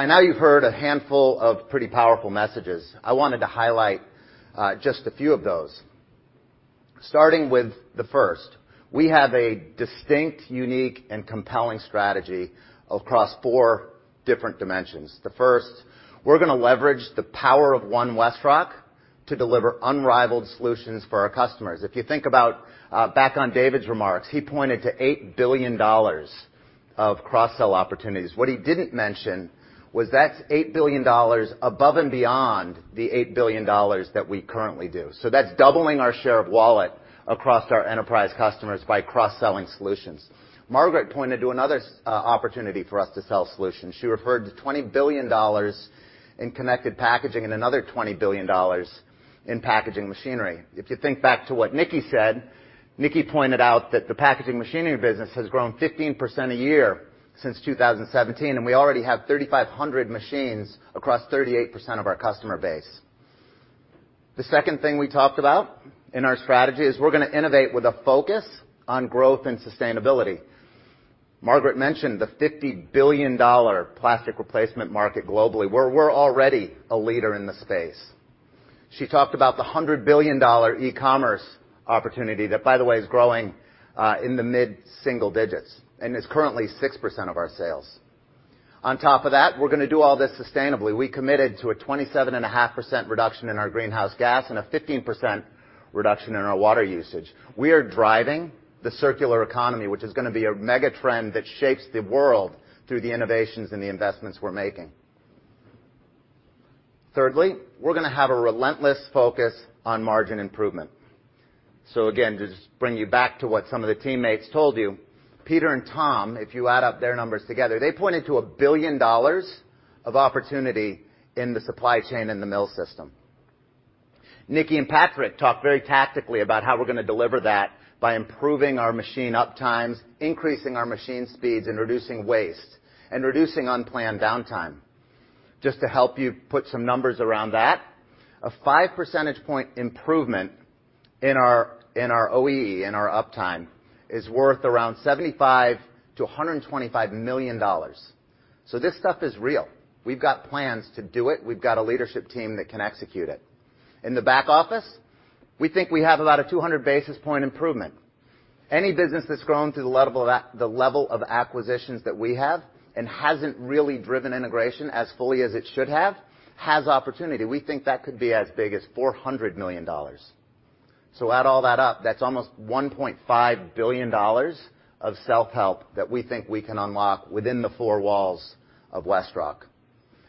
now, you've heard a handful of pretty powerful messages. I wanted to highlight just a few of those, starting with the first. We have a distinct, unique, and compelling strategy across four different dimensions. The first, we're going to leverage the power of One WestRock to deliver unrivaled solutions for our customers. If you think about back on David's remarks, he pointed to $8 billion of cross-sell opportunities. What he didn't mention was that's $8 billion above and beyond the $8 billion that we currently do. That's doubling our share of wallet across our enterprise customers by cross-selling solutions. Margaret pointed to another opportunity for us to sell solutions. She referred to $20 billion in connected packaging and another $20 billion in packaging machinery. If you think back to what Nickie said, Nickie pointed out that the packaging machinery business has grown 15% a year since 2017, and we already have 3,500 machines across 38% of our customer base. The second thing we talked about in our strategy is we're going to innovate with a focus on growth and sustainability. Margaret mentioned the $50 billion plastic replacement market globally, where we're already a leader in the space. She talked about the $100 billion e-commerce opportunity that, by the way, is growing in the mid-single digits and is currently 6% of our sales. On top of that, we're going to do all this sustainably. We committed to a 27.5% reduction in our greenhouse gas and a 15% reduction in our water usage. We are driving the circular economy, which is going to be a mega trend that shapes the world through the innovations and the investments we're making. Thirdly, we're going to have a relentless focus on margin improvement. Again, to just bring you back to what some of the teammates told you, Peter and Tom, if you add up their numbers together, they pointed to $1 billion of opportunity in the supply chain in the mill system. Nickie and Patrick talked very tactically about how we're going to deliver that by improving our machine uptimes, increasing our machine speeds, and reducing waste, and reducing unplanned downtime. Just to help you put some numbers around that, a 5 percentage point improvement in our OEE and our uptime is worth around $75 million-$125 million. This stuff is real. We've got plans to do it. We've got a leadership team that can execute it. In the back office, we think we have about a 200 basis point improvement. Any business that's grown to the level of acquisitions that we have and hasn't really driven integration as fully as it should have, has opportunity. We think that could be as big as $400 million. Add all that up, that's almost $1.5 billion of self-help that we think we can unlock within the four walls of WestRock.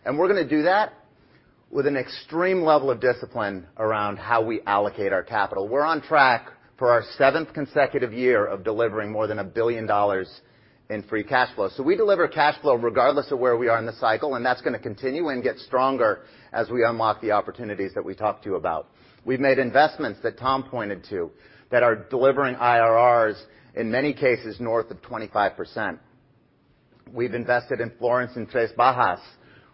We're going to do that with an extreme level of discipline around how we allocate our capital. We're on track for our seventh consecutive year of delivering more than $1 billion in free cash flow. We deliver cash flow regardless of where we are in the cycle, and that's going to continue and get stronger as we unlock the opportunities that we talked to you about. We've made investments that Tom pointed to that are delivering IRRs, in many cases, north of 25%. We've invested in Florence and Três Barras.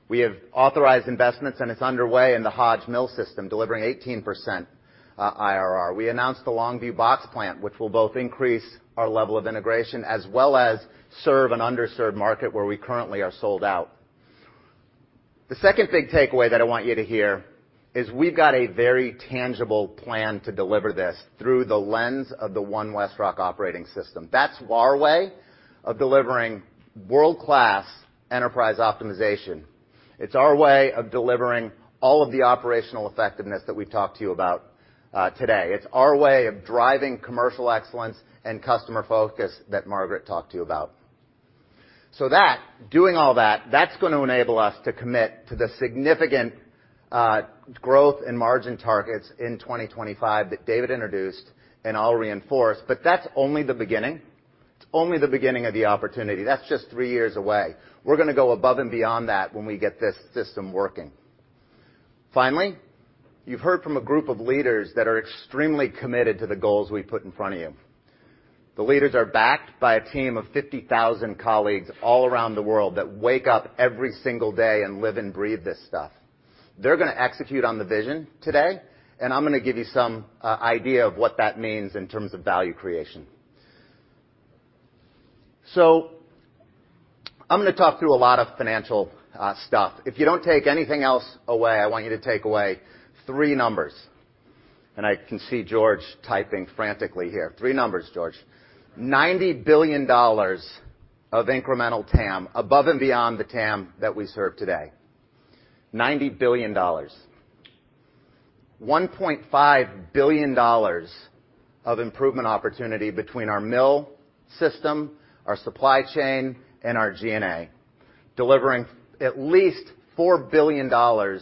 We have authorized investments, it's underway in the Hodge Mill system, delivering 18% IRR. We announced the Longview box plant, which will both increase our level of integration as well as serve an underserved market where we currently are sold out. The second big takeaway that I want you to hear is we've got a very tangible plan to deliver this through the lens of the One WestRock operating system. That's our way of delivering world-class enterprise optimization. It's our way of delivering all of the operational effectiveness that we've talked to you about today. It's our way of driving commercial excellence and customer focus that Margaret talked to you about. Doing all that's going to enable us to commit to the significant growth and margin targets in 2025 that David introduced and I'll reinforce, but that's only the beginning. It's only the beginning of the opportunity. That's just three years away. We're going to go above and beyond that when we get this system working. Finally, you've heard from a group of leaders that are extremely committed to the goals we've put in front of you. The leaders are backed by a team of 50,000 colleagues all around the world that wake up every single day and live and breathe this stuff. They're going to execute on the vision today, and I'm going to give you some idea of what that means in terms of value creation. I'm going to talk through a lot of financial stuff. If you don't take anything else away, I want you to take away three numbers, and I can see George typing frantically here. Three numbers, George. $90 billion of incremental TAM above and beyond the TAM that we serve today. $90 billion. $1.5 billion of improvement opportunity between our mill system, our supply chain, and our G&A, delivering at least $4 billion of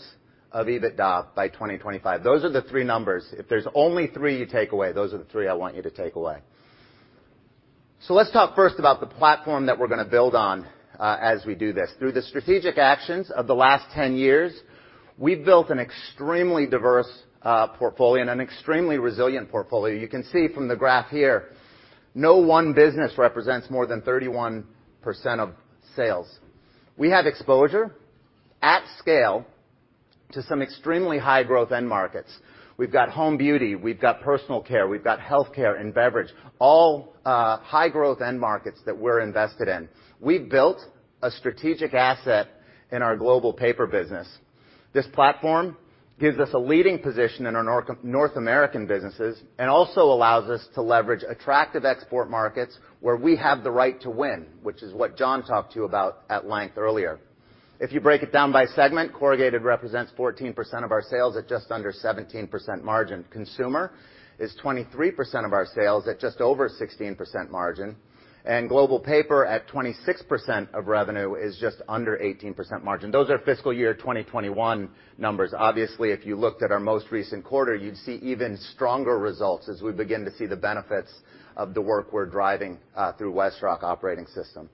EBITDA by 2025. Those are the three numbers. If there's only three you take away, those are the three I want you to take away. Let's talk first about the platform that we're going to build on as we do this. Through the strategic actions of the last 10 years, we've built an extremely diverse portfolio and an extremely resilient portfolio. You can see from the graph here, no one business represents more than 31% of sales. We have exposure at scale to some extremely high growth end markets. We've got home beauty, we've got personal care, we've got healthcare, and beverage, all high growth end markets that we're invested in. We've built a strategic asset in our global paper business. This platform gives us a leading position in our North American businesses and also allows us to leverage attractive export markets where we have the right to win, which is what John talked to you about at length earlier. If you break it down by segment, corrugated represents 14% of our sales at just under 17% margin. Consumer is 23% of our sales at just over 16% margin, and Global Paper at 26% of revenue is just under 18% margin. Those are fiscal year 2021 numbers. Obviously, if you looked at our most recent quarter, you'd see even stronger results as we begin to see the benefits of the work we're driving through WestRock operating system.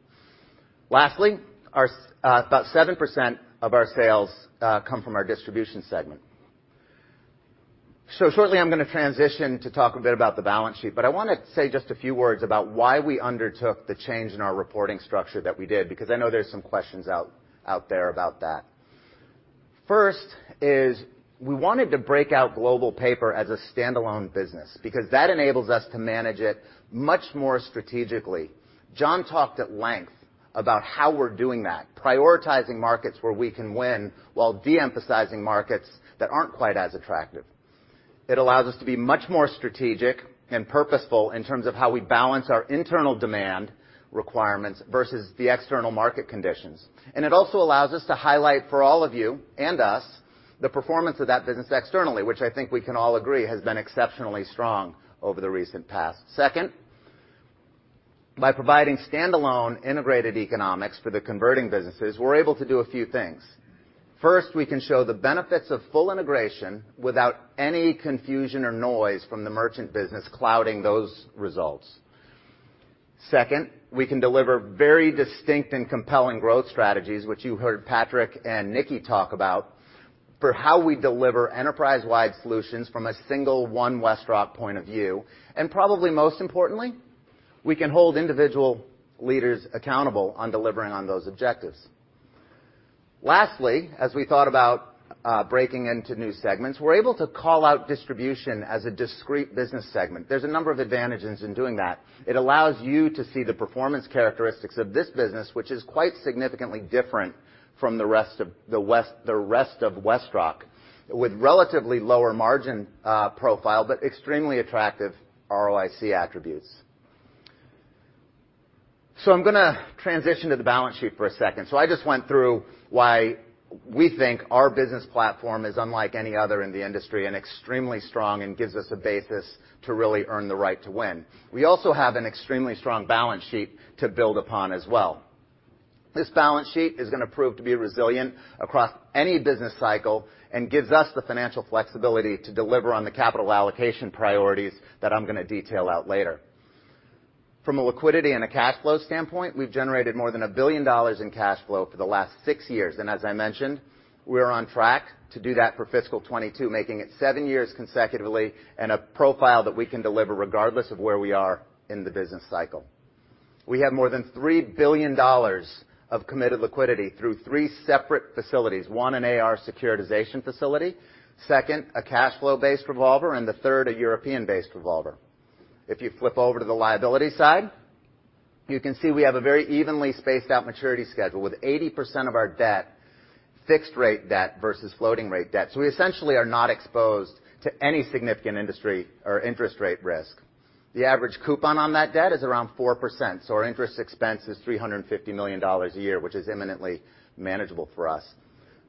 Lastly, about 7% of our sales come from our distribution segment. Shortly, I'm going to transition to talk a bit about the balance sheet, but I want to say just a few words about why we undertook the change in our reporting structure that we did, because I know there's some questions out there about that. First is we wanted to break out Global Paper as a standalone business because that enables us to manage it much more strategically. John talked at length about how we're doing that, prioritizing markets where we can win while de-emphasizing markets that aren't quite as attractive. It allows us to be much more strategic and purposeful in terms of how we balance our internal demand requirements versus the external market conditions. It also allows us to highlight for all of you and us the performance of that business externally, which I think we can all agree has been exceptionally strong over the recent past. Second, by providing standalone integrated economics for the converting businesses, we're able to do a few things. First, we can show the benefits of full integration without any confusion or noise from the merchant business clouding those results. Second, we can deliver very distinct and compelling growth strategies, which you heard Patrick and Nickie talk about, for how we deliver enterprise-wide solutions from a single One WestRock point of view. Probably most importantly, we can hold individual leaders accountable on delivering on those objectives. Lastly, as we thought about breaking into new segments, we're able to call out distribution as a discrete business segment. There's a number of advantages in doing that. It allows you to see the performance characteristics of this business, which is quite significantly different from the rest of WestRock with relatively lower margin profile, but extremely attractive ROIC attributes. I'm going to transition to the balance sheet for a second. I just went through why we think our business platform is unlike any other in the industry and extremely strong and gives us a basis to really earn the right to win. We also have an extremely strong balance sheet to build upon as well. This balance sheet is going to prove to be resilient across any business cycle and gives us the financial flexibility to deliver on the capital allocation priorities that I'm going to detail out later. From a liquidity and a cash flow standpoint, we've generated more than a billion in cash flow for the last six years. As I mentioned, we are on track to do that for fiscal 2022, making it seven years consecutively and a profile that we can deliver regardless of where we are in the business cycle. We have more than $3 billion of committed liquidity through three separate facilities. One, an AR securitization facility. Second, a cash flow-based revolver, and the third, a European-based revolver. If you flip over to the liability side, you can see we have a very evenly spaced out maturity schedule with 80% of our debt fixed rate debt versus floating rate debt. We essentially are not exposed to any significant industry or interest rate risk. The average coupon on that debt is around 4%, so our interest expense is $350 million a year, which is imminently manageable for us.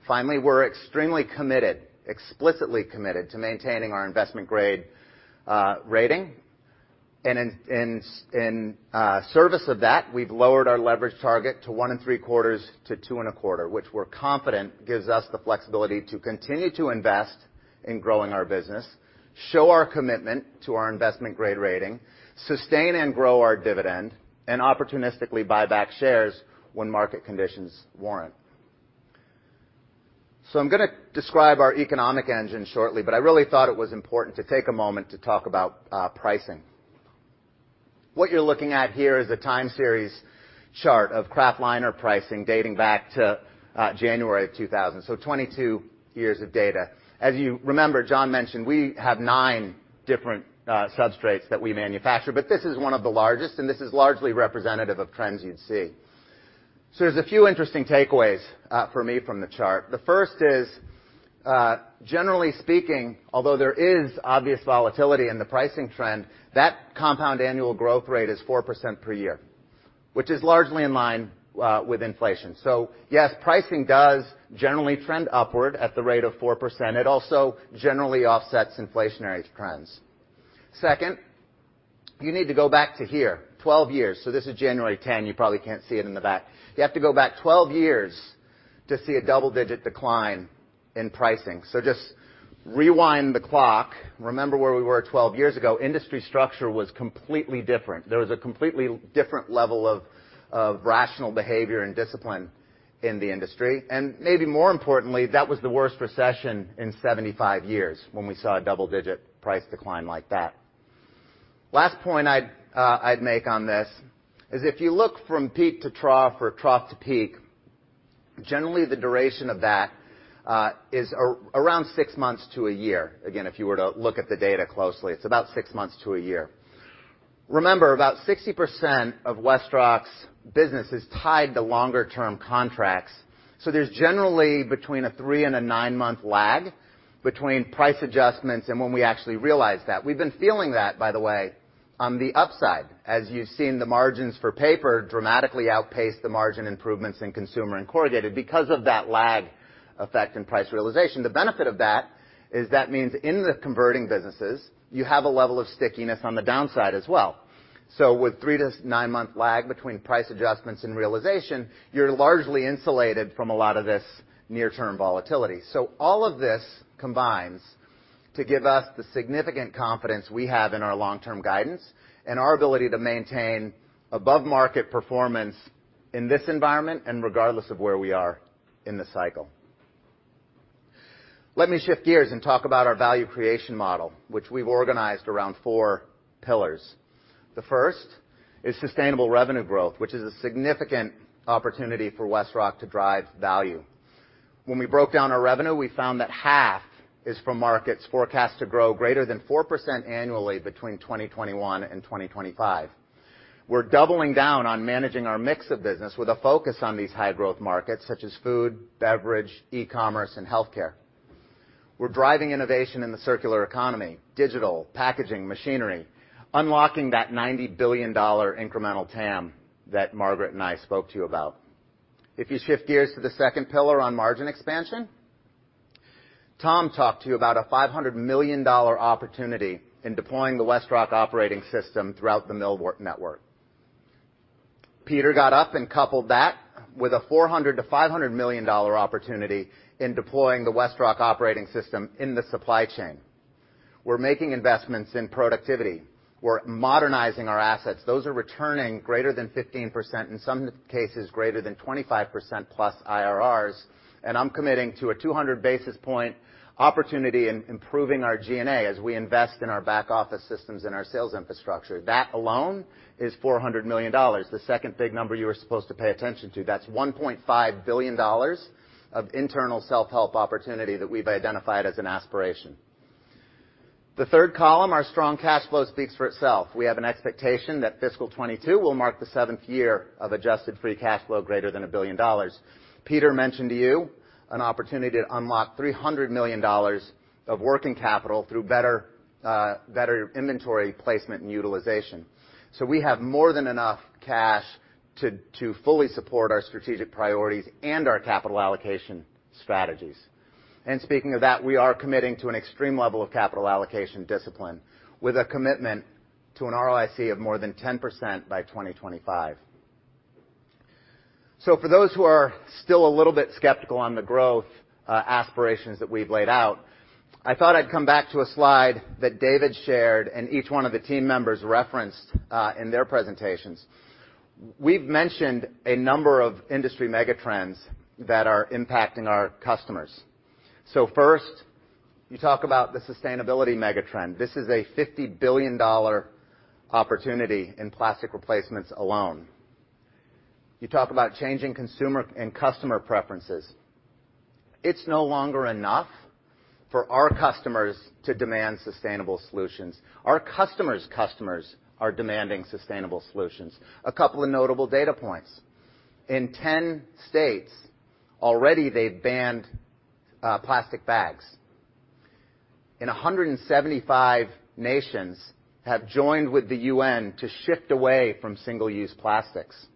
Finally, we're extremely committed, explicitly committed to maintaining our investment-grade rating. In service of that, we've lowered our leverage target to one and three quarters to two and a quarter, which we're confident gives us the flexibility to continue to invest in growing our business, show our commitment to our investment-grade rating, sustain and grow our dividend, and opportunistically buy back shares when market conditions warrant. I'm going to describe our economic engine shortly, but I really thought it was important to take a moment to talk about pricing. What you're looking at here is a time series chart of kraft liner pricing dating back to January of 2000. 22 years of data. As you remember, John mentioned we have nine different substrates that we manufacture, but this is one of the largest, and this is largely representative of trends you'd see. There's a few interesting takeaways for me from the chart. The first is, generally speaking, although there is obvious volatility in the pricing trend, that compound annual growth rate is 4% per year, which is largely in line with inflation. Yes, pricing does generally trend upward at the rate of 4%. It also generally offsets inflationary trends. Second, you need to go back to here, 12 years. This is January 10. You probably can't see it in the back. You have to go back 12 years to see a double-digit decline in pricing. Just rewind the clock. Remember where we were 12 years ago. Industry structure was completely different. There was a completely different level of rational behavior and discipline in the industry. Maybe more importantly, that was the worst recession in 75 years when we saw a double-digit price decline like that. Last point I'd make on this is you look from peak to trough or trough to peak, generally the duration of that is around six months to a year. Again, you were to look at the data closely, it's about six months to a year. Remember, about 60% of WestRock's business is tied to longer-term contracts. There's generally between a three and a nine-month lag between price adjustments and when we actually realize that. We've been feeling that, by the way. On the upside, as you've seen the margins for paper dramatically outpace the margin improvements in consumer and corrugated because of that lag effect in price realization. The benefit of that is that means in the converting businesses, you have a level of stickiness on the downside as well. With three to nine month lag between price adjustments and realization, you're largely insulated from a lot of this near-term volatility. All of this combines to give us the significant confidence we have in our long-term guidance, and our ability to maintain above-market performance in this environment and regardless of where we are in the cycle. Let me shift gears and talk about our value creation model, which we've organized around four pillars. The first is sustainable revenue growth, which is a significant opportunity for WestRock to drive value. When we broke down our revenue, we found that half is from markets forecast to grow greater than 4% annually between 2021 and 2025. We're doubling down on managing our mix of business with a focus on these high-growth markets such as food, beverage, e-commerce, and healthcare. We're driving innovation in the circular economy, digital, packaging, machinery, unlocking that $90 billion incremental TAM that Margaret and I spoke to you about. If you shift gears to the second pillar on margin expansion, Tom talked to you about a $500 million opportunity in deploying the WestRock Operating System throughout the mill network. Peter got up and coupled that with a $400 million-$500 million opportunity in deploying the WestRock Operating System in the supply chain. We're making investments in productivity. We're modernizing our assets. Those are returning greater than 15%, in some cases, greater than 25%+ IRRs, and I'm committing to a 200 basis point opportunity in improving our G&A as we invest in our back office systems and our sales infrastructure. That alone is $400 million. The second big number you were supposed to pay attention to. That's $1.5 billion of internal self-help opportunity that we've identified as an aspiration. The third column, our strong cash flow speaks for itself. We have an expectation that fiscal 2022 will mark the seventh year of adjusted free cash flow greater than a billion. Peter mentioned to you an opportunity to unlock $300 million of working capital through better inventory placement and utilization. We have more than enough cash to fully support our strategic priorities and our capital allocation strategies. Speaking of that, we are committing to an extreme level of capital allocation discipline with a commitment to an ROIC of more than 10% by 2025. For those who are still a little bit skeptical on the growth aspirations that we've laid out, I thought I'd come back to a slide that David shared and each one of the team members referenced in their presentations. We've mentioned a number of industry mega trends that are impacting our customers. First, you talk about the sustainability mega trend. This is a $50 billion opportunity in plastic replacements alone. You talk about changing consumer and customer preferences. It's no longer enough for our customers to demand sustainable solutions. Our customer's customers are demanding sustainable solutions. A couple of notable data points. In 10 states, already they've banned plastic bags. 175 nations have joined with the UN to shift away from single-use plastics.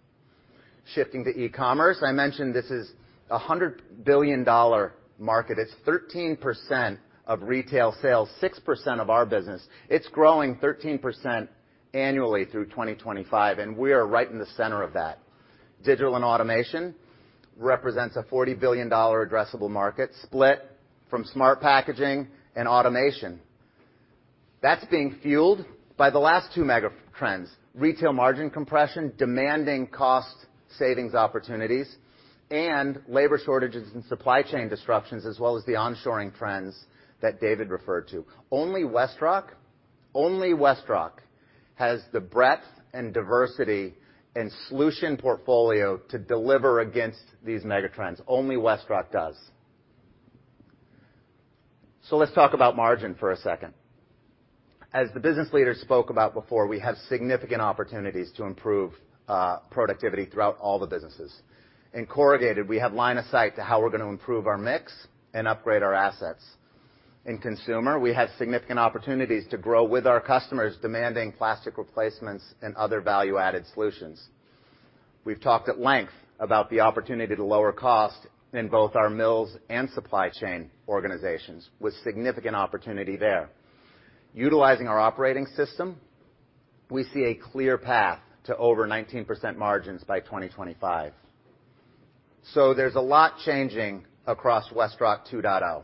Shifting to e-commerce, I mentioned this is a $100 billion market. It's 13% of retail sales, 6% of our business. It's growing 13% annually through 2025, and we are right in the center of that. Digital and automation represents a $40 billion addressable market split from smart packaging and automation. That's being fueled by the last two mega trends, retail margin compression, demanding cost savings opportunities, and labor shortages and supply chain disruptions, as well as the onshoring trends that David referred to. Only WestRock has the breadth and diversity and solution portfolio to deliver against these mega trends. Only WestRock does. Let's talk about margin for a second. As the business leader spoke about before, we have significant opportunities to improve productivity throughout all the businesses. In corrugated, we have line of sight to how we're going to improve our mix and upgrade our assets. In consumer, we have significant opportunities to grow with our customers demanding plastic replacements and other value-added solutions. We've talked at length about the opportunity to lower cost in both our mills and supply chain organizations with significant opportunity there. Utilizing our operating system, we see a clear path to over 19% margins by 2025. There's a lot changing across WestRock 2.0.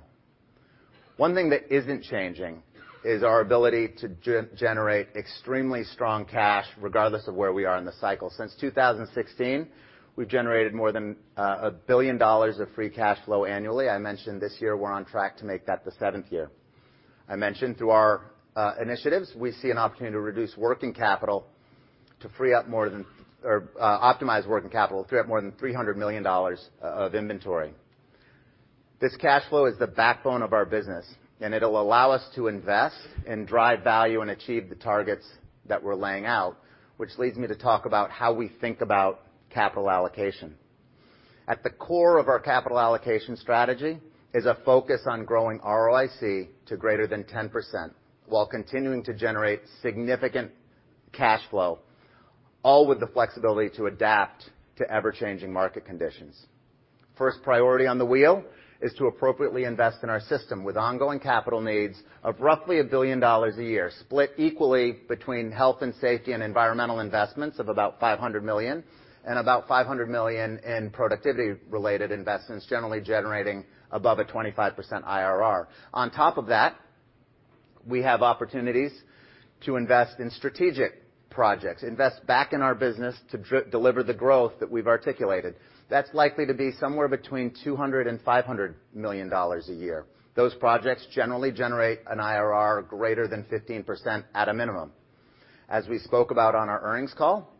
One thing that isn't changing is our ability to generate extremely strong cash, regardless of where we are in the cycle. Since 2016, we've generated more than a billion of free cash flow annually. I mentioned this year we're on track to make that the seventh year. I mentioned through our initiatives, we see an opportunity to optimize working capital to free up more than $300 million of inventory. This cash flow is the backbone of our business. It'll allow us to invest and drive value and achieve the targets that we're laying out, which leads me to talk about how we think about capital allocation. At the core of our capital allocation strategy is a focus on growing ROIC to greater than 10% while continuing to generate significant cash flow, all with the flexibility to adapt to ever-changing market conditions. First priority on the wheel is to appropriately invest in our system with ongoing capital needs of roughly $1 billion a year, split equally between health and safety and environmental investments of about $500 million, and about $500 million in productivity-related investments, generally generating above a 25% IRR. On top of that, we have opportunities to invest in strategic projects, invest back in our business to deliver the growth that we've articulated. That's likely to be somewhere between $200 million and $500 million a year. Those projects generally generate an IRR greater than 15% at a minimum. As we spoke about on our earnings call,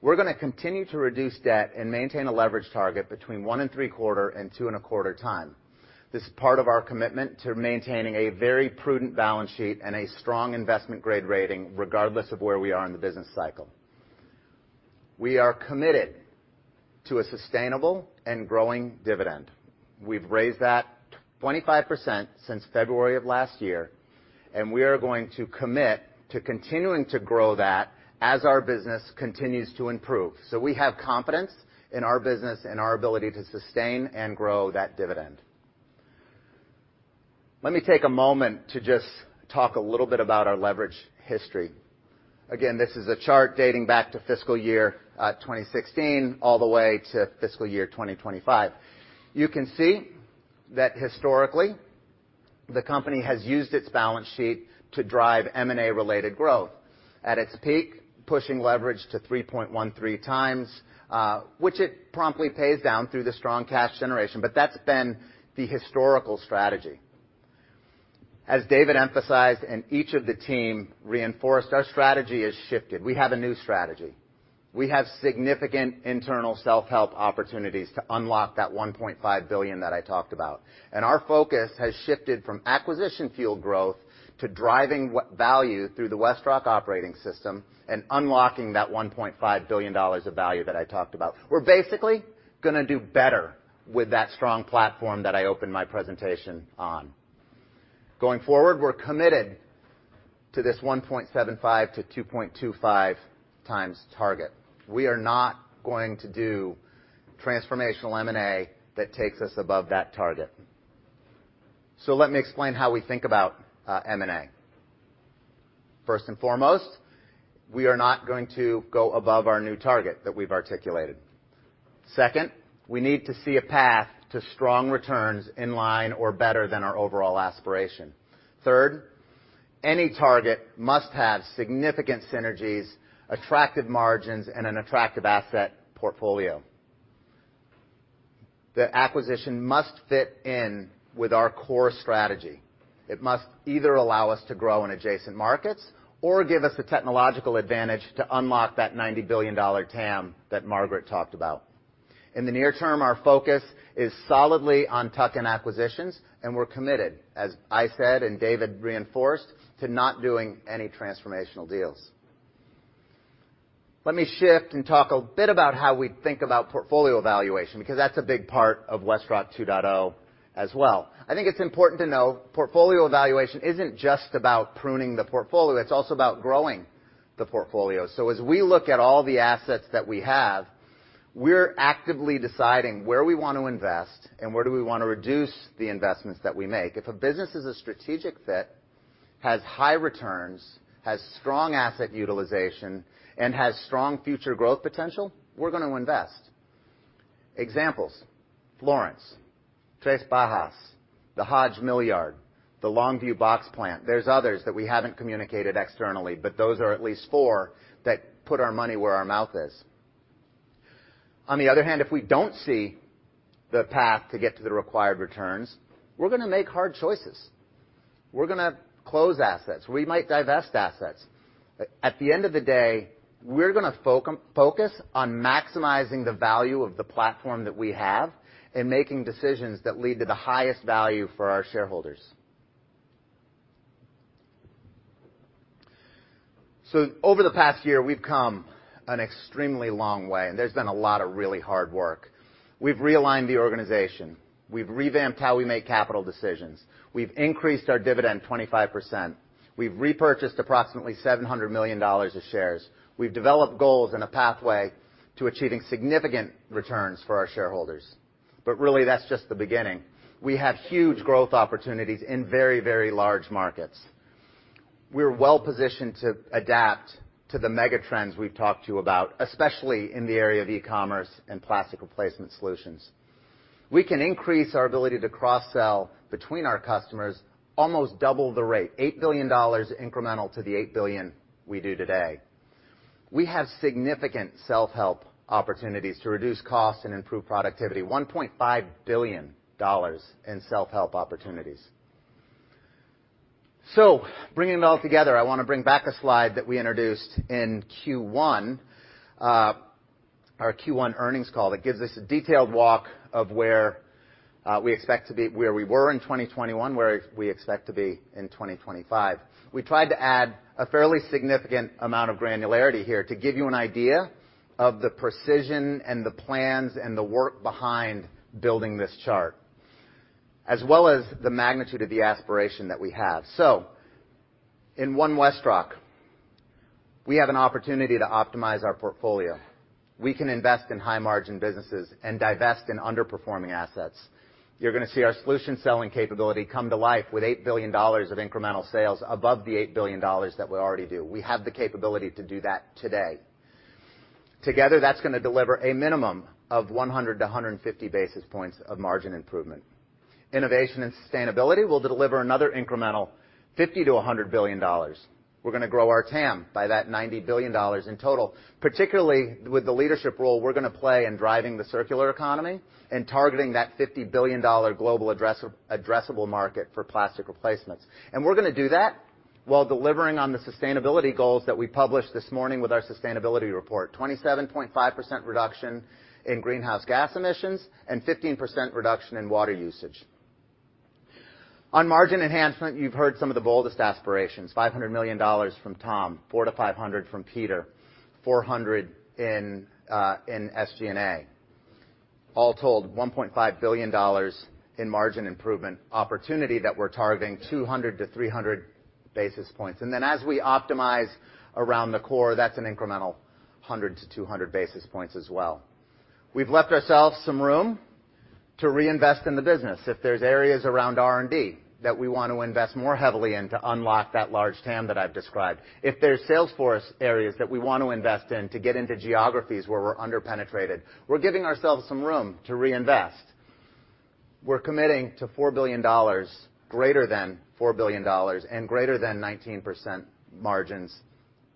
we're going to continue to reduce debt and maintain a leverage target between one and three quarter and two and a quarter times. This is part of our commitment to maintaining a very prudent balance sheet and a strong investment-grade rating, regardless of where we are in the business cycle. We are committed to a sustainable and growing dividend. We've raised that 25% since February of last year, and we are going to commit to continuing to grow that as our business continues to improve. We have confidence in our business and our ability to sustain and grow that dividend. Let me take a moment to just talk a little bit about our leverage history. This is a chart dating back to FY 2016 all the way to FY 2025. You can see that historically, the company has used its balance sheet to drive M&A-related growth. At its peak, pushing leverage to 3.13x, which it promptly pays down through the strong cash generation. That's been the historical strategy. As David emphasized, and each of the team reinforced, our strategy has shifted. We have a new strategy. We have significant internal self-help opportunities to unlock that $1.5 billion that I talked about. Our focus has shifted from acquisition-fueled growth to driving value through the WestRock Operating System and unlocking that $1.5 billion of value that I talked about. We're basically going to do better with that strong platform that I opened my presentation on. Going forward, we're committed to this 1.75x-2.25x target. We are not going to do transformational M&A that takes us above that target. Let me explain how we think about M&A. First and foremost, we are not going to go above our new target that we've articulated. Second, we need to see a path to strong returns in line or better than our overall aspiration. Third, any target must have significant synergies, attractive margins, and an attractive asset portfolio. The acquisition must fit in with our core strategy. It must either allow us to grow in adjacent markets or give us the technological advantage to unlock that $90 billion TAM that Margaret talked about. In the near term, our focus is solidly on tuck-in acquisitions, and we're committed, as I said and David reinforced, to not doing any transformational deals. Let me shift and talk a bit about how we think about portfolio evaluation, because that's a big part of WestRock 2.0 as well. I think it's important to know portfolio evaluation isn't just about pruning the portfolio, it's also about growing the portfolio. As we look at all the assets that we have, we're actively deciding where we want to invest and where do we want to reduce the investments that we make. If a business is a strategic fit, has high returns, has strong asset utilization, and has strong future growth potential, we're going to invest. Examples: Florence, Três Barras, the Hodge Mill Yard, the Longview Box Plant. There's others that we haven't communicated externally, but those are at least four that put our money where our mouth is. On the other hand, if we don't see the path to get to the required returns, we're going to make hard choices. We're going to close assets. We might divest assets. At the end of the day, we're going to focus on maximizing the value of the platform that we have and making decisions that lead to the highest value for our shareholders. Over the past year, we've come an extremely long way, and there's been a lot of really hard work. We've realigned the organization. We've revamped how we make capital decisions. We've increased our dividend 25%. We've repurchased approximately $700 million of shares. We've developed goals and a pathway to achieving significant returns for our shareholders. Really, that's just the beginning. We have huge growth opportunities in very large markets. We're well-positioned to adapt to the mega trends we've talked to you about, especially in the area of e-commerce and plastic replacement solutions. We can increase our ability to cross-sell between our customers almost double the rate, $8 billion incremental to the $8 billion we do today. We have significant self-help opportunities to reduce costs and improve productivity, $1.5 billion in self-help opportunities. Bringing it all together, I want to bring back a slide that we introduced in Q1, our Q1 earnings call, that gives us a detailed walk of where we expect to be where we were in 2021, where we expect to be in 2025. We tried to add a fairly significant amount of granularity here to give you an idea of the precision and the plans and the work behind building this chart. As well as the magnitude of the aspiration that we have. In One WestRock, we have an opportunity to optimize our portfolio. We can invest in high-margin businesses and divest in underperforming assets. You're going to see our solution selling capability come to life with $8 billion of incremental sales above the $8 billion that we already do. We have the capability to do that today. Together, that's going to deliver a minimum of 100-150 basis points of margin improvement. Innovation and sustainability will deliver another incremental $50 billion-$100 billion. We're going to grow our TAM by that $90 billion in total, particularly with the leadership role we're going to play in driving the circular economy and targeting that $50 billion global addressable market for plastic replacements. We're going to do that while delivering on the sustainability goals that we published this morning with our sustainability report, 27.5% reduction in greenhouse gas emissions and 15% reduction in water usage. On margin enhancement, you've heard some of the boldest aspirations, $500 million from Tom, $400 to $500 from Peter, $400 in SG&A. All told, $1.5 billion in margin improvement opportunity that we're targeting 200 to 300 basis points. As we optimize around the core, that's an incremental 100 to 200 basis points as well. We've left ourselves some room to reinvest in the business. If there's areas around R&D that we want to invest more heavily in to unlock that large TAM that I've described. If there's sales force areas that we want to invest in to get into geographies where we're under-penetrated, we're giving ourselves some room to reinvest. We're committing to greater than $4 billion and greater than 19% margins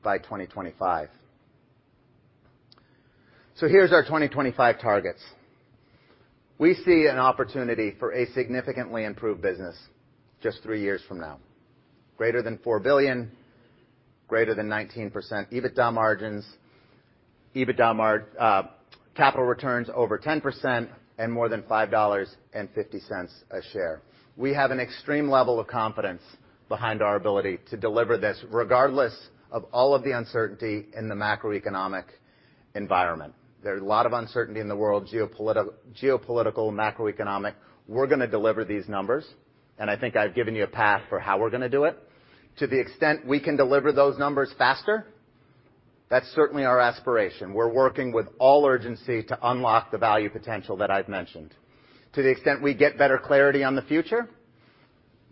by 2025. Here's our 2025 targets. We see an opportunity for a significantly improved business just three years from now. Greater than $4 billion, greater than 19% EBITDA margins, capital returns over 10%, and more than $5.50 a share. We have an extreme level of confidence behind our ability to deliver this, regardless of all of the uncertainty in the macroeconomic environment. There are a lot of uncertainty in the world, geopolitical, macroeconomic. We're going to deliver these numbers, and I think I've given you a path for how we're going to do it. To the extent we can deliver those numbers faster, that's certainly our aspiration. We're working with all urgency to unlock the value potential that I've mentioned. To the extent we get better clarity on the future,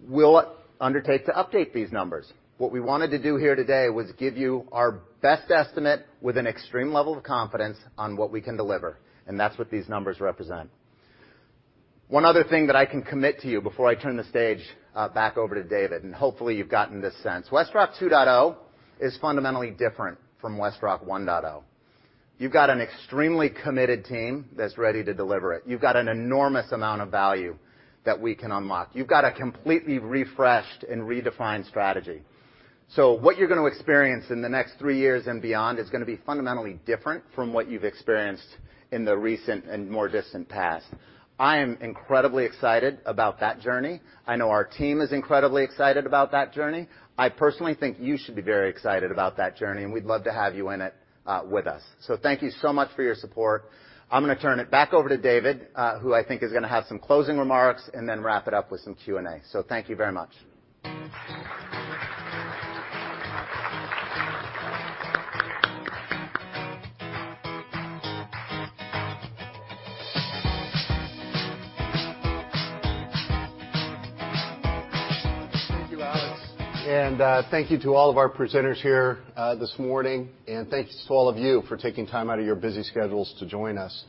we'll undertake to update these numbers. What we wanted to do here today was give you our best estimate with an extreme level of confidence on what we can deliver, and that's what these numbers represent. One other thing that I can commit to you before I turn the stage back over to David, and hopefully you've gotten this sense. WestRock 2.0 is fundamentally different from WestRock 1.0. You've got an extremely committed team that's ready to deliver it. You've got an enormous amount of value that we can unlock. You've got a completely refreshed and redefined strategy. What you're going to experience in the next three years and beyond is going to be fundamentally different from what you've experienced in the recent and more distant past. I am incredibly excited about that journey. I know our team is incredibly excited about that journey. I personally think you should be very excited about that journey, and we'd love to have you in it with us. Thank you so much for your support. I'm going to turn it back over to David, who I think is going to have some closing remarks, and then wrap it up with some Q&A. Thank you very much. Thank you, Alex. Thank you to all of our presenters here this morning, and thanks to all of you for taking time out of your busy schedules to join us.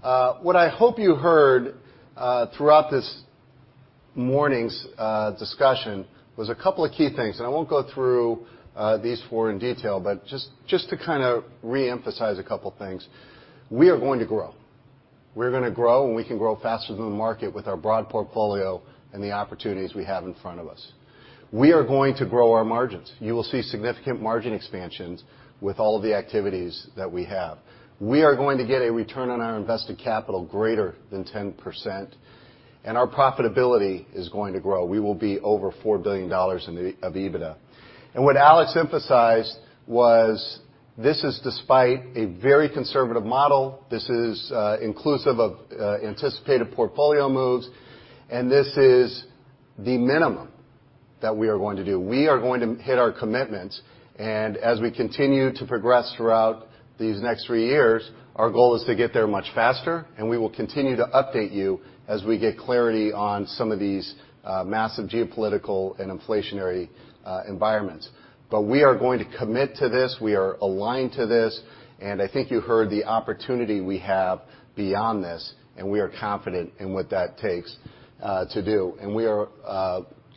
What I hope you heard throughout this morning's discussion was a couple of key things. I won't go through these four in detail, but just to kind of re-emphasize a couple things. We are going to grow. We're going to grow, and we can grow faster than the market with our broad portfolio and the opportunities we have in front of us. We are going to grow our margins. You will see significant margin expansions with all of the activities that we have. We are going to get a return on our invested capital greater than 10%, and our profitability is going to grow. We will be over $4 billion of EBITDA. What Alex emphasized was this is despite a very conservative model, this is inclusive of anticipated portfolio moves, and this is the minimum that we are going to do. We are going to hit our commitments. As we continue to progress throughout these next three years, our goal is to get there much faster, and we will continue to update you as we get clarity on some of these massive geopolitical and inflationary environments. We are going to commit to this. We are aligned to this. I think you heard the opportunity we have beyond this, and we are confident in what that takes to do. We are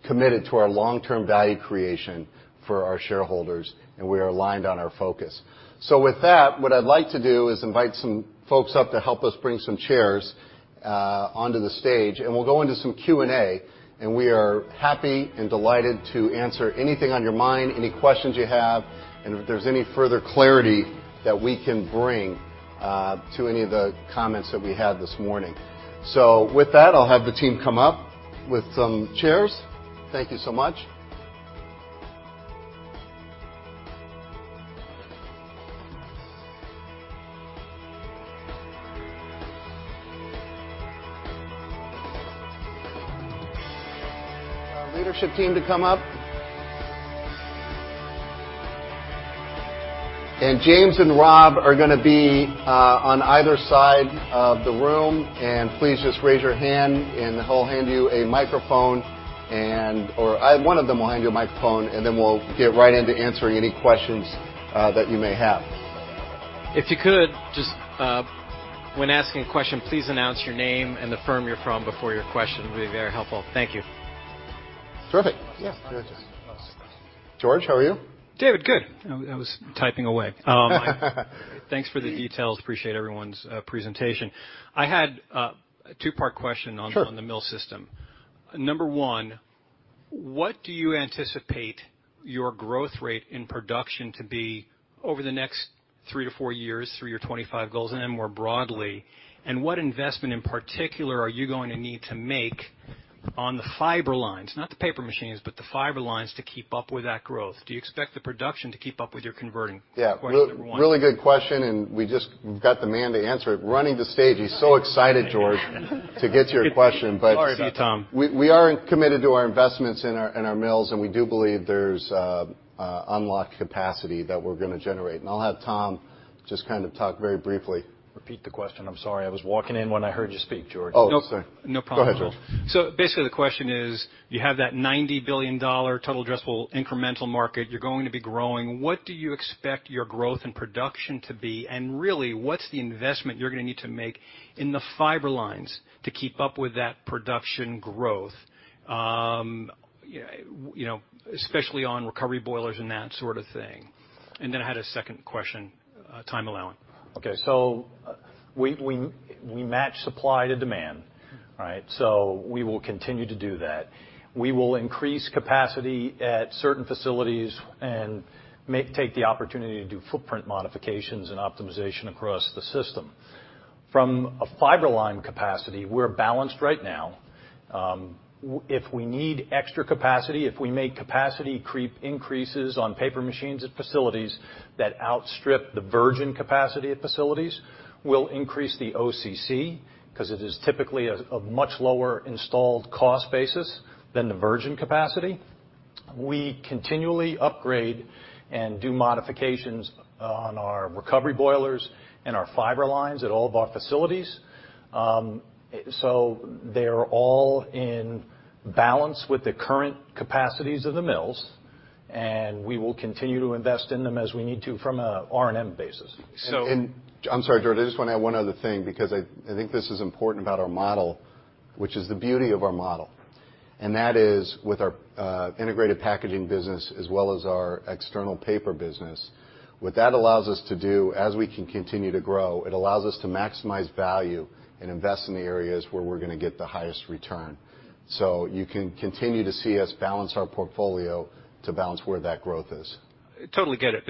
committed to our long-term value creation for our shareholders, and we are aligned on our focus. With that, what I'd like to do is invite some folks up to help us bring some chairs onto the stage, and we'll go into some Q&A, and we are happy and delighted to answer anything on your mind, any questions you have, and if there's any further clarity that we can bring to any of the comments that we had this morning. With that, I'll have the team come up with some chairs. Thank you so much. Our leadership team to come up. James and Rob are going to be on either side of the room, and please just raise your hand, and he'll hand you a microphone, or one of them will hand you a microphone, we'll get right into answering any questions that you may have. If you could, just when asking a question, please announce your name and the firm you're from before your question. It would be very helpful. Thank you. Terrific. Yeah. George, how are you? David, good. I was typing away. Thanks for the details. Appreciate everyone's presentation. I had a two-part question. Sure. On the mill system. Number one, what do you anticipate your growth rate in production to be over the next three to four years, through your 2025 goals and then more broadly, and what investment in particular are you going to need to make on the fiber lines, not the paper machines, but the fiber lines to keep up with that growth? Do you expect the production to keep up with your converting? Yeah. Question number one. Really good question. We just got the man to answer it. Running the stage. He's so excited, George, to get your question. Sorry about that, Tom, we are committed to our investments in our mills, and we do believe there's unlocked capacity that we're going to generate. I'll have Tom just kind of talk very briefly. Repeat the question. I'm sorry. I was walking in when I heard you speak, George. Sorry. No problem. Go ahead, George. Basically, the question is: You have that $90 billion total addressable incremental market. You're going to be growing. What do you expect your growth in production to be? Really, what's the investment you're going to need to make in the fiber lines to keep up with that production growth? Especially on recovery boilers and that sort of thing. Then I had a second question, time allowing. Okay. We match supply to demand, right? We will continue to do that. We will increase capacity at certain facilities and may take the opportunity to do footprint modifications and optimization across the system. From a fiber line capacity, we're balanced right now. If we need extra capacity, if we make capacity creep increases on paper machines at facilities that outstrip the virgin capacity at facilities, we'll increase the OCC, because it is typically a much lower installed cost basis than the virgin capacity. We continually upgrade and do modifications on our recovery boilers and our fiber lines at all of our facilities. They're all in balance with the current capacities of the mills, and we will continue to invest in them as we need to from an R&M basis. I'm sorry, George, I just want to add one other thing because I think this is important about our model, which is the beauty of our model, and that is with our integrated packaging business as well as our external paper business. What that allows us to do, as we can continue to grow, it allows us to maximize value and invest in the areas where we're going to get the highest return. You can continue to see us balance our portfolio to balance where that growth is. Totally get it.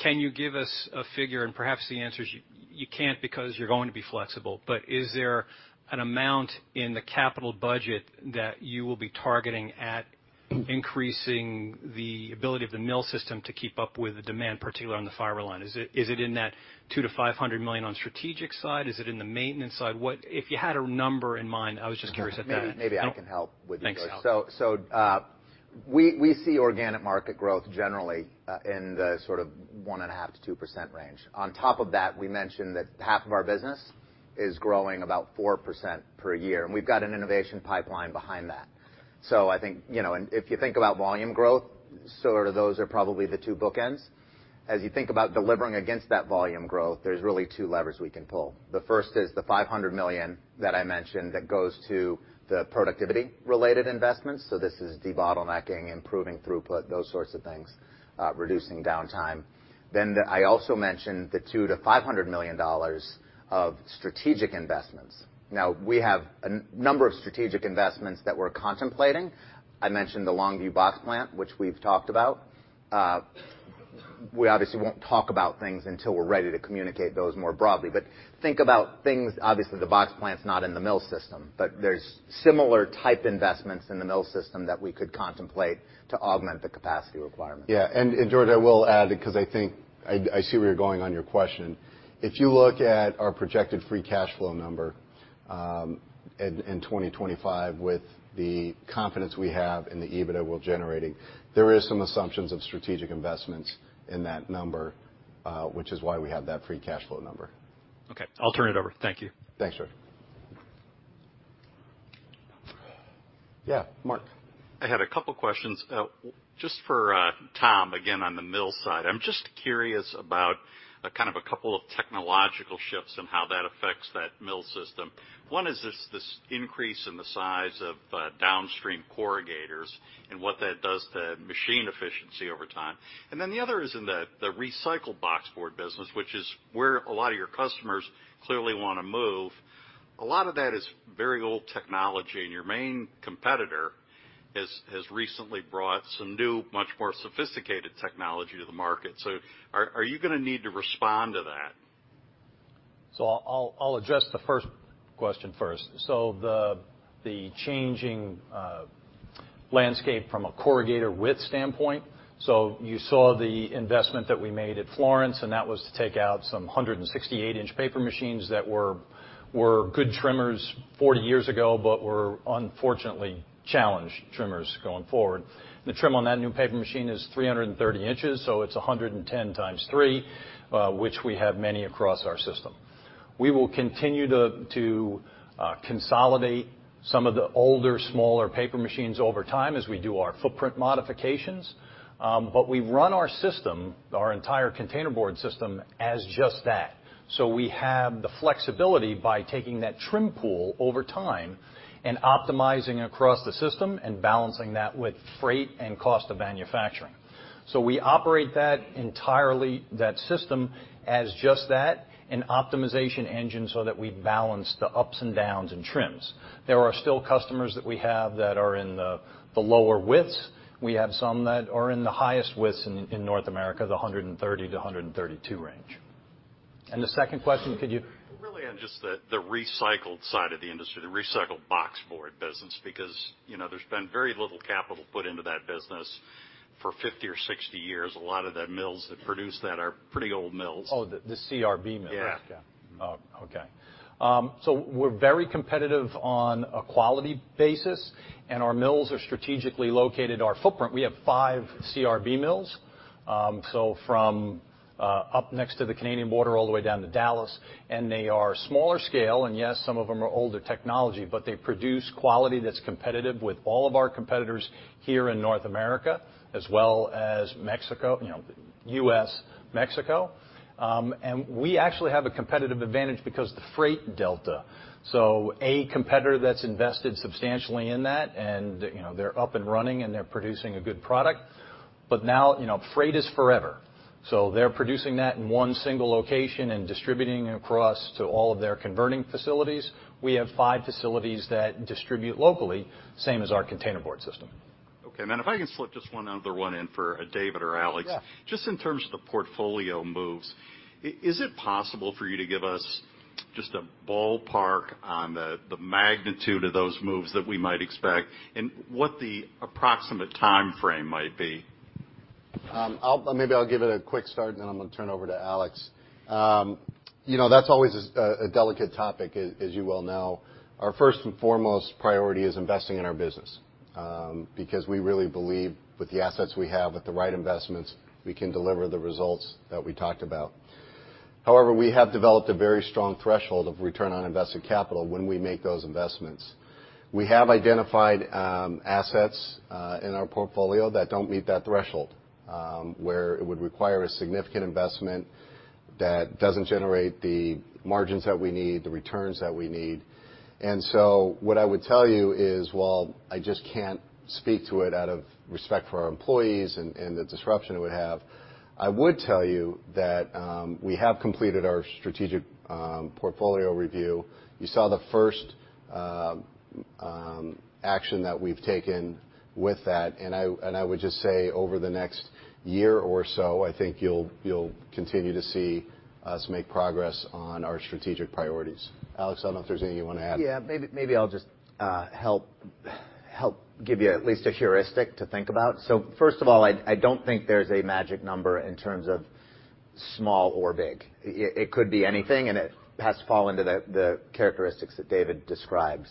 Can you give us a figure, and perhaps the answer is you can't because you're going to be flexible, but is there an amount in the capital budget that you will be targeting at increasing the ability of the mill system to keep up with the demand, particularly on the fiber line? Is it in that $200 million-$500 million on strategic side? Is it in the maintenance side? If you had a number in mind, I was just curious at that end. Maybe I can help with. Thanks, Al. We see organic market growth generally in the sort of 1.5%-2% range. On top of that, we mentioned that half of our business is growing about 4% per year, and we've got an innovation pipeline behind that. I think, and if you think about volume growth, sort of those are probably the two bookends. As you think about delivering against that volume growth, there's really two levers we can pull. The first is the $500 million that I mentioned that goes to the productivity-related investments. This is debottlenecking, improving throughput, those sorts of things, reducing downtime. I also mentioned the $200 million-$500 million of strategic investments. We have a number of strategic investments that we're contemplating. I mentioned the Longview box plant, which we've talked about. We obviously won't talk about things until we're ready to communicate those more broadly. Think about things, obviously, the box plant's not in the mill system, but there's similar type investments in the mill system that we could contemplate to augment the capacity requirement. Yeah. George, I will add, because I think I see where you're going on your question. If you look at our projected free cash flow number in 2025 with the confidence we have in the EBITDA we're generating, there is some assumptions of strategic investments in that number, which is why we have that free cash flow number. Okay. I'll turn it over. Thank you. Thanks, George. Yeah, Mark. I had a couple questions. Just for Tom, again, on the mill side. I'm just curious about kind of a couple of technological shifts and how that affects that mill system. One is this increase in the size of downstream corrugators and what that does to machine efficiency over time. The other is in the recycled boxboard business, which is where a lot of your customers clearly want to move. A lot of that is very old technology, and your main competitor has recently brought some new, much more sophisticated technology to the market. Are you going to need to respond to that? I'll address the first question first. The changing landscape from a corrugator width standpoint. You saw the investment that we made at Florence, and that was to take out some 168 in paper machines that were good trimmers 40 years ago, but were unfortunately challenged trimmers going forward. The trim on that new paper machine is 330 in, so it's 110 times three, which we have many across our system. We will continue to consolidate some of the older, smaller paper machines over time as we do our footprint modifications. We run our system, our entire containerboard system, as just that. We have the flexibility by taking that trim pool over time and optimizing across the system and balancing that with freight and cost of manufacturing. We operate that entirely, that system, as just that, an optimization engine so that we balance the ups and downs in trims. There are still customers that we have that are in the lower widths. We have some that are in the highest widths in North America, the 130-132 range. The second question, could you? Really on just the recycled side of the industry, the recycled boxboard business, because there's been very little capital put into that business for 50 or 60 years. A lot of the mills that produce that are pretty old mills. Oh, the CRB mills? Yeah. Yeah. Oh, okay. We're very competitive on a quality basis, and our mills are strategically located. Our footprint, we have five CRB mills. From up next to the Canadian border all the way down to Dallas, and they are smaller scale, and yes, some of them are older technology, but they produce quality that's competitive with all of our competitors here in North America, as well as Mexico, U.S., Mexico. We actually have a competitive advantage because the freight delta. A competitor that's invested substantially in that, and they're up and running, and they're producing a good product. Now, freight is forever. They're producing that in one single location and distributing across to all of their converting facilities. We have five facilities that distribute locally, same as our containerboard system. Okay. Then if I can slip just one other one in for David or Alex. Yeah. Just in terms of the portfolio moves, is it possible for you to give us just a ballpark on the magnitude of those moves that we might expect, and what the approximate timeframe might be? Maybe I'll give it a quick start, and then I'm going to turn it over to Alex. That's always a delicate topic, as you well know. Our first and foremost priority is investing in our business. We really believe with the assets we have, with the right investments, we can deliver the results that we talked about. However, we have developed a very strong threshold of return on invested capital when we make those investments. We have identified assets in our portfolio that don't meet that threshold, where it would require a significant investment that doesn't generate the margins that we need, the returns that we need. What I would tell you is while I just can't speak to it out of respect for our employees and the disruption it would have, I would tell you that we have completed our strategic portfolio review. You saw the first action that we've taken with that. I would just say over the next year or so, I think you'll continue to see us make progress on our strategic priorities. Alex, I don't know if there's anything you want to add. Yeah. Maybe I'll just help give you at least a heuristic to think about. First of all, I don't think there's a magic number in terms of small or big. It could be anything, and it has to fall into the characteristics that David described.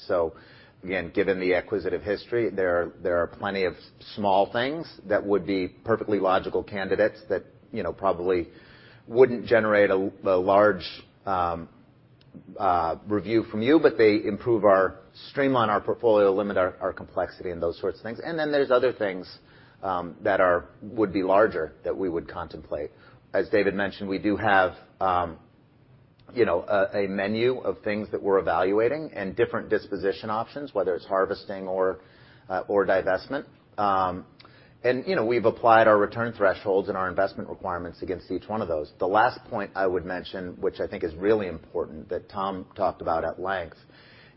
Again, given the acquisitive history, there are plenty of small things that would be perfectly logical candidates that probably wouldn't generate a large review from you, but they improve, streamline our portfolio, limit our complexity, and those sorts of things. There's other things that would be larger that we would contemplate. As David mentioned, we do have a menu of things that we're evaluating and different disposition options, whether it's harvesting or divestment. We've applied our return thresholds and our investment requirements against each one of those. The last point I would mention, which I think is really important, that Tom talked about at length,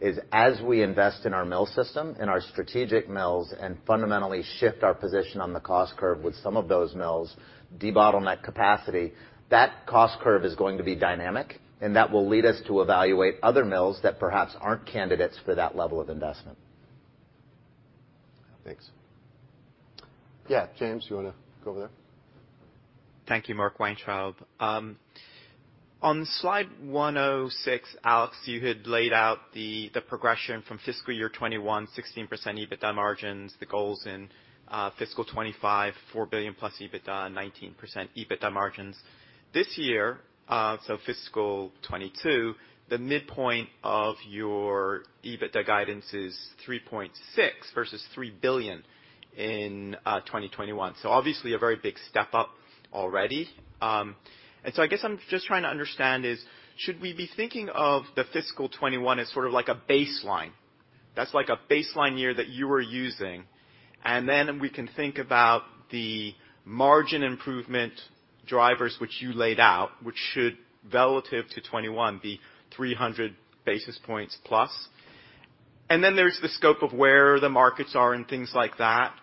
is as we invest in our mill system, in our strategic mills, and fundamentally shift our position on the cost curve with some of those mills, debottleneck capacity, that cost curve is going to be dynamic, and that will lead us to evaluate other mills that perhaps aren't candidates for that level of investment. Thanks. Yeah, James, you want to go over there? Thank you. Mark Weintraub. On slide 106, Alex, you had laid out the progression from fiscal year 2021, 16% EBITDA margins, the goals in fiscal 2025, $4 billion plus EBITDA, 19% EBITDA margins. This year, so fiscal 2022, the midpoint of your EBITDA guidance is $3.6 billion versus $3 billion in 2021. Obviously, a very big step up already. I guess I'm just trying to understand is, should we be thinking of the fiscal 2021 as sort of like a baseline? That's like a baseline year that you were using, and then we can think about the margin improvement drivers which you laid out, which should, relative to 2021, be 300 basis points plus? Then there's the scope of where the markets are and things like that.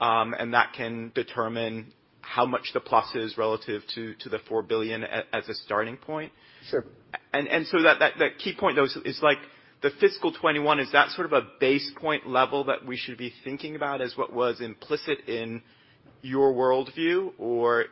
That can determine how much the plus is relative to the $4 billion as a starting point. Sure. That key point though, is like the fiscal 2021, is that sort of a base point level that we should be thinking about as what was implicit in your worldview or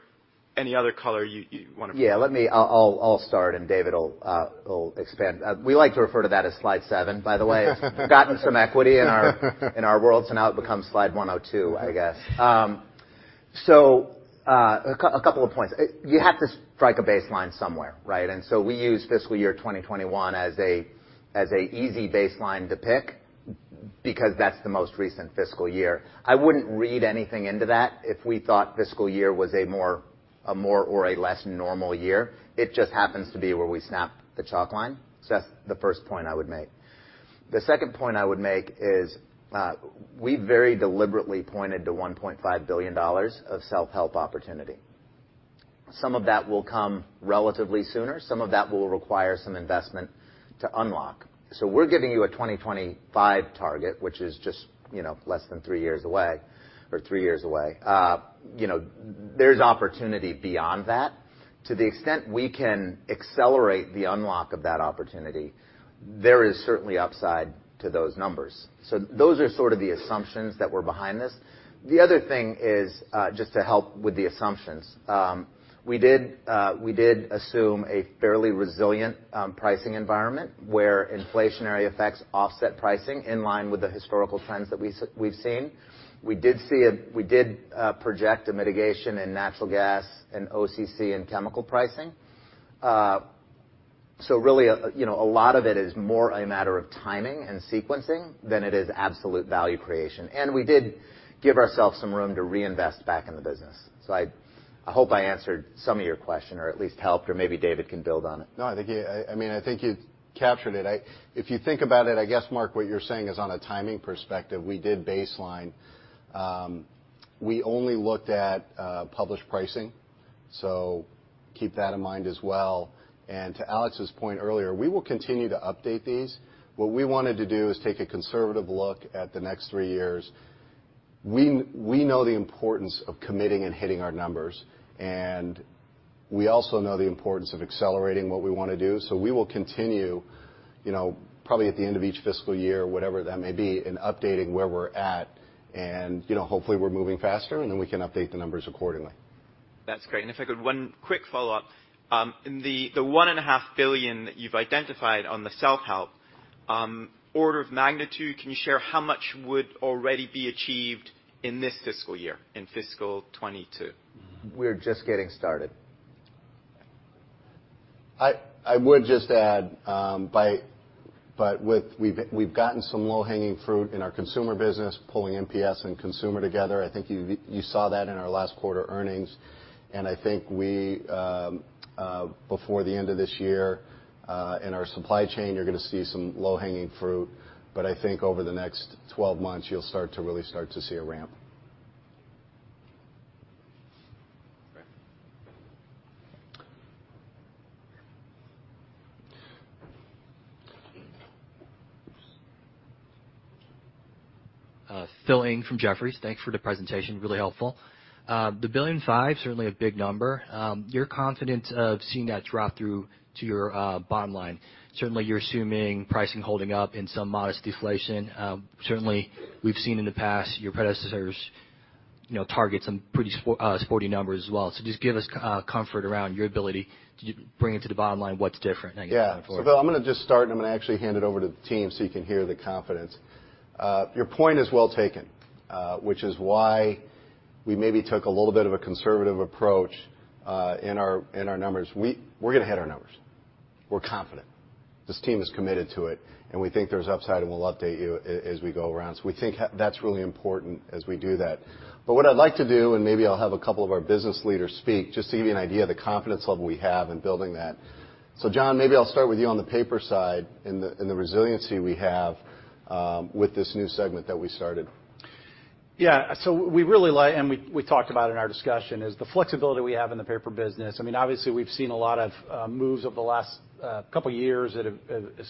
any other color you want to provide? Yeah, I'll start and David will expand. We like to refer to that as slide seven, by the way. It's gotten some equity in our world, now it becomes slide 102, I guess. A couple of points. You have to strike a baseline somewhere, right? We use fiscal year 2021 as a easy baseline to pick because that's the most recent fiscal year. I wouldn't read anything into that if we thought fiscal year was a more or a less normal year. It just happens to be where we snap the chalk line. That's the first point I would make. The second point I would make is, we very deliberately pointed to $1.5 billion of self-help opportunity. Some of that will come relatively sooner. Some of that will require some investment to unlock. We're giving you a 2025 target, which is just less than three years away or three years away. There's opportunity beyond that. To the extent we can accelerate the unlock of that opportunity, there is certainly upside to those numbers. Those are sort of the assumptions that were behind this. The other thing is, just to help with the assumptions, we did assume a fairly resilient pricing environment where inflationary effects offset pricing in line with the historical trends that we've seen. We did project a mitigation in natural gas and OCC and chemical pricing. Really, a lot of it is more a matter of timing and sequencing than it is absolute value creation. We did give ourselves some room to reinvest back in the business. I hope I answered some of your question or at least helped, or maybe David can build on it. I think you captured it. If you think about it, I guess, Mark, what you're saying is on a timing perspective, we did baseline. We only looked at published pricing, keep that in mind as well. To Alex's point earlier, we will continue to update these. What we wanted to do is take a conservative look at the next three years. We know the importance of committing and hitting our numbers, and we also know the importance of accelerating what we want to do. We will continue, probably at the end of each fiscal year, whatever that may be, in updating where we're at. Hopefully we're moving faster, and then we can update the numbers accordingly. That's great. If I could, one quick follow-up. In the $1.5 billion that you've identified on the self-help, order of magnitude, can you share how much would already be achieved in this fiscal year, in fiscal 2022? We're just getting started. I would just add, we've gotten some low-hanging fruit in our consumer business, pulling MPS and consumer together. I think you saw that in our last quarter earnings. I think before the end of this year, in our supply chain, you're going to see some low-hanging fruit. I think over the next 12 months, you'll start to really see a ramp. Great. Phil Ng from Jefferies. Thanks for the presentation, really helpful. The $1.5 billion, certainly a big number. You're confident of seeing that drop through to your bottom line. Certainly, you're assuming pricing holding up and some modest deflation. Certainly, we've seen in the past your predecessors target some pretty sporty numbers as well. Just give us comfort around your ability to bring it to the bottom line, what's different, I guess? Yeah. Going forward. Phil, I'm going to just start, and I'm going to actually hand it over to the team so you can hear the confidence. Your point is well taken, which is why we maybe took a little bit of a conservative approach in our numbers. We're going to hit our numbers. We're confident. This team is committed to it, and we think there's upside, and we'll update you as we go around. We think that's really important as we do that. What I'd like to do, and maybe I'll have a couple of our business leaders speak, just to give you an idea of the confidence level we have in building that. John, maybe I'll start with you on the paper side and the resiliency we have with this new segment that we started. We really like, and we talked about in our discussion, is the flexibility we have in the paper business. Obviously we've seen a lot of moves over the last couple of years that have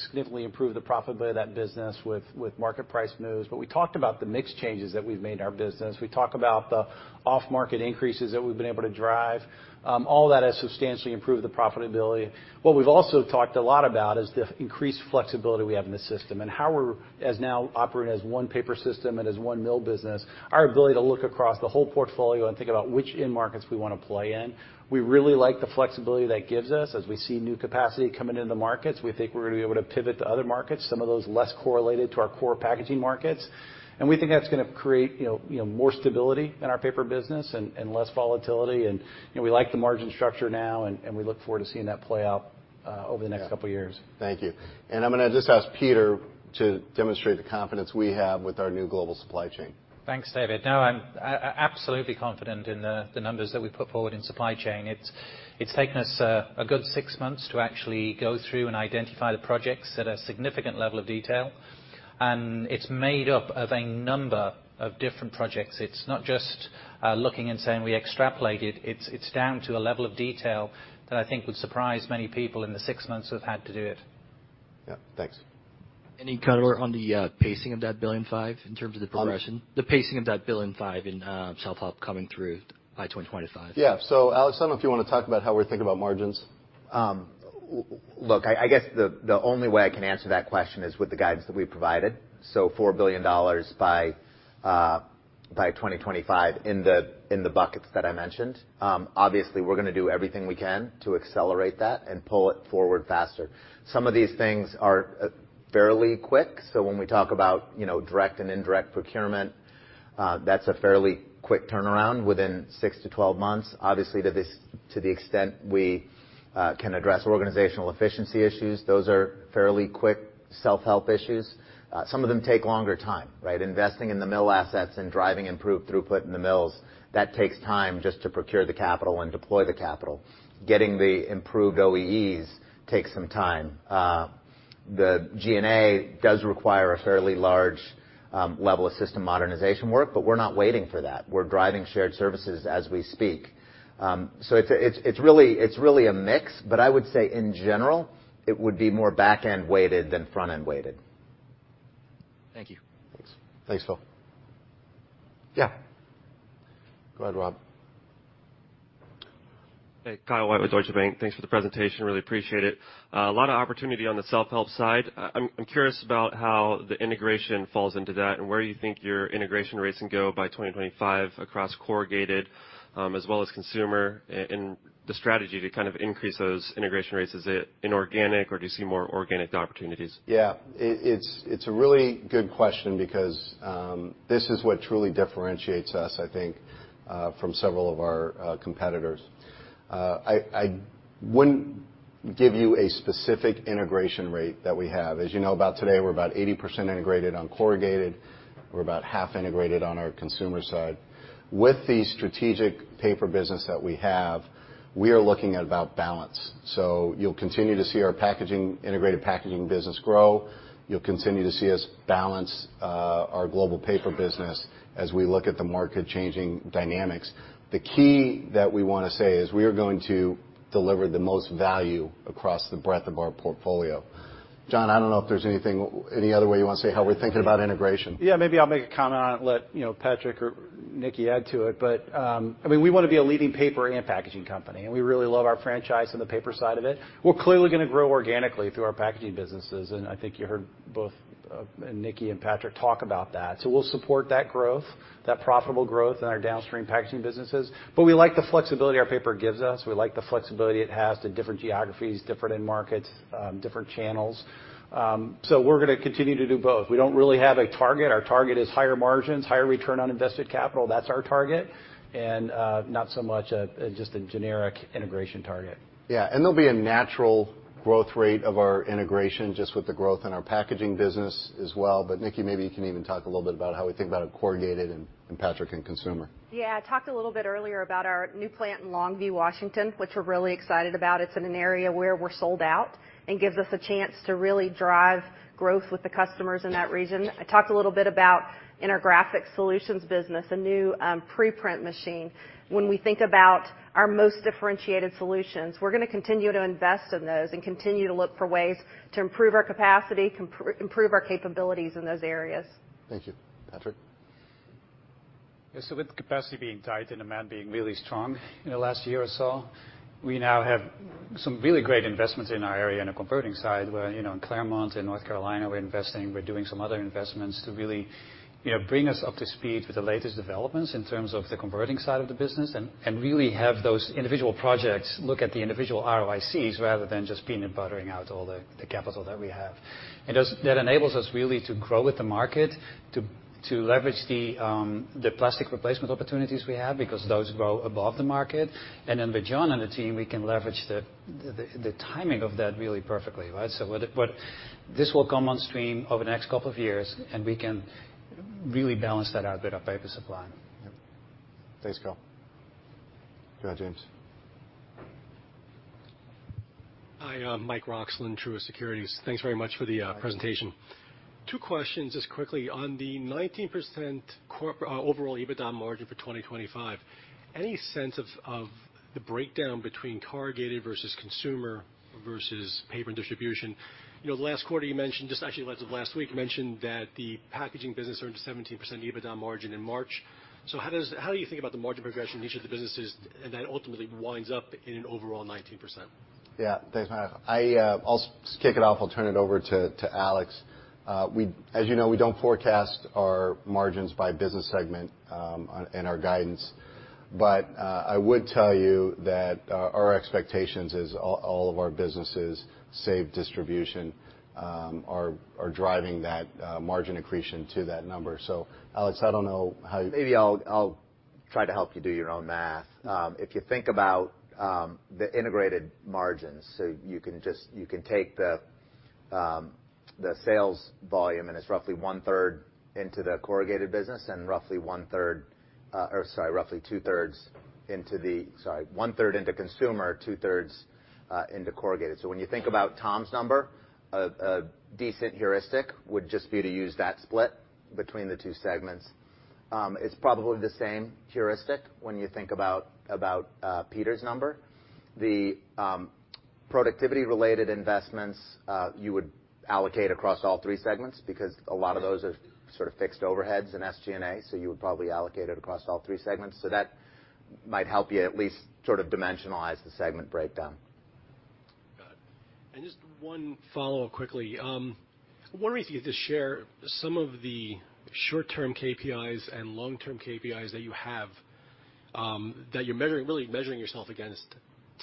significantly improved the profitability of that business with market price moves. We talked about the mix changes that we've made in our business. We talk about the off-market increases that we've been able to drive. All that has substantially improved the profitability. We've also talked a lot about is the increased flexibility we have in the system and how we're as now operating as one paper system and as one mill business, our ability to look across the whole portfolio and think about which end markets we want to play in. We really like the flexibility that gives us. As we see new capacity coming into the markets, we think we're going to be able to pivot to other markets, some of those less correlated to our core packaging markets. We think that's going to create more stability in our paper business and less volatility. We like the margin structure now, and we look forward to seeing that play out over the next couple of years. Thank you. I'm going to just ask Peter to demonstrate the confidence we have with our new global supply chain. Thanks, David. I'm absolutely confident in the numbers that we've put forward in supply chain. It's taken us a good six months to actually go through and identify the projects at a significant level of detail. It's made up of a number of different projects. It's not just looking and saying we extrapolated. It's down to a level of detail that I think would surprise many people in the six months we've had to do it. Yeah, thanks. Any color on the pacing of that $1.5 billion in terms of the progression? The pacing of that $1.5 billion in self-help coming through by 2025. Yeah. Alex, I don't know if you want to talk about how we think about margins? I guess the only way I can answer that question is with the guidance that we provided. $4 billion by 2025 in the buckets that I mentioned. We're going to do everything we can to accelerate that and pull it forward faster. Some of these things are fairly quick, so when we talk about direct and indirect procurement, that's a fairly quick turnaround within six-12 months. To the extent we can address organizational efficiency issues, those are fairly quick self-help issues. Some of them take longer time. Investing in the mill assets and driving improved throughput in the mills, that takes time just to procure the capital and deploy the capital. Getting the improved OEEs takes some time. The G&A does require a fairly large level of system modernization work, but we're not waiting for that. We're driving shared services as we speak. It's really a mix, but I would say, in general, it would be more back-end weighted than front-end weighted. Thank you. Thanks. Thanks, Phil. Yeah. Go ahead, Rob. Hey, Kyle White with Deutsche Bank. Thanks for the presentation, really appreciate it. A lot of opportunity on the self-help side. I'm curious about how the integration falls into that and where you think your integration rates can go by 2025 across corrugated, as well as consumer, and the strategy to kind of increase those integration rates. Is it inorganic, or do you see more organic opportunities? Yeah. It's a really good question because this is what truly differentiates us, I think, from several of our competitors. I wouldn't give you a specific integration rate that we have. As you know, about today, we're about 80% integrated on corrugated. We're about half integrated on our consumer side. With the strategic paper business that we have, we are looking at about balance. You'll continue to see our integrated packaging business grow. You'll continue to see us balance our global paper business as we look at the market-changing dynamics. The key that we want to say is we are going to deliver the most value across the breadth of our portfolio. John, I don't know if there's any other way you want to say how we're thinking about integration. Yeah, maybe I'll make a comment on it and let Patrick or Nickie add to it. We want to be a leading paper and packaging company, and we really love our franchise on the paper side of it. We're clearly going to grow organically through our packaging businesses, and I think you heard both Nickie and Patrick talk about that. We'll support that growth, that profitable growth in our downstream packaging businesses. We like the flexibility our paper gives us. We like the flexibility it has to different geographies, different end markets, different channels. We're going to continue to do both. We don't really have a target. Our target is higher margins, higher return on invested capital. That's our target, and not so much just a generic integration target. Yeah, there'll be a natural growth rate of our integration just with the growth in our packaging business as well. Nickie, maybe you can even talk a little bit about how we think about it in corrugated, and Patrick in consumer. I talked a little bit earlier about our new plant in Longview, Washington, which we're really excited about. It's in an area where we're sold out and gives us a chance to really drive growth with the customers in that region. I talked a little bit about, in our graphics solutions business, a new pre-print machine. When we think about our most differentiated solutions, we're going to continue to invest in those and continue to look for ways to improve our capacity, improve our capabilities in those areas. Thank you. Patrick? Yeah. With capacity being tight and demand being really strong in the last year or so, we now have some really great investments in our area in the converting side, where in Claremont, in North Carolina, we're investing. We're doing some other investments to really bring us up to speed with the latest developments in terms of the converting side of the business, and really have those individual projects look at the individual ROICs rather than just peanut buttering out all the capital that we have. That enables us really to grow with the market, to leverage the plastic replacement opportunities we have because those grow above the market. With John and the team, we can leverage the timing of that really perfectly, right? This will come on stream over the next couple of years, and we can really balance that out with our paper supply. Yep. Thanks, Kyle. Go ahead, James. Hi, Mike Roxland, Truist Securities. Thanks very much for the presentation. Hi. Two questions just quickly. On the 19% overall EBITDA margin for 2025, any sense of the breakdown between Corrugated versus Consumer versus Paper and Distribution? Last quarter you mentioned, just actually as of last week, mentioned that the packaging business earned a 17% EBITDA margin in March. How do you think about the margin progression in each of the businesses, and that ultimately winds up in an overall 19%? Yeah. Thanks, Mike. I'll kick it off. I'll turn it over to Alex. As you know, we don't forecast our margins by business segment in our guidance. I would tell you that our expectations is all of our businesses, save distribution, are driving that margin accretion to that number. Alex, I don't know how. Maybe I'll try to help you do your own math. If you think about the integrated margins, you can take the sales volume, and it's roughly one-third into consumer, two-thirds into corrugated. When you think about Tom's number, a decent heuristic would just be to use that split between the two segments. It's probably the same heuristic when you think about Peter's number. The productivity-related investments, you would allocate across all three segments, because a lot of those are sort of fixed overheads in SG&A, you would probably allocate it across all three segments. That might help you at least sort of dimensionalize the segment breakdown. Got it. Just one follow-up quickly. I was wondering if you could just share some of the short-term KPIs and long-term KPIs that you have that you're really measuring yourself against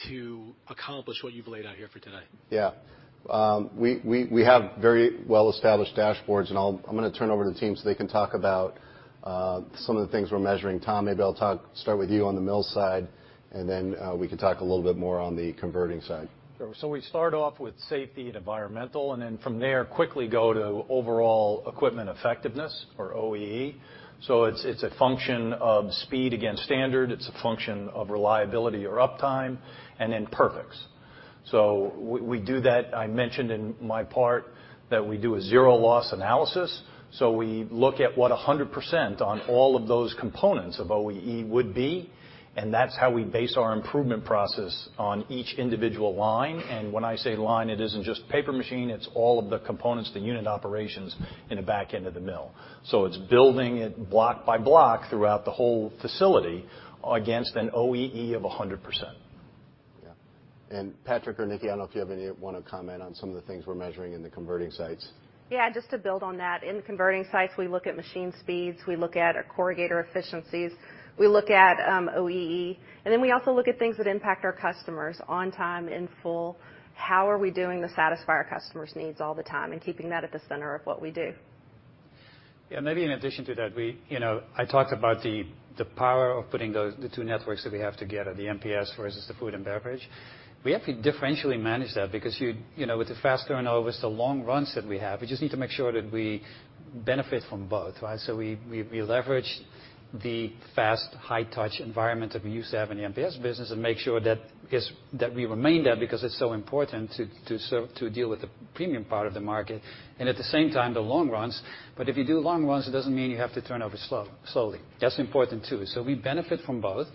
to accomplish what you've laid out here for today. Yeah. We have very well-established dashboards, and I'm going to turn it over to the team so they can talk about some of the things we're measuring. Tom, maybe I'll start with you on the mill side, and then we can talk a little bit more on the converting side. Sure. We start off with safety and environmental, from there, quickly go to overall equipment effectiveness or OEE. It's a function of speed against standard. It's a function of reliability or uptime, perfects. We do that. I mentioned in my part that we do a zero loss analysis. We look at what 100% on all of those components of OEE would be, and that's how we base our improvement process on each individual line. When I say line, it isn't just paper machine, it's all of the components, the unit operations in the back end of the mill. It's building it block by block throughout the whole facility against an OEE of 100%. Yeah. Patrick or Nickie, I don't know if you want to comment on some of the things we're measuring in the converting sites. Yeah, just to build on that. In the converting sites, we look at machine speeds. We look at our corrugator efficiencies. We look at OEE, and then we also look at things that impact our customers, on time, in full. How are we doing to satisfy our customers' needs all the time and keeping that at the center of what we do? Yeah, maybe in addition to that, I talked about the power of putting the two networks that we have together, the MPS versus the food and beverage. We have to differentially manage that because with the fast turnover, the long runs that we have, we just need to make sure that we benefit from both, right? We leverage the fast, high touch environment that we used to have in the MPS business and make sure that we remain there because it's so important to deal with the premium part of the market, and at the same time, the long runs. If you do long runs, it doesn't mean you have to turn over slowly. That's important too. We benefit from both.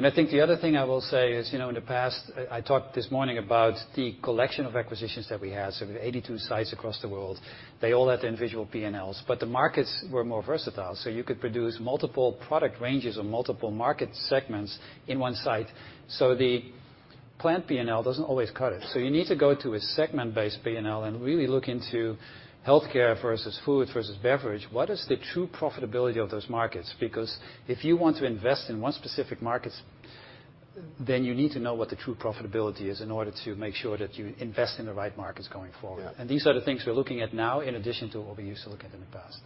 I think the other thing I will say is, in the past, I talked this morning about the collection of acquisitions that we had. We have 82 sites across the world. They all had their individual P&Ls, but the markets were more versatile. You could produce multiple product ranges or multiple market segments in one site. The plant P&L doesn't always cut it. You need to go to a segment-based P&L and really look into healthcare versus food versus beverage. What is the true profitability of those markets? If you want to invest in one specific market, then you need to know what the true profitability is in order to make sure that you invest in the right markets going forward. Yeah. These are the things we're looking at now in addition to what we used to look at in the past.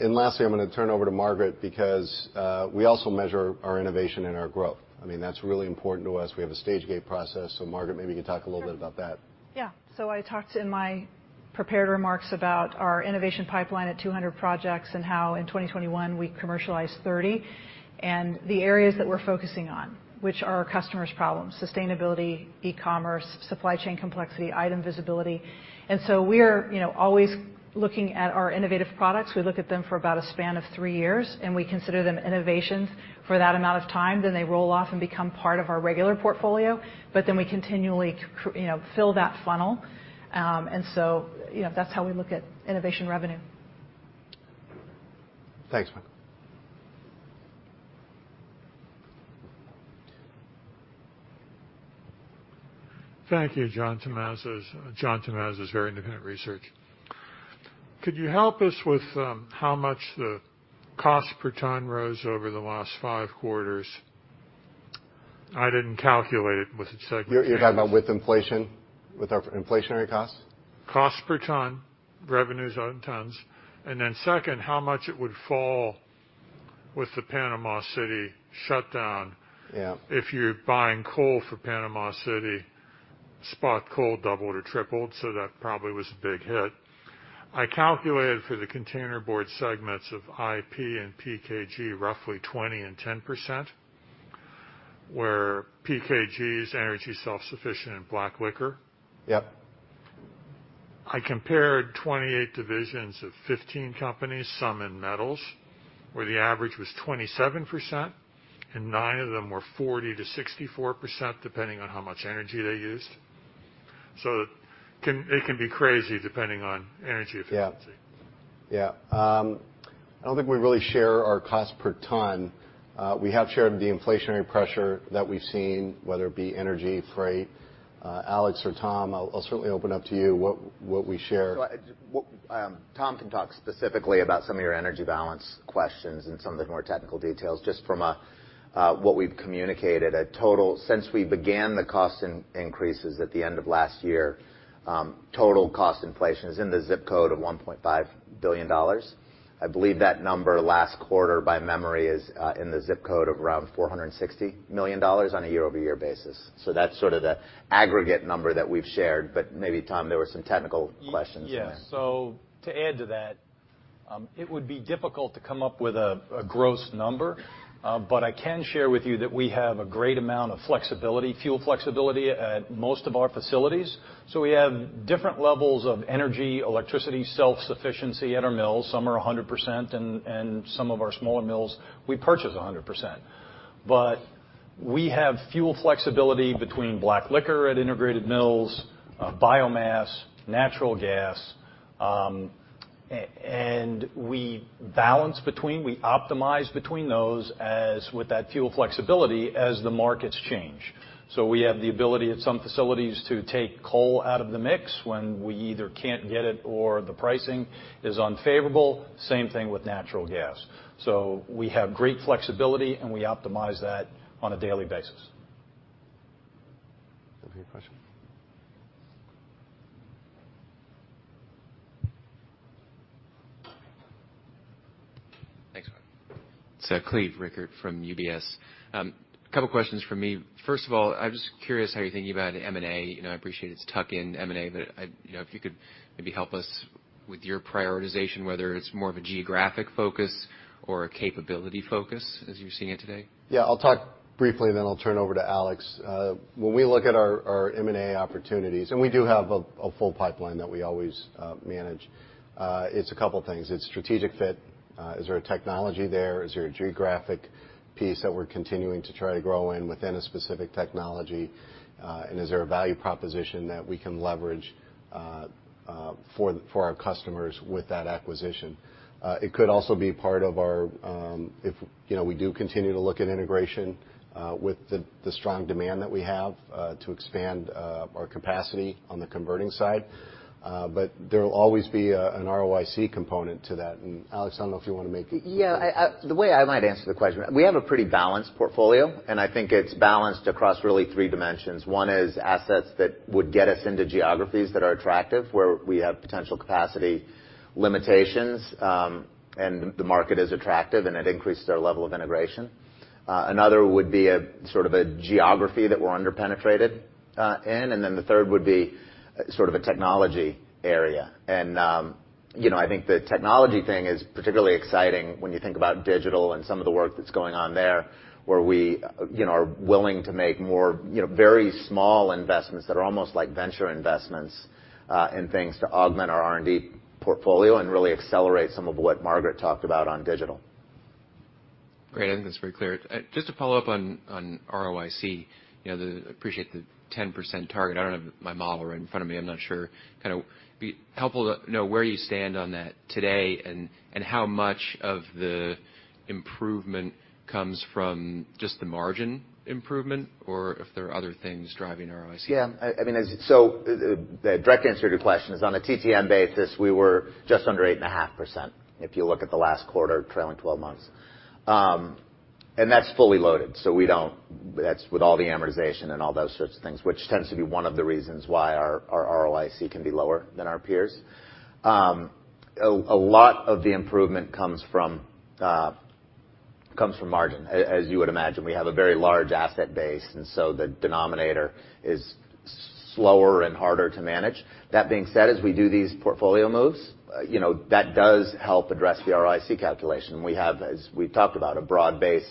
Lastly, I'm going to turn it over to Margaret because we also measure our innovation and our growth. That's really important to us. We have a stage gate process. Margaret, maybe you could talk a little bit about that. Yeah. I talked in my prepared remarks about our innovation pipeline at 200 projects and how in 2021 we commercialized 30. The areas that we're focusing on, which are our customers' problems, sustainability, e-commerce, supply chain complexity, item visibility. We're always looking at our innovative products. We look at them for about a span of three years, and we consider them innovations for that amount of time. Then they roll off and become part of our regular portfolio. We continually fill that funnel. That's how we look at innovation revenue. Thanks, Margaret. Thank you, John Tumazos. John Tumazos Very Independent Research. Could you help us with how much the cost per ton rose over the last five quarters? I didn't calculate it with the segment. You're talking about with inflation, with our inflationary costs? Cost per ton, revenues on tons. Second, how much it would fall with the Panama City shutdown. Yeah. If you're buying coal for Panama City, spot coal doubled or tripled, so that probably was a big hit. I calculated for the container board segments of IP and PKG, roughly 20% and 10%, where PKG's energy self-sufficient in black liquor. Yep. I compared 28 divisions of 15 companies, some in metals, where the average was 27%, and nine of them were 40%-64%, depending on how much energy they used. It can be crazy depending on energy efficiency. Yeah. I don't think we really share our cost per ton. We have shared the inflationary pressure that we've seen, whether it be energy, freight. Alex or Tom, I'll certainly open up to you what we share. Tom can talk specifically about some of your energy balance questions and some of the more technical details. Just from what we've communicated, since we began the cost increases at the end of last year, total cost inflation is in the zip code of $1.5 billion. I believe that number last quarter by memory is in the zip code of around $460 million on a year-over-year basis. That's sort of the aggregate number that we've shared. Maybe Tom, there were some technical questions in there. Yeah. To add to that, it would be difficult to come up with a gross number. I can share with you that we have a great amount of flexibility, fuel flexibility at most of our facilities. We have different levels of energy, electricity self-sufficiency at our mills. Some are 100%, and some of our smaller mills, we purchase 100%. We have fuel flexibility between black liquor at integrated mills, biomass, natural gas, and we balance between, we optimize between those as with that fuel flexibility as the markets change. We have the ability at some facilities to take coal out of the mix when we either can't get it or the pricing is unfavorable. Same thing with natural gas. We have great flexibility, and we optimize that on a daily basis. Do you have a question? Thanks, Mark. It's Cleve Rueckert from UBS. Couple questions from me. First of all, I'm just curious how you're thinking about M&A. I appreciate it's tuck-in M&A. If you could maybe help us with your prioritization, whether it's more of a geographic focus or a capability focus as you're seeing it today. Yeah, I'll talk briefly, then I'll turn over to Alex. When we look at our M&A opportunities, and we do have a full pipeline that we always manage, it's a couple things. It's strategic fit. Is there a technology there? Is there a geographic piece that we're continuing to try to grow in within a specific technology? Is there a value proposition that we can leverage for our customers with that acquisition? It could also be part of our, if we do continue to look at integration, with the strong demand that we have, to expand our capacity on the converting side. There'll always be an ROIC component to that. Alex, I don't know if you want to make. Yeah. The way I might answer the question, we have a pretty balanced portfolio, and I think it's balanced across really three dimensions. One is assets that would get us into geographies that are attractive, where we have potential capacity limitations, and the market is attractive, and it increases our level of integration. Another would be a sort of a geography that we're under-penetrated in, and then the third would be sort of a technology area. I think the technology thing is particularly exciting when you think about digital and some of the work that's going on there, where we are willing to make more very small investments that are almost like venture investments in things to augment our R&D portfolio and really accelerate some of what Margaret talked about on digital. Great. I think that's very clear. Just to follow up on ROIC. Appreciate the 10% target. I don't have my model right in front of me. I'm not sure. It would kind of be helpful to know where you stand on that today, and how much of the improvement comes from just the margin improvement or if there are other things driving ROIC? Yeah. The direct answer to your question is on a TTM basis, we were just under 8.5%, if you look at the last quarter trailing 12 months. And that's fully loaded, so That's with all the amortization and all those sorts of things, which tends to be one of the reasons why our ROIC can be lower than our peers. A lot of the improvement comes from margin. As you would imagine, we have a very large asset base, and so the denominator is slower and harder to manage. That being said, as we do these portfolio moves, that does help address the ROIC calculation. We have, as we've talked about, a broad base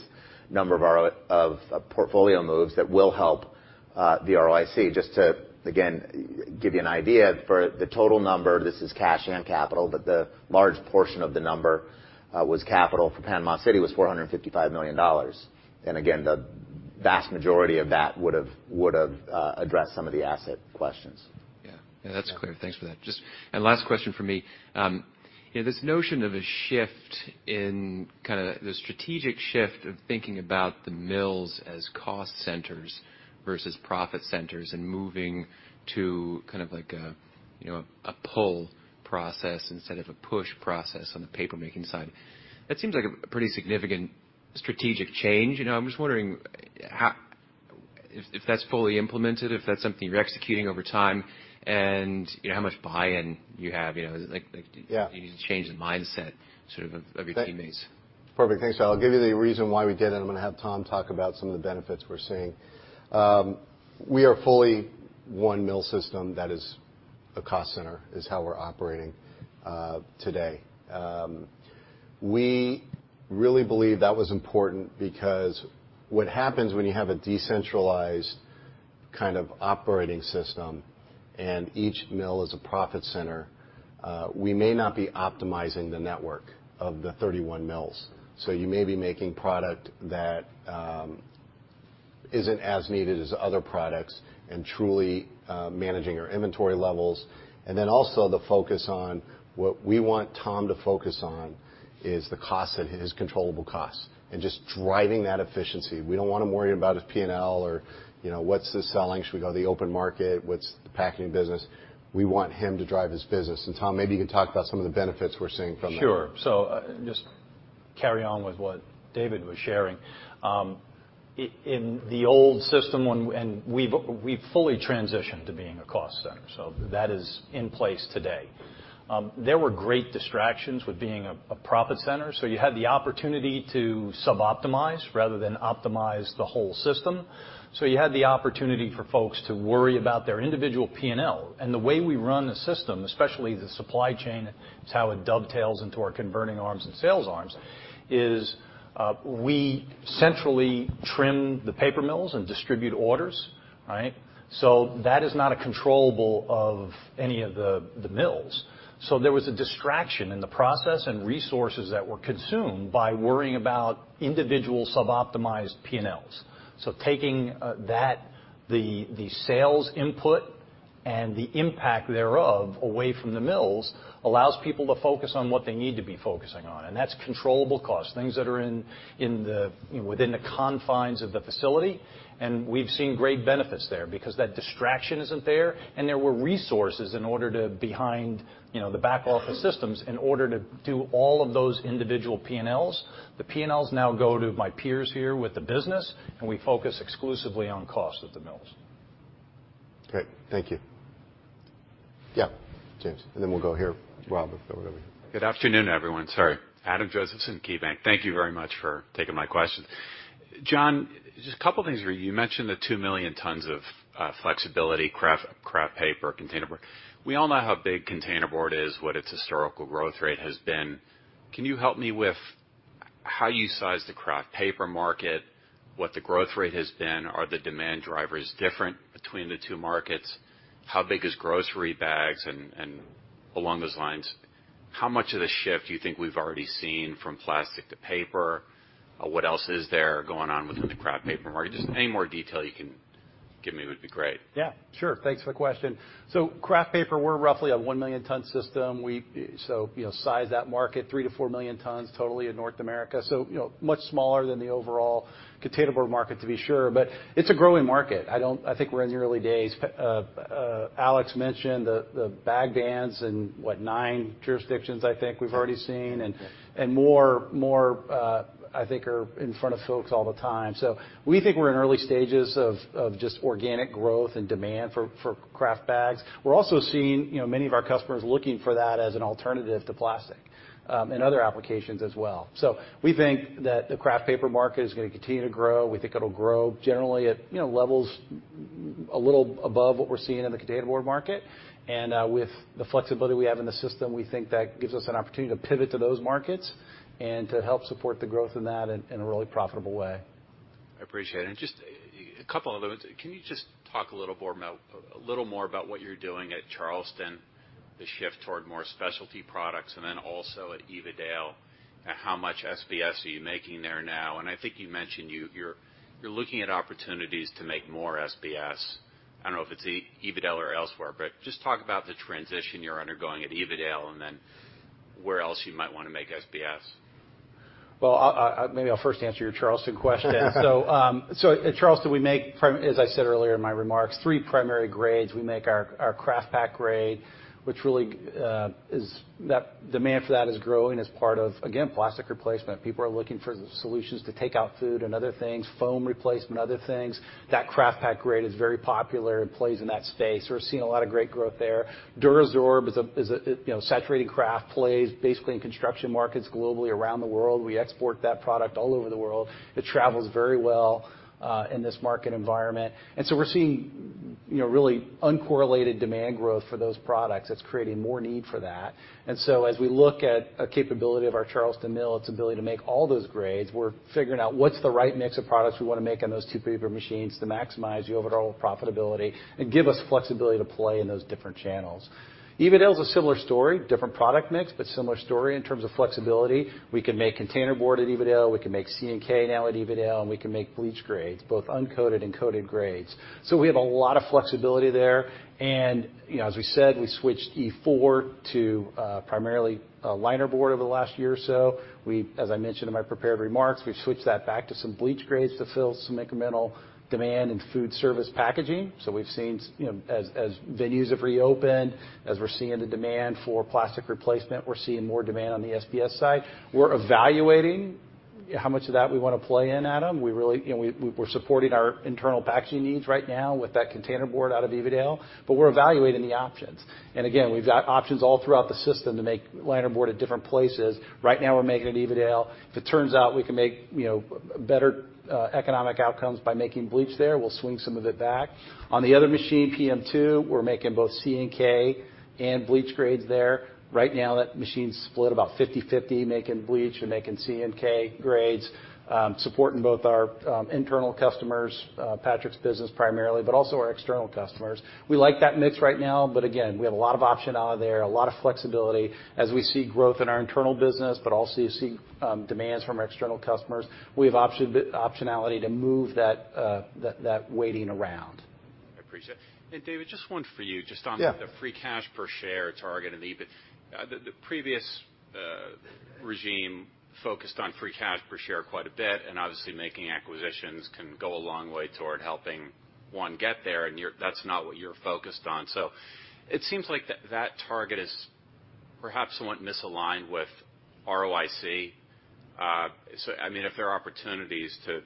number of portfolio moves that will help the ROIC. Just to, again, give you an idea, for the total number, this is cash and capital, but the large portion of the number, was capital for Panama City, was $455 million. Again, the vast majority of that would have addressed some of the asset questions. Yeah. That's clear. Thanks for that. Last question from me. This notion of a shift in the strategic shift of thinking about the mills as cost centers versus profit centers and moving to a pull process instead of a push process on the paper-making side. That seems like a pretty significant strategic change. I'm just wondering if that's fully implemented, if that's something you're executing over time, and how much buy-in you have. Yeah. You need to change the mindset sort of your teammates. Perfect. Thanks. I'll give you the reason why we did it, and I'm going to have Tom talk about some of the benefits we're seeing. We are fully one mill system that is a cost center, is how we're operating today. We really believe that was important because what happens when you have a decentralized kind of operating system and each mill is a profit center, we may not be optimizing the network of the 31 mills. You may be making product that isn't as needed as other products and truly managing our inventory levels. Also, the focus on what we want Tom to focus on is the cost and his controllable costs and just driving that efficiency. We don't want him worrying about his P&L or what's the selling, should we go to the open market, what's the packing business. We want him to drive his business. Tom, maybe you can talk about some of the benefits we're seeing from that? Sure. Just carry on with what David was sharing. In the old system, and we've fully transitioned to being a cost center. That is in place today. There were great distractions with being a profit center, so you had the opportunity to sub-optimize rather than optimize the whole system. You had the opportunity for folks to worry about their individual P&L. The way we run the system, especially the supply chain, is how it dovetails into our converting arms and sales arms, is, we centrally trim the paper mills and distribute orders, right? That is not a controllable of any of the mills. There was a distraction in the process and resources that were consumed by worrying about individual sub-optimized P&Ls. Taking that, the sales input and the impact thereof away from the mills allows people to focus on what they need to be focusing on, and that's controllable costs, things that are within the confines of the facility. We've seen great benefits there because that distraction isn't there, and there were resources behind the back office systems in order to do all of those individual P&Ls. The P&Ls now go to my peers here with the business, and we focus exclusively on cost at the mills. Great. Thank you. Yeah, James, and then we'll go here, Rob. Good afternoon, everyone. Sorry. Adam Josephson, KeyBanc. Thank you very much for taking my question. John, just a couple of things for you. You mentioned the 2 million tons of flexibility, kraft paper, containerboard. We all know how big containerboard is, what its historical growth rate has been. Can you help me with how you size the kraft paper market, what the growth rate has been? Are the demand drivers different between the two markets? How big is grocery bags? Along those lines, how much of the shift do you think we've already seen from plastic to paper? What else is there going on within the kraft paper market? Just any more detail you can give me would be great. Yeah, sure. Thanks for the question. Kraft paper, we're roughly a 1 million ton system. Size that market, 3 million-4 million tons totally in North America, so much smaller than the overall containerboard market, to be sure. It's a growing market. I think we're in the early days. Alex mentioned the bag bans in, what, nine jurisdictions, I think we've already seen. Yes. More, I think, are in front of folks all the time. We think we're in early stages of just organic growth and demand for kraft bags. We're also seeing many of our customers looking for that as an alternative to plastic, in other applications as well. We think that the kraft paper market is going to continue to grow. We think it'll grow generally at levels a little above what we're seeing in the containerboard market. With the flexibility we have in the system, we think that gives us an opportunity to pivot to those markets and to help support the growth in that in a really profitable way. I appreciate it. Just a couple other ones. Can you just talk a little more about what you're doing at Charleston, the shift toward more specialty products, then also at Evadale, how much SBS are you making there now? I think you mentioned you're looking at opportunities to make more SBS. I don't know if it's Evadale or elsewhere, just talk about the transition you're undergoing at Evadale then where else you might want to make SBS. Well, maybe I'll first answer your Charleston question. At Charleston, we make, as I said earlier in my remarks, three primary grades. We make our KraftPak grade, which demand for that is growing as part of, again, plastic replacement. People are looking for solutions to take out food and other things, foam replacement, other things. That KraftPak grade is very popular and plays in that space. We're seeing a lot of great growth there. DuraSorb is a saturated kraft plays basically in construction markets globally around the world. We export that product all over the world. It travels very well in this market environment. We're seeing really uncorrelated demand growth for those products that's creating more need for that. As we look at a capability of our Charleston mill, its ability to make all those grades, we're figuring out what's the right mix of products we want to make on those two paper machines to maximize the overall profitability and give us flexibility to play in those different channels. Evadale's a similar story, different product mix, similar story in terms of flexibility. We can make containerboard at Evadale. We can make CNK now at Evadale, and we can make bleach grades, both uncoated and coated grades. We have a lot of flexibility there. As we said, we switched D4 to primarily a linerboard over the last year or so. As I mentioned in my prepared remarks, we've switched that back to some bleach grades to fill some incremental demand in food service packaging. We've seen as venues have reopened, as we're seeing the demand for plastic replacement, we're seeing more demand on the SBS side. We're evaluating how much of that we want to play in, Adam. We're supporting our internal packaging needs right now with that container board out of Evadale, but we're evaluating the options. Again, we've got options all throughout the system to make liner board at different places. Right now, we're making it at Evadale. If it turns out we can make better economic outcomes by making bleach there, we'll swing some of it back. On the other machine, PM2, we're making both CNK and bleach grades there. Right now, that machine's split about 50/50, making bleach and making CNK grades, supporting both our internal customers, Patrick's business primarily, but also our external customers. We like that mix right now, but again, we have a lot of optionality there, a lot of flexibility as we see growth in our internal business, but also see demands from our external customers. We have optionality to move that weighting around. I appreciate it. David, just one for you. Yeah. The free cash per share target and the EBIT. The previous regime focused on free cash per share quite a bit, and obviously making acquisitions can go a long way toward helping one get there, and that's not what you're focused on. It seems like that target is perhaps somewhat misaligned with ROIC. If there are opportunities to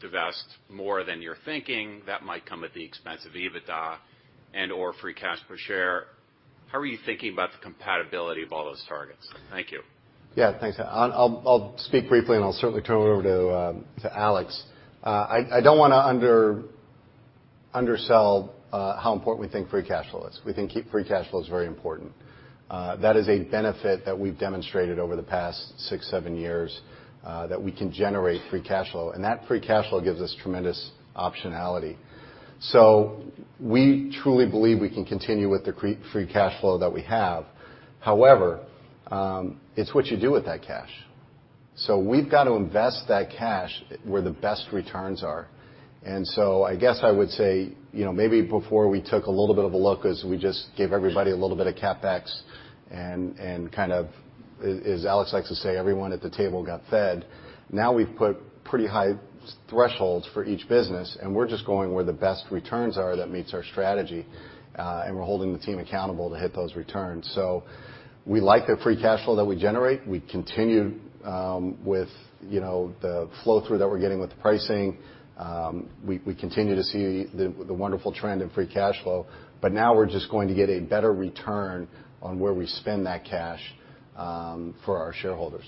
divest more than you're thinking, that might come at the expense of EBITDA and/or free cash per share. How are you thinking about the compatibility of all those targets? Thank you. Yeah, thanks. I'll speak briefly, and I'll certainly turn it over to Alex. I don't want to undersell how important we think free cash flow is. We think free cash flow is very important. That is a benefit that we've demonstrated over the past six, seven years, that we can generate free cash flow. That free cash flow gives us tremendous optionality. We truly believe we can continue with the free cash flow that we have. However, it's what you do with that cash. We've got to invest that cash where the best returns are. I guess I would say, maybe before we took a little bit of a look as we just gave everybody a little bit of CapEx and kind of, as Alex likes to say, everyone at the table got fed. We've put pretty high thresholds for each business, and we're just going where the best returns are that meets our strategy. We're holding the team accountable to hit those returns. We like the free cash flow that we generate. We continue with the flow-through that we're getting with the pricing. We continue to see the wonderful trend in free cash flow. Now we're just going to get a better return on where we spend that cash for our shareholders.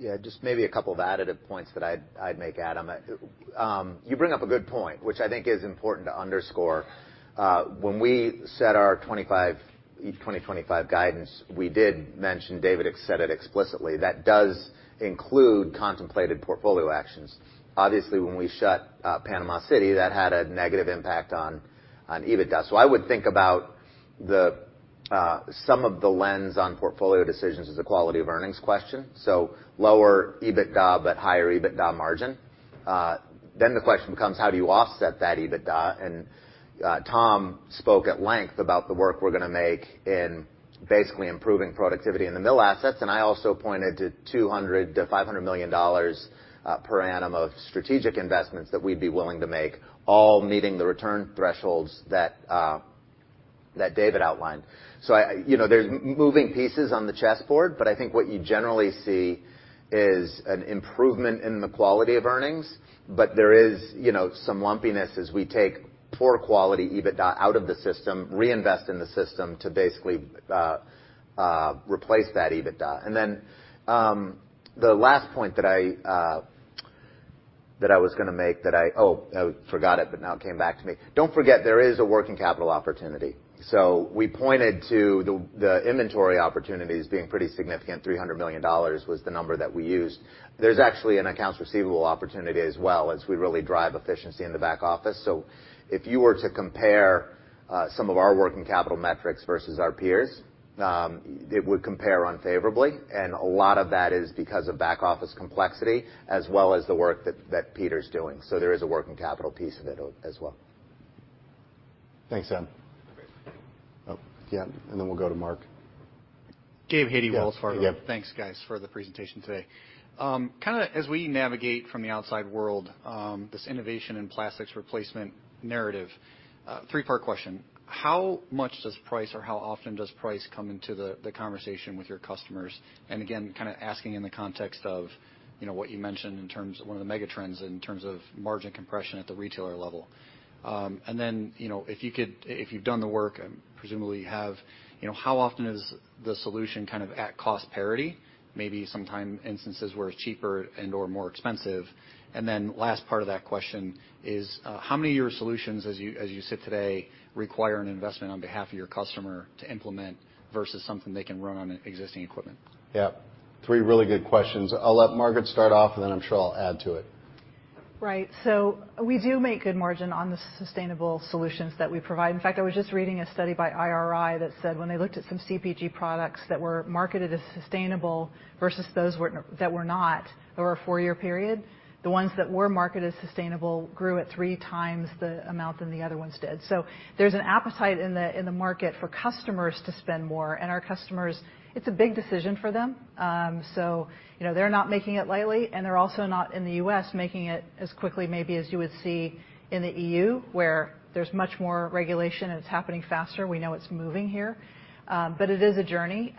Yeah, just maybe a couple of additive points that I'd make, Adam. You bring up a good point, which I think is important to underscore. When we set our each 2025 guidance, we did mention, David said it explicitly, that does include contemplated portfolio actions. Obviously, when we shut Panama City, that had a negative impact on EBITDA. I would think about some of the lens on portfolio decisions as a quality of earnings question. Lower EBITDA, higher EBITDA margin. The question becomes: how do you offset that EBITDA? Tom spoke at length about the work we're going to make in basically improving productivity in the mill assets. I also pointed to $200 million-$500 million per annum of strategic investments that we'd be willing to make, all meeting the return thresholds that David outlined. There's moving pieces on the chessboard, but I think what you generally see is an improvement in the quality of earnings. There is some lumpiness as we take poor-quality EBITDA out of the system, reinvest in the system to basically replace that EBITDA. The last point that I was going to make that I forgot it, but now it came back to me. Don't forget, there is a working capital opportunity. We pointed to the inventory opportunities being pretty significant. $300 million was the number that we used. There's actually an accounts receivable opportunity as well, as we really drive efficiency in the back office. If you were to compare some of our working capital metrics versus our peers, it would compare unfavorably, and a lot of that is because of back-office complexity as well as the work that Peter's doing. There is a working capital piece of it as well. Thanks, Adam. Yeah, we'll go to Mark. Gabe Hajde, Wells Fargo. Yeah. Thanks, guys, for the presentation today. Kind of as we navigate from the outside world, this innovation in plastics replacement narrative, three-part question. How much does price or how often does price come into the conversation with your customers? Again, kind of asking in the context of what you mentioned in terms of one of the mega trends, in terms of margin compression at the retailer level. Then, if you've done the work, and presumably you have, how often is the solution kind of at cost parity? Maybe sometime instances where it's cheaper and/or more expensive. Then last part of that question is, how many of your solutions as you sit today require an investment on behalf of your customer to implement versus something they can run on existing equipment? Yeah. Three really good questions. I'll let Margaret start off, and then I'm sure I'll add to it. Right. We do make good margin on the sustainable solutions that we provide. In fact, I was just reading a study by IRI that said when they looked at some CPG products that were marketed as sustainable versus those that were not over a four-year period, the ones that were marketed as sustainable grew at three times the amount than the other ones did. There's an appetite in the market for customers to spend more, and our customers, it's a big decision for them. They're not making it lightly, and they're also not in the U.S. making it as quickly maybe as you would see in the E.U., where there's much more regulation, and it's happening faster. We know it's moving here. It is a journey.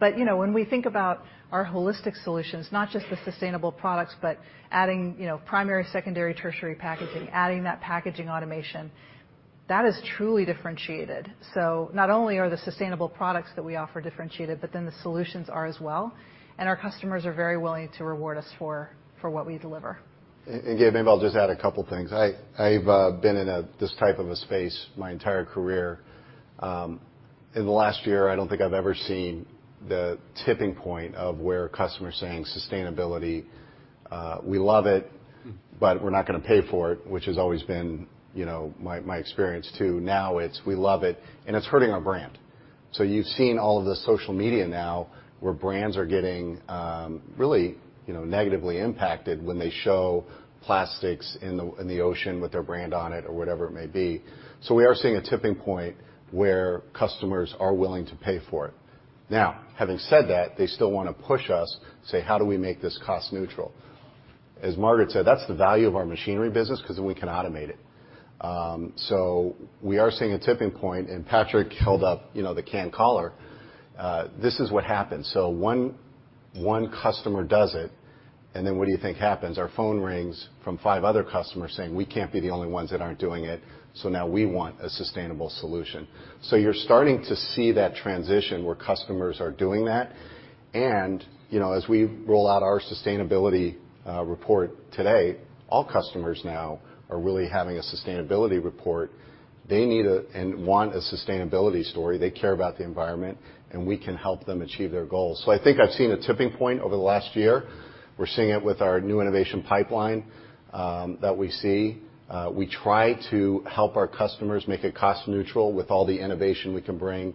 When we think about our holistic solutions, not just the sustainable products, but adding primary, secondary, tertiary packaging, adding that packaging automation, that is truly differentiated. Not only are the sustainable products that we offer differentiated, but then the solutions are as well. Our customers are very willing to reward us for what we deliver. Gabe, maybe I'll just add a couple things. I've been in this type of a space my entire career. In the last year, I don't think I've ever seen the tipping point of where customers saying, "Sustainability, we love it, but we're not going to pay for it," which has always been my experience, too. Now it's, "We love it, and it's hurting our brand." You've seen all of the social media now where brands are getting really negatively impacted when they show plastics in the ocean with their brand on it or whatever it may be. We are seeing a tipping point where customers are willing to pay for it. Now, having said that, they still want to push us, say, "How do we make this cost neutral?" As Margaret said, that's the value of our machinery business because then we can automate it. We are seeing a tipping point, and Patrick held up the CanCollar. This is what happens. One customer does it, and then what do you think happens? Our phone rings from five other customers saying, "We can't be the only ones that aren't doing it, so now we want a sustainable solution." You're starting to see that transition where customers are doing that, and as we roll out our sustainability report today, all customers now are really having a sustainability report. They need and want a sustainability story. They care about the environment, and we can help them achieve their goals. I think I've seen a tipping point over the last year. We're seeing it with our new innovation pipeline that we see. We try to help our customers make it cost neutral with all the innovation we can bring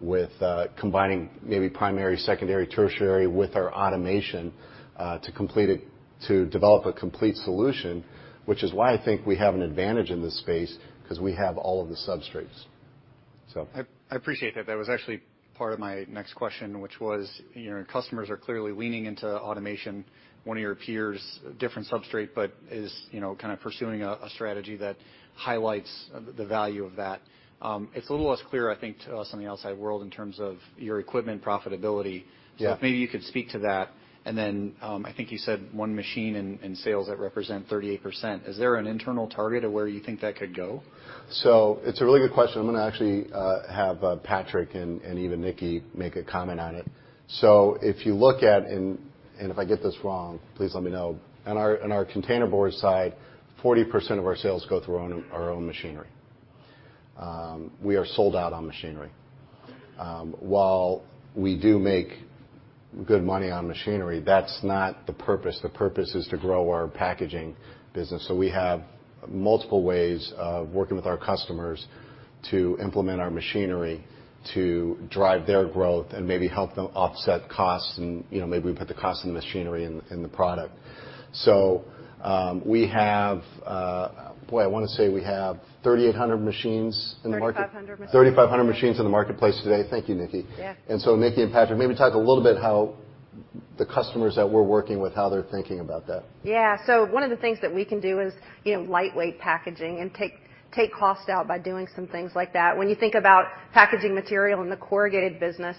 with combining maybe primary, secondary, tertiary with our automation To develop a complete solution, which is why I think we have an advantage in this space, because we have all of the substrates. So. I appreciate that. That was actually part of my next question, which was, your customers are clearly leaning into automation. One of your peers, different substrate, but is kind of pursuing a strategy that highlights the value of that. It's a little less clear, I think, to us on the outside world in terms of your equipment profitability. Yeah. If maybe you could speak to that. I think you said one machine in sales that represent 38%. Is there an internal target of where you think that could go? It's a really good question. I'm going to actually have Patrick and even Nickie make a comment on it. On our container board side, 40% of our sales go through our own machinery. We are sold out on machinery. While we do make good money on machinery, that's not the purpose. The purpose is to grow our packaging business. We have multiple ways of working with our customers to implement our machinery, to drive their growth and maybe help them offset costs and maybe we put the cost of the machinery in the product. We have, boy, I want to say we have 3,500 machines in the marketplace today. Thank you, Nickie. Yeah. Nickie and Patrick, maybe talk a little bit how the customers that we're working with, how they're thinking about that. Yeah. One of the things that we can do is lightweight packaging and take cost out by doing some things like that. When you think about packaging material in the corrugated business,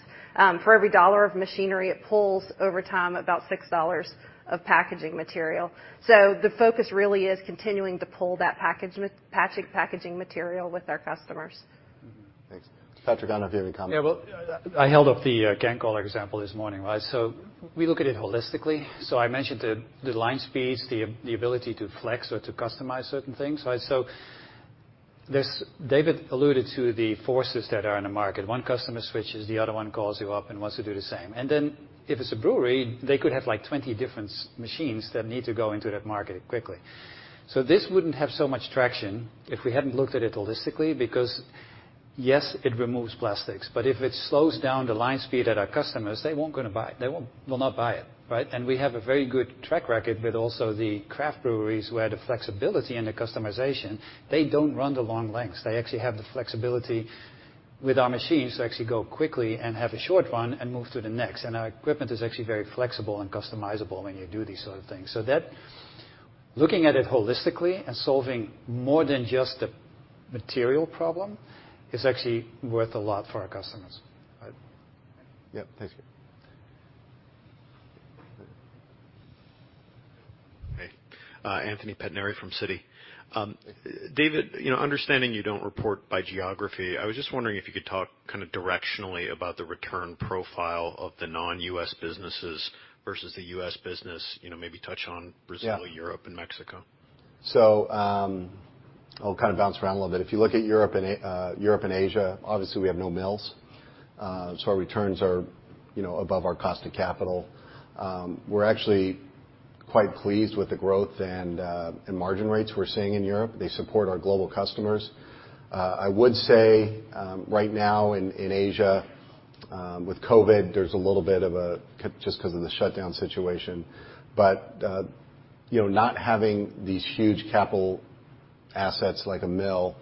for every $1 of machinery it pulls over time, about $6 of packaging material. The focus really is continuing to pull that packaging material with our customers. Mm-hmm. Thanks. Patrick, I don't know if you have any comment. Well, I held up the CanCollar example this morning. We look at it holistically. I mentioned the line speeds, the ability to flex or to customize certain things. David alluded to the forces that are in the market. One customer switches, the other one calls you up and wants to do the same. If it's a brewery, they could have 20 different machines that need to go into that market quickly. This wouldn't have so much traction if we hadn't looked at it holistically, because yes, it removes plastics, but if it slows down the line speed at our customers, they won't going to buy it. They will not buy it. Right? We have a very good track record with also the craft breweries where the flexibility and the customization, they don't run the long lengths. They actually have the flexibility with our machines to actually go quickly and have a short run and move to the next. Our equipment is actually very flexible and customizable when you do these sort of things. That, looking at it holistically and solving more than just the material problem, is actually worth a lot for our customers. Right? Yeah. Thank you. Hey. Anthony Pettinari from Citi. Hey. David, understanding you don't report by geography, I was just wondering if you could talk kind of directionally about the return profile of the non-U.S. businesses versus the U.S. business. Maybe touch on Brazil? Yeah. Europe, and Mexico. I'll kind of bounce around a little bit. If you look at Europe and Asia, obviously we have no mills. Our returns are above our cost of capital. We're actually quite pleased with the growth and margin rates we're seeing in Europe. They support our global customers. I would say, right now in Asia, with COVID, there's a little bit of a, just because of the shutdown situation. Not having these huge capital assets like a mill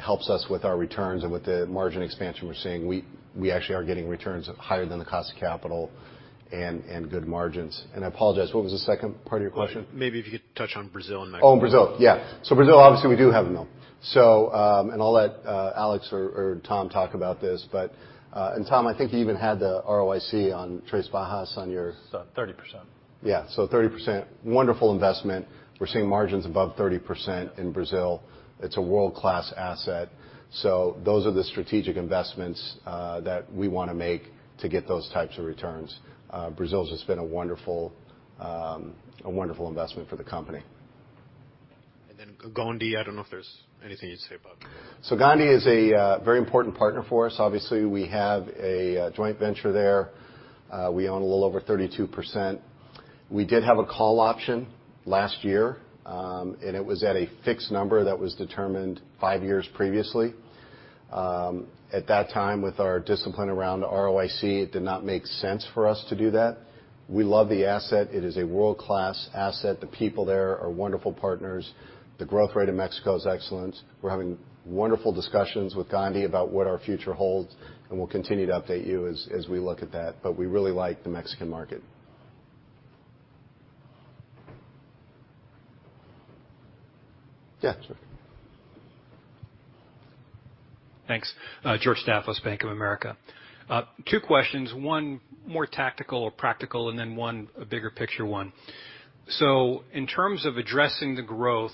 helps us with our returns and with the margin expansion we're seeing. We actually are getting returns higher than the cost of capital and good margins. I apologize, what was the second part of your question? Maybe if you could touch on Brazil and Mexico. Oh, Brazil. Yeah. Brazil obviously we do have a mill. I'll let Alex or Tom talk about this, but Tom, I think you even had the ROIC on Três Barras. It's 30%. Yeah. 30%. Wonderful investment. We're seeing margins above 30% in Brazil. It's a world-class asset. Those are the strategic investments that we want to make to get those types of returns. Brazil's just been a wonderful investment for the company. Gondi, I don't know if there's anything you'd say about Gondi. Gondi is a very important partner for us. Obviously, we have a joint venture there. We own a little over 32%. We did have a call option last year, and it was at a fixed number that was determined five years previously. At that time, with our discipline around ROIC, it did not make sense for us to do that. We love the asset. It is a world-class asset. The people there are wonderful partners. The growth rate in Mexico is excellent. We're having wonderful discussions with Gondi about what our future holds, and we'll continue to update you as we look at that. We really like the Mexican market. Yeah, sure. Thanks. George Staphos, Bank of America. Two questions. One more tactical or practical, and then one, a bigger picture one. In terms of addressing the growth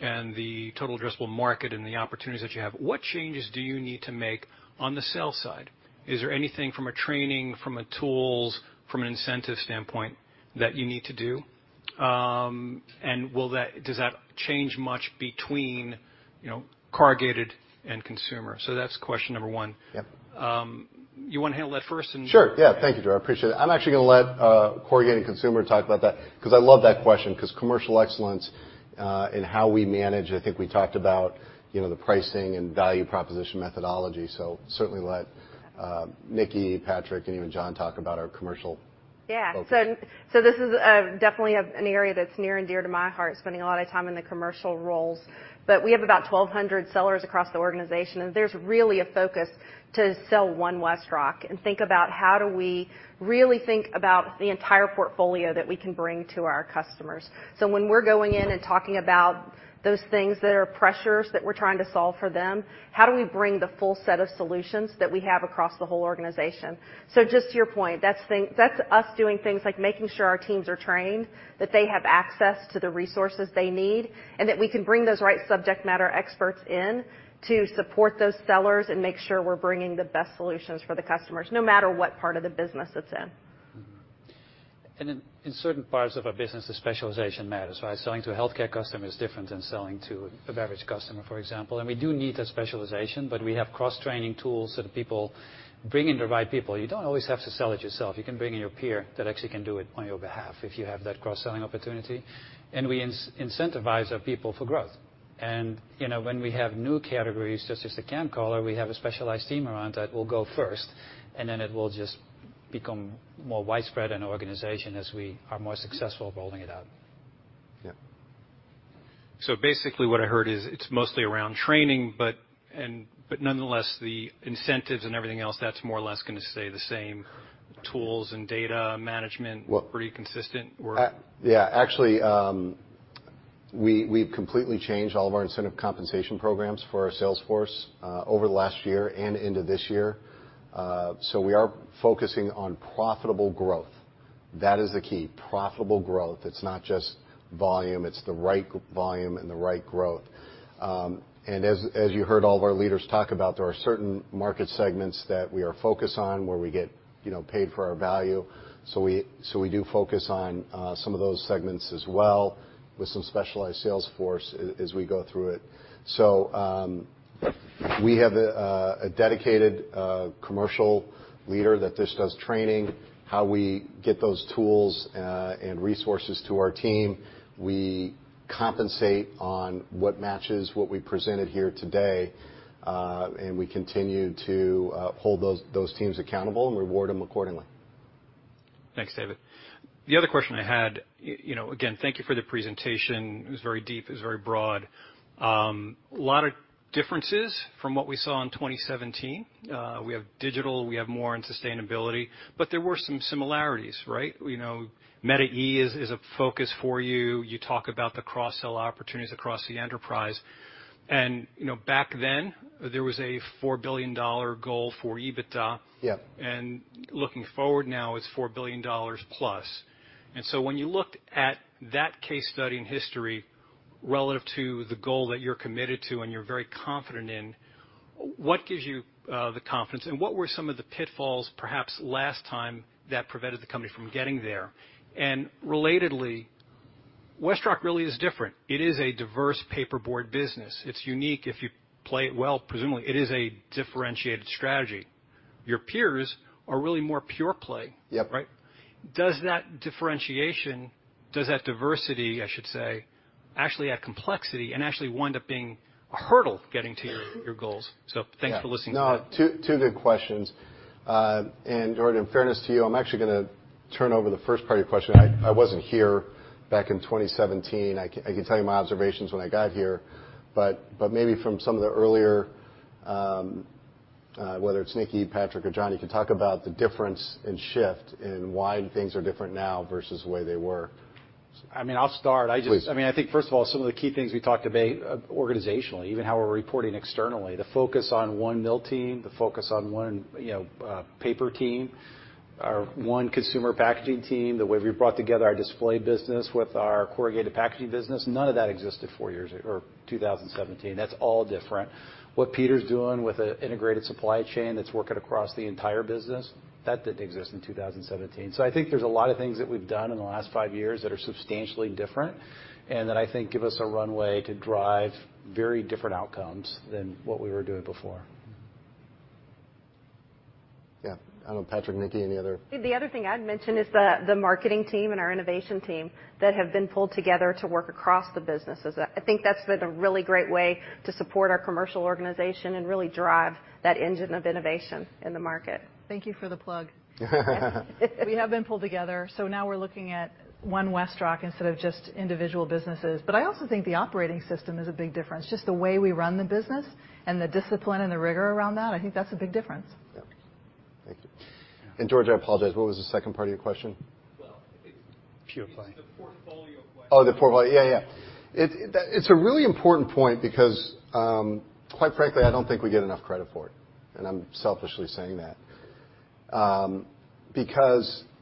and the total addressable market and the opportunities that you have, what changes do you need to make on the sales side? Is there anything from a training, from a tools, from an incentive standpoint that you need to do? Does that change much between, you know? Corrugated and consumer. That's question number one. Yep. You want to handle that first. Sure. Yeah. Thank you, George. I appreciate it. I'm actually going to let Corrugated and Consumer talk about that because I love that question, because commercial excellence in how we manage, I think we talked about the pricing and value proposition methodology. Certainly let Nickie, Patrick, and even John talk about our commercial focus. Yeah. This is definitely an area that's near and dear to my heart, spending a lot of time in the commercial roles. We have about 1,200 sellers across the organization, and there's really a focus to sell One WestRock and think about how do we really think about the entire portfolio that we can bring to our customers. When we're going in and talking about those things that are pressures that we're trying to solve for them, how do we bring the full set of solutions that we have across the whole organization? Just to your point, that's us doing things like making sure our teams are trained, that they have access to the resources they need, and that we can bring those right subject matter experts in to support those sellers and make sure we're bringing the best solutions for the customers, no matter what part of the business it's in. In certain parts of our business, the specialization matters, right? Selling to a healthcare customer is different than selling to a beverage customer, for example. We do need that specialization, but we have cross-training tools so that people bring in the right people. You don't always have to sell it yourself. You can bring in your peer that actually can do it on your behalf if you have that cross-selling opportunity. We incentivize our people for growth. When we have new categories, such as the CanCollar, we have a specialized team around that will go first, and then it will just become more widespread in our organization as we are more successful rolling it out. Yeah. Basically what I heard is it's mostly around training, but nonetheless, the incentives and everything else, that's more or less going to stay the same. Tools and data management. Well. Pretty consistent. Actually, we've completely changed all of our incentive compensation programs for our sales force over the last year and into this year. We are focusing on profitable growth. That is the key, profitable growth. It's not just volume. It's the right volume and the right growth. As you heard all of our leaders talk about, there are certain market segments that we are focused on where we get paid for our value. We do focus on some of those segments as well with some specialized sales force as we go through it. We have a dedicated commercial leader that just does training, how we get those tools and resources to our team. We compensate on what matches what we presented here today. We continue to hold those teams accountable and reward them accordingly. Thanks, David. The other question I had, again, thank you for the presentation. It was very deep. It was very broad. A lot of differences from what we saw in 2017. We have digital, we have more on sustainability, but there were some similarities, right? Meta® e is a focus for you. You talk about the cross-sell opportunities across the enterprise. Back then there was a $4 billion goal for EBITDA. Yeah. Looking forward now, it's $4 billion+. When you look at that case study in history relative to the goal that you're committed to and you're very confident in, what gives you the confidence, and what were some of the pitfalls, perhaps last time, that prevented the company from getting there? Relatedly, WestRock really is different. It is a diverse paperboard business. It's unique if you play it well, presumably. It is a differentiated strategy. Your peers are really more pure play. Yep. Right? Does that differentiation, does that diversity, I should say, actually add complexity and actually wind up being a hurdle getting to your goals? Thanks for listening. Yeah. No, two good questions. George, in fairness to you, I'm actually gonna turn over the first part of your question. I wasn't here back in 2017. I can tell you my observations when I got here, maybe from some of the earlier, whether it's Nickie, Patrick, or John, you can talk about the difference in shift and why things are different now versus the way they were. I mean, I'll start. Please. I think, first of all, some of the key things we talked about organizationally, even how we're reporting externally, the focus on one mill team, the focus on one paper team, our one consumer packaging team, the way we brought together our display business with our corrugated packaging business, none of that existed four years or 2017. That's all different. What Peter's doing with the integrated supply chain that's working across the entire business, that didn't exist in 2017. I think there's a lot of things that we've done in the last five years that are substantially different, and that I think give us a runway to drive very different outcomes than what we were doing before. Yeah. I don't know, Patrick, Nickie. The other thing I'd mention is the marketing team and our innovation team that have been pulled together to work across the businesses. I think that's been a really great way to support our commercial organization and really drive that engine of innovation in the market. Thank you for the plug. We have been pulled together. Now we're looking at One WestRock instead of just individual businesses. I also think the operating system is a big difference, just the way we run the business and the discipline and the rigor around that, I think that's a big difference. Yeah. Thank you. George, I apologize, what was the second part of your question? Well, it's. Pure play. The portfolio question. The portfolio. It's a really important point because, quite frankly, I don't think we get enough credit for it, and I'm selfishly saying that.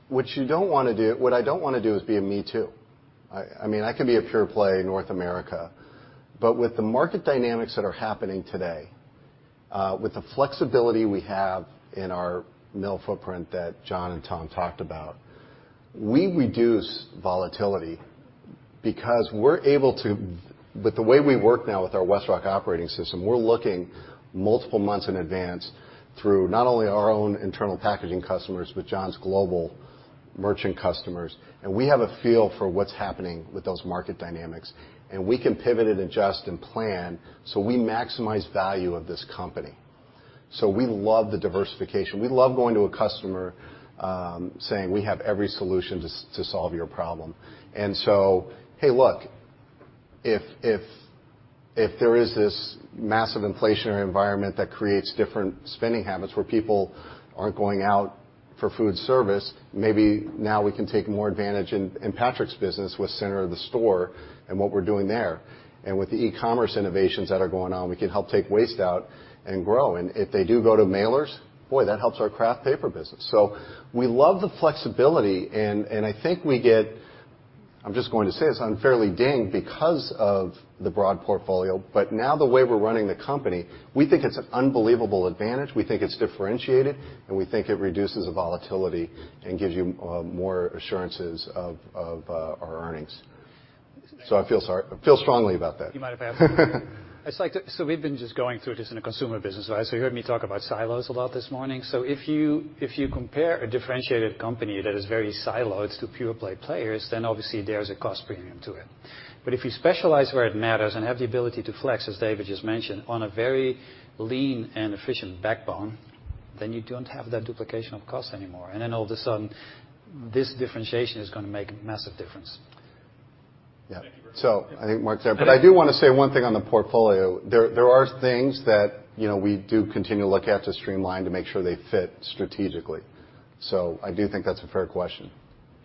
What I don't want to do is be a me too. I can be a pure play in North America, but with the market dynamics that are happening today. With the flexibility we have in our mill footprint that John and Tom talked about, we reduce volatility because with the way we work now with our WestRock operating system, we're looking multiple months in advance through not only our own internal packaging customers, but John's global merchant customers. We have a feel for what's happening with those market dynamics, and we can pivot and adjust and plan so we maximize value of this company. We love the diversification. We love going to a customer, saying, "We have every solution to solve your problem." Hey, look, if there is this massive inflationary environment that creates different spending habits where people aren't going out for food service, maybe now we can take more advantage in Patrick's business with center of the store and what we're doing there. With the e-commerce innovations that are going on, we can help take waste out and grow. If they do go to mailers, boy, that helps our kraft paper business. We love the flexibility and I think we get, I'm just going to say this, unfairly dinged because of the broad portfolio. Now the way we're running the company, we think it's an unbelievable advantage. We think it's differentiated, and we think it reduces the volatility and gives you more assurances of our earnings. I feel strongly about that. You might have asked me. We've been just going through this in a consumer business, right? You heard me talk about silos a lot this morning. If you compare a differentiated company that is very siloed to pure play players, then obviously there's a cost premium to it. But if you specialize where it matters and have the ability to flex, as David just mentioned, on a very lean and efficient backbone, then you don't have that duplication of cost anymore. Then all of the sudden, this differentiation is going to make a massive difference. Yeah. Thank you very much. I think Mark's there. I do want to say one thing on the portfolio. There are things that we do continue to look at to streamline to make sure they fit strategically. I do think that's a fair question.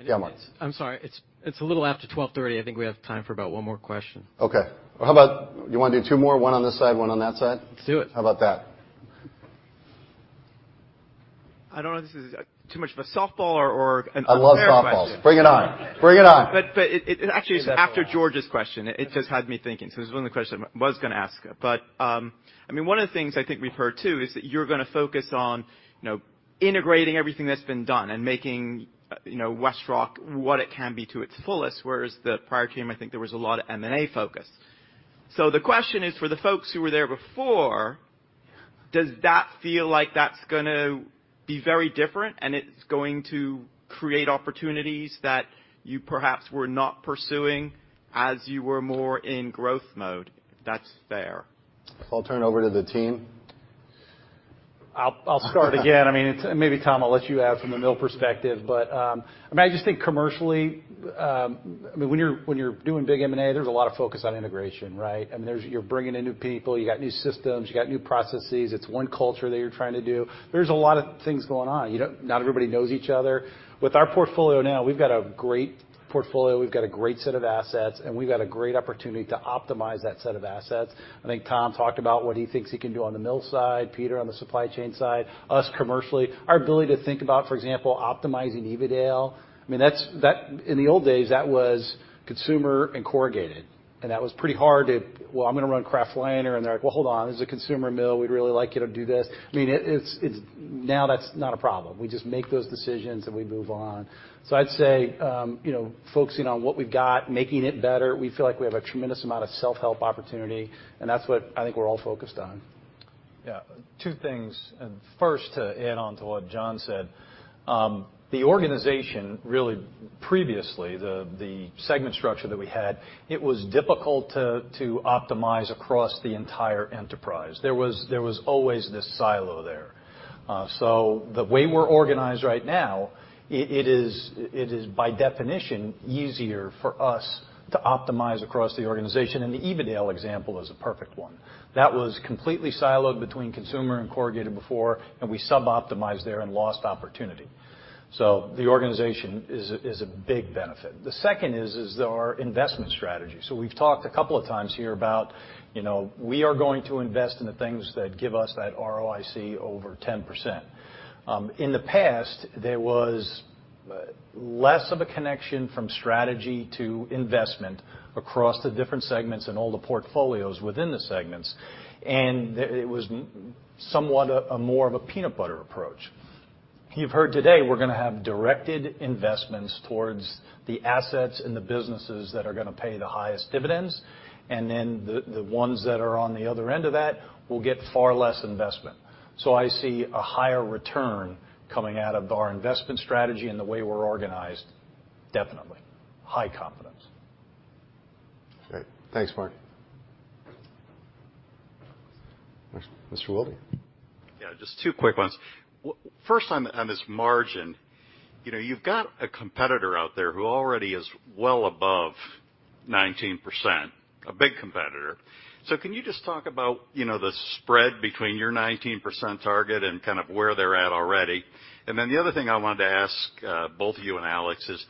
Yeah, Mark. I'm sorry. It's a little after 12:30. I think we have time for about one more question. Okay. Well, how about you want to do two more? One on this side, one on that side? Let's do it. How about that? I don't know if this is too much of a softball or a fair question. I love softballs. Bring it on. Bring it on. It actually is after George's question. It just had me thinking, so it was one of the questions I was going to ask. One of the things I think we've heard too, is that you're going to focus on integrating everything that's been done and making WestRock what it can be to its fullest, whereas the prior team, I think there was a lot of M&A focus. The question is, for the folks who were there before, does that feel like that's going to be very different, and it's going to create opportunities that you perhaps were not pursuing as you were more in growth mode? If that's fair. I'll turn over to the team. I'll start again. Maybe Tom, I'll let you add from the mill perspective, but I just think commercially, when you're doing big M&A, there's a lot of focus on integration, right? You're bringing in new people. You got new systems. You got new processes. It's one culture that you're trying to do. There's a lot of things going on. Not everybody knows each other. With our portfolio now, we've got a great portfolio. We've got a great set of assets, and we've got a great opportunity to optimize that set of assets. I think Tom talked about what he thinks he can do on the mill side, Peter on the supply chain side, us commercially. Our ability to think about, for example, optimizing Evadale. In the old days, that was consumer and corrugated, and that was pretty hard to, "Well, I'm going to run kraft liner," and they're like, "Well, hold on. This is a consumer mill. We'd really like you to do this." That's not a problem. We just make those decisions, and we move on. I'd say, focusing on what we've got, making it better. We feel like we have a tremendous amount of self-help opportunity, and that's what I think we're all focused on. Two things. First, to add on to what John said. The organization really previously, the segment structure that we had, it was difficult to optimize across the entire enterprise. There was always this silo there. The way we're organized right now, it is by definition easier for us to optimize across the organization, and the Evadale example is a perfect one. That was completely siloed between consumer and corrugated before, and we suboptimized there and lost opportunity. The organization is a big benefit. The second is our investment strategy. We've talked a couple of times here about we are going to invest in the things that give us that ROIC over 10%. In the past, there was less of a connection from strategy to investment across the different segments and all the portfolios within the segments. It was somewhat a more of a peanut butter approach. You've heard today we're going to have directed investments towards the assets and the businesses that are going to pay the highest dividends, and then the ones that are on the other end of that will get far less investment. I see a higher return coming out of our investment strategy and the way we're organized, definitely. High confidence. Great. Thanks, Mark. Mr. Wilde? Yeah, just two quick ones. First on this margin. You've got a competitor out there who already is well above 19%, a big competitor. Can you just talk about the spread between your 19% target and kind of where they're at already? The other thing I wanted to ask both you and Alex is,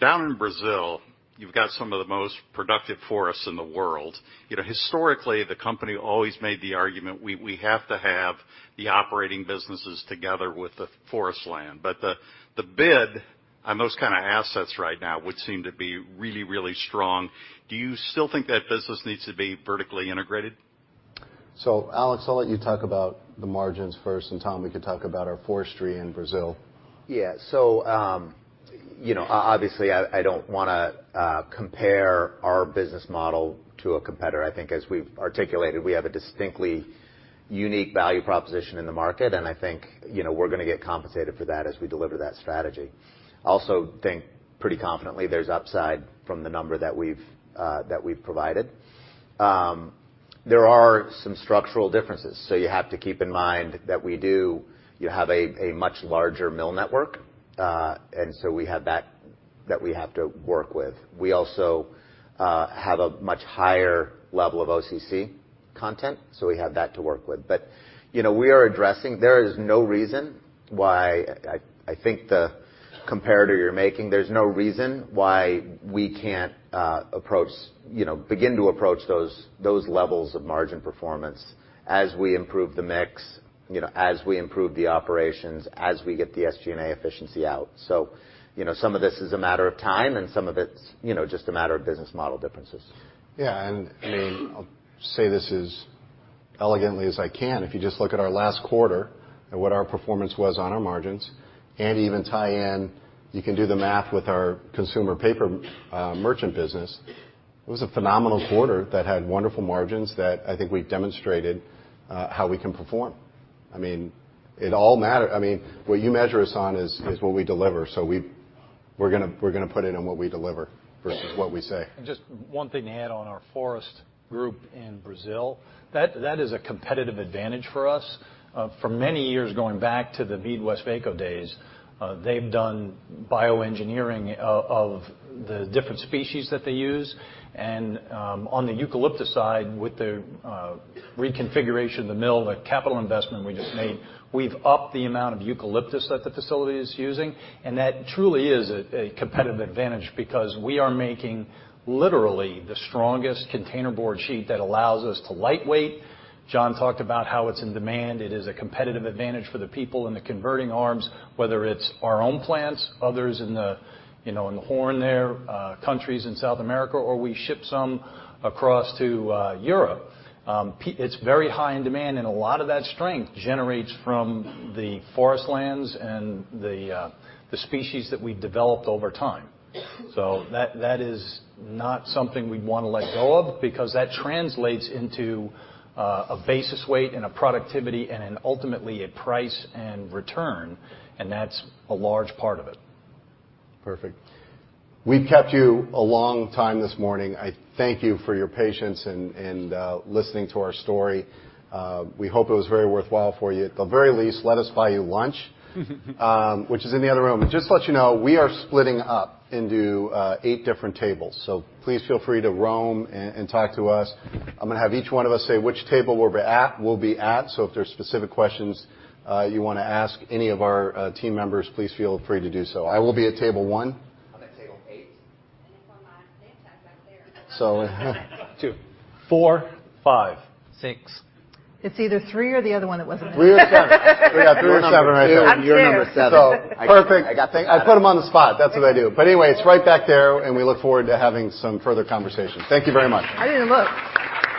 down in Brazil, you've got some of the most productive forests in the world. Historically, the company always made the argument we have to have The operating businesses together with the forest land. The bid on those kind of assets right now would seem to be really, really strong. Do you still think that business needs to be vertically integrated? Alex, I'll let you talk about the margins first, and Tom, we can talk about our forestry in Brazil. Yeah. Obviously I don't want to compare our business model to a competitor. I think as we've articulated, we have a distinctly unique value proposition in the market, and I think we're going to get compensated for that as we deliver that strategy. Also think pretty confidently there's upside from the number that we've provided. There are some structural differences, so you have to keep in mind that we do have a much larger mill network. We have that we have to work with. We also have a much higher level of OCC content, so we have that to work with. There is no reason why, I think the comparator you're making, there's no reason why we can't begin to approach those levels of margin performance as we improve the mix, as we improve the operations, as we get the SG&A efficiency out. Some of this is a matter of time, and some of it's just a matter of business model differences. Yeah. I'll say this as elegantly as I can. If you just look at our last quarter at what our performance was on our margins, and even tie in, you can do the math with our consumer paper merchant business. It was a phenomenal quarter that had wonderful margins that I think we've demonstrated how we can perform. What you measure us on is what we deliver, so we're going to put in on what we deliver versus what we say. Just one thing to add on our forest group in Brazil. That is a competitive advantage for us. For many years, going back to the MeadWestvaco days, they've done bioengineering of the different species that they use. On the eucalyptus side, with the reconfiguration of the mill, the capital investment we just made, we've upped the amount of eucalyptus that the facility is using, and that truly is a competitive advantage because we are making literally the strongest containerboard sheet that allows us to lightweight. John talked about how it's in demand. It is a competitive advantage for the people in the converting arms, whether it's our own plants, others in the horn there, countries in South America, or we ship some across to Europe. It's very high in demand and a lot of that strength generates from the forest lands and the species that we developed over time. That is not something we'd want to let go of because that translates into a basis weight and a productivity and then ultimately a price and return, and that's a large part of it. Perfect. We've kept you a long time this morning. I thank you for your patience and listening to our story. We hope it was very worthwhile for you. At the very least, let us buy you lunch, which is in the other room. Just to let you know, we are splitting up into eight different tables. Please feel free to roam and talk to us. I'm going to have each one of us say which table we'll be at. If there's specific questions you want to ask any of our team members, please feel free to do so. I will be at table one. I'm at table eight. For mine, Dan's actually right there. So. Two. Four. Five. Six. It's either three or the other one that wasn't. Three or seven. We got three or seven right there. You're number seven. I'm seven. Perfect. I got picked. I put him on the spot. That's what I do. Anyway, it's right back there, and we look forward to having some further conversation. Thank you very much. I didn't look.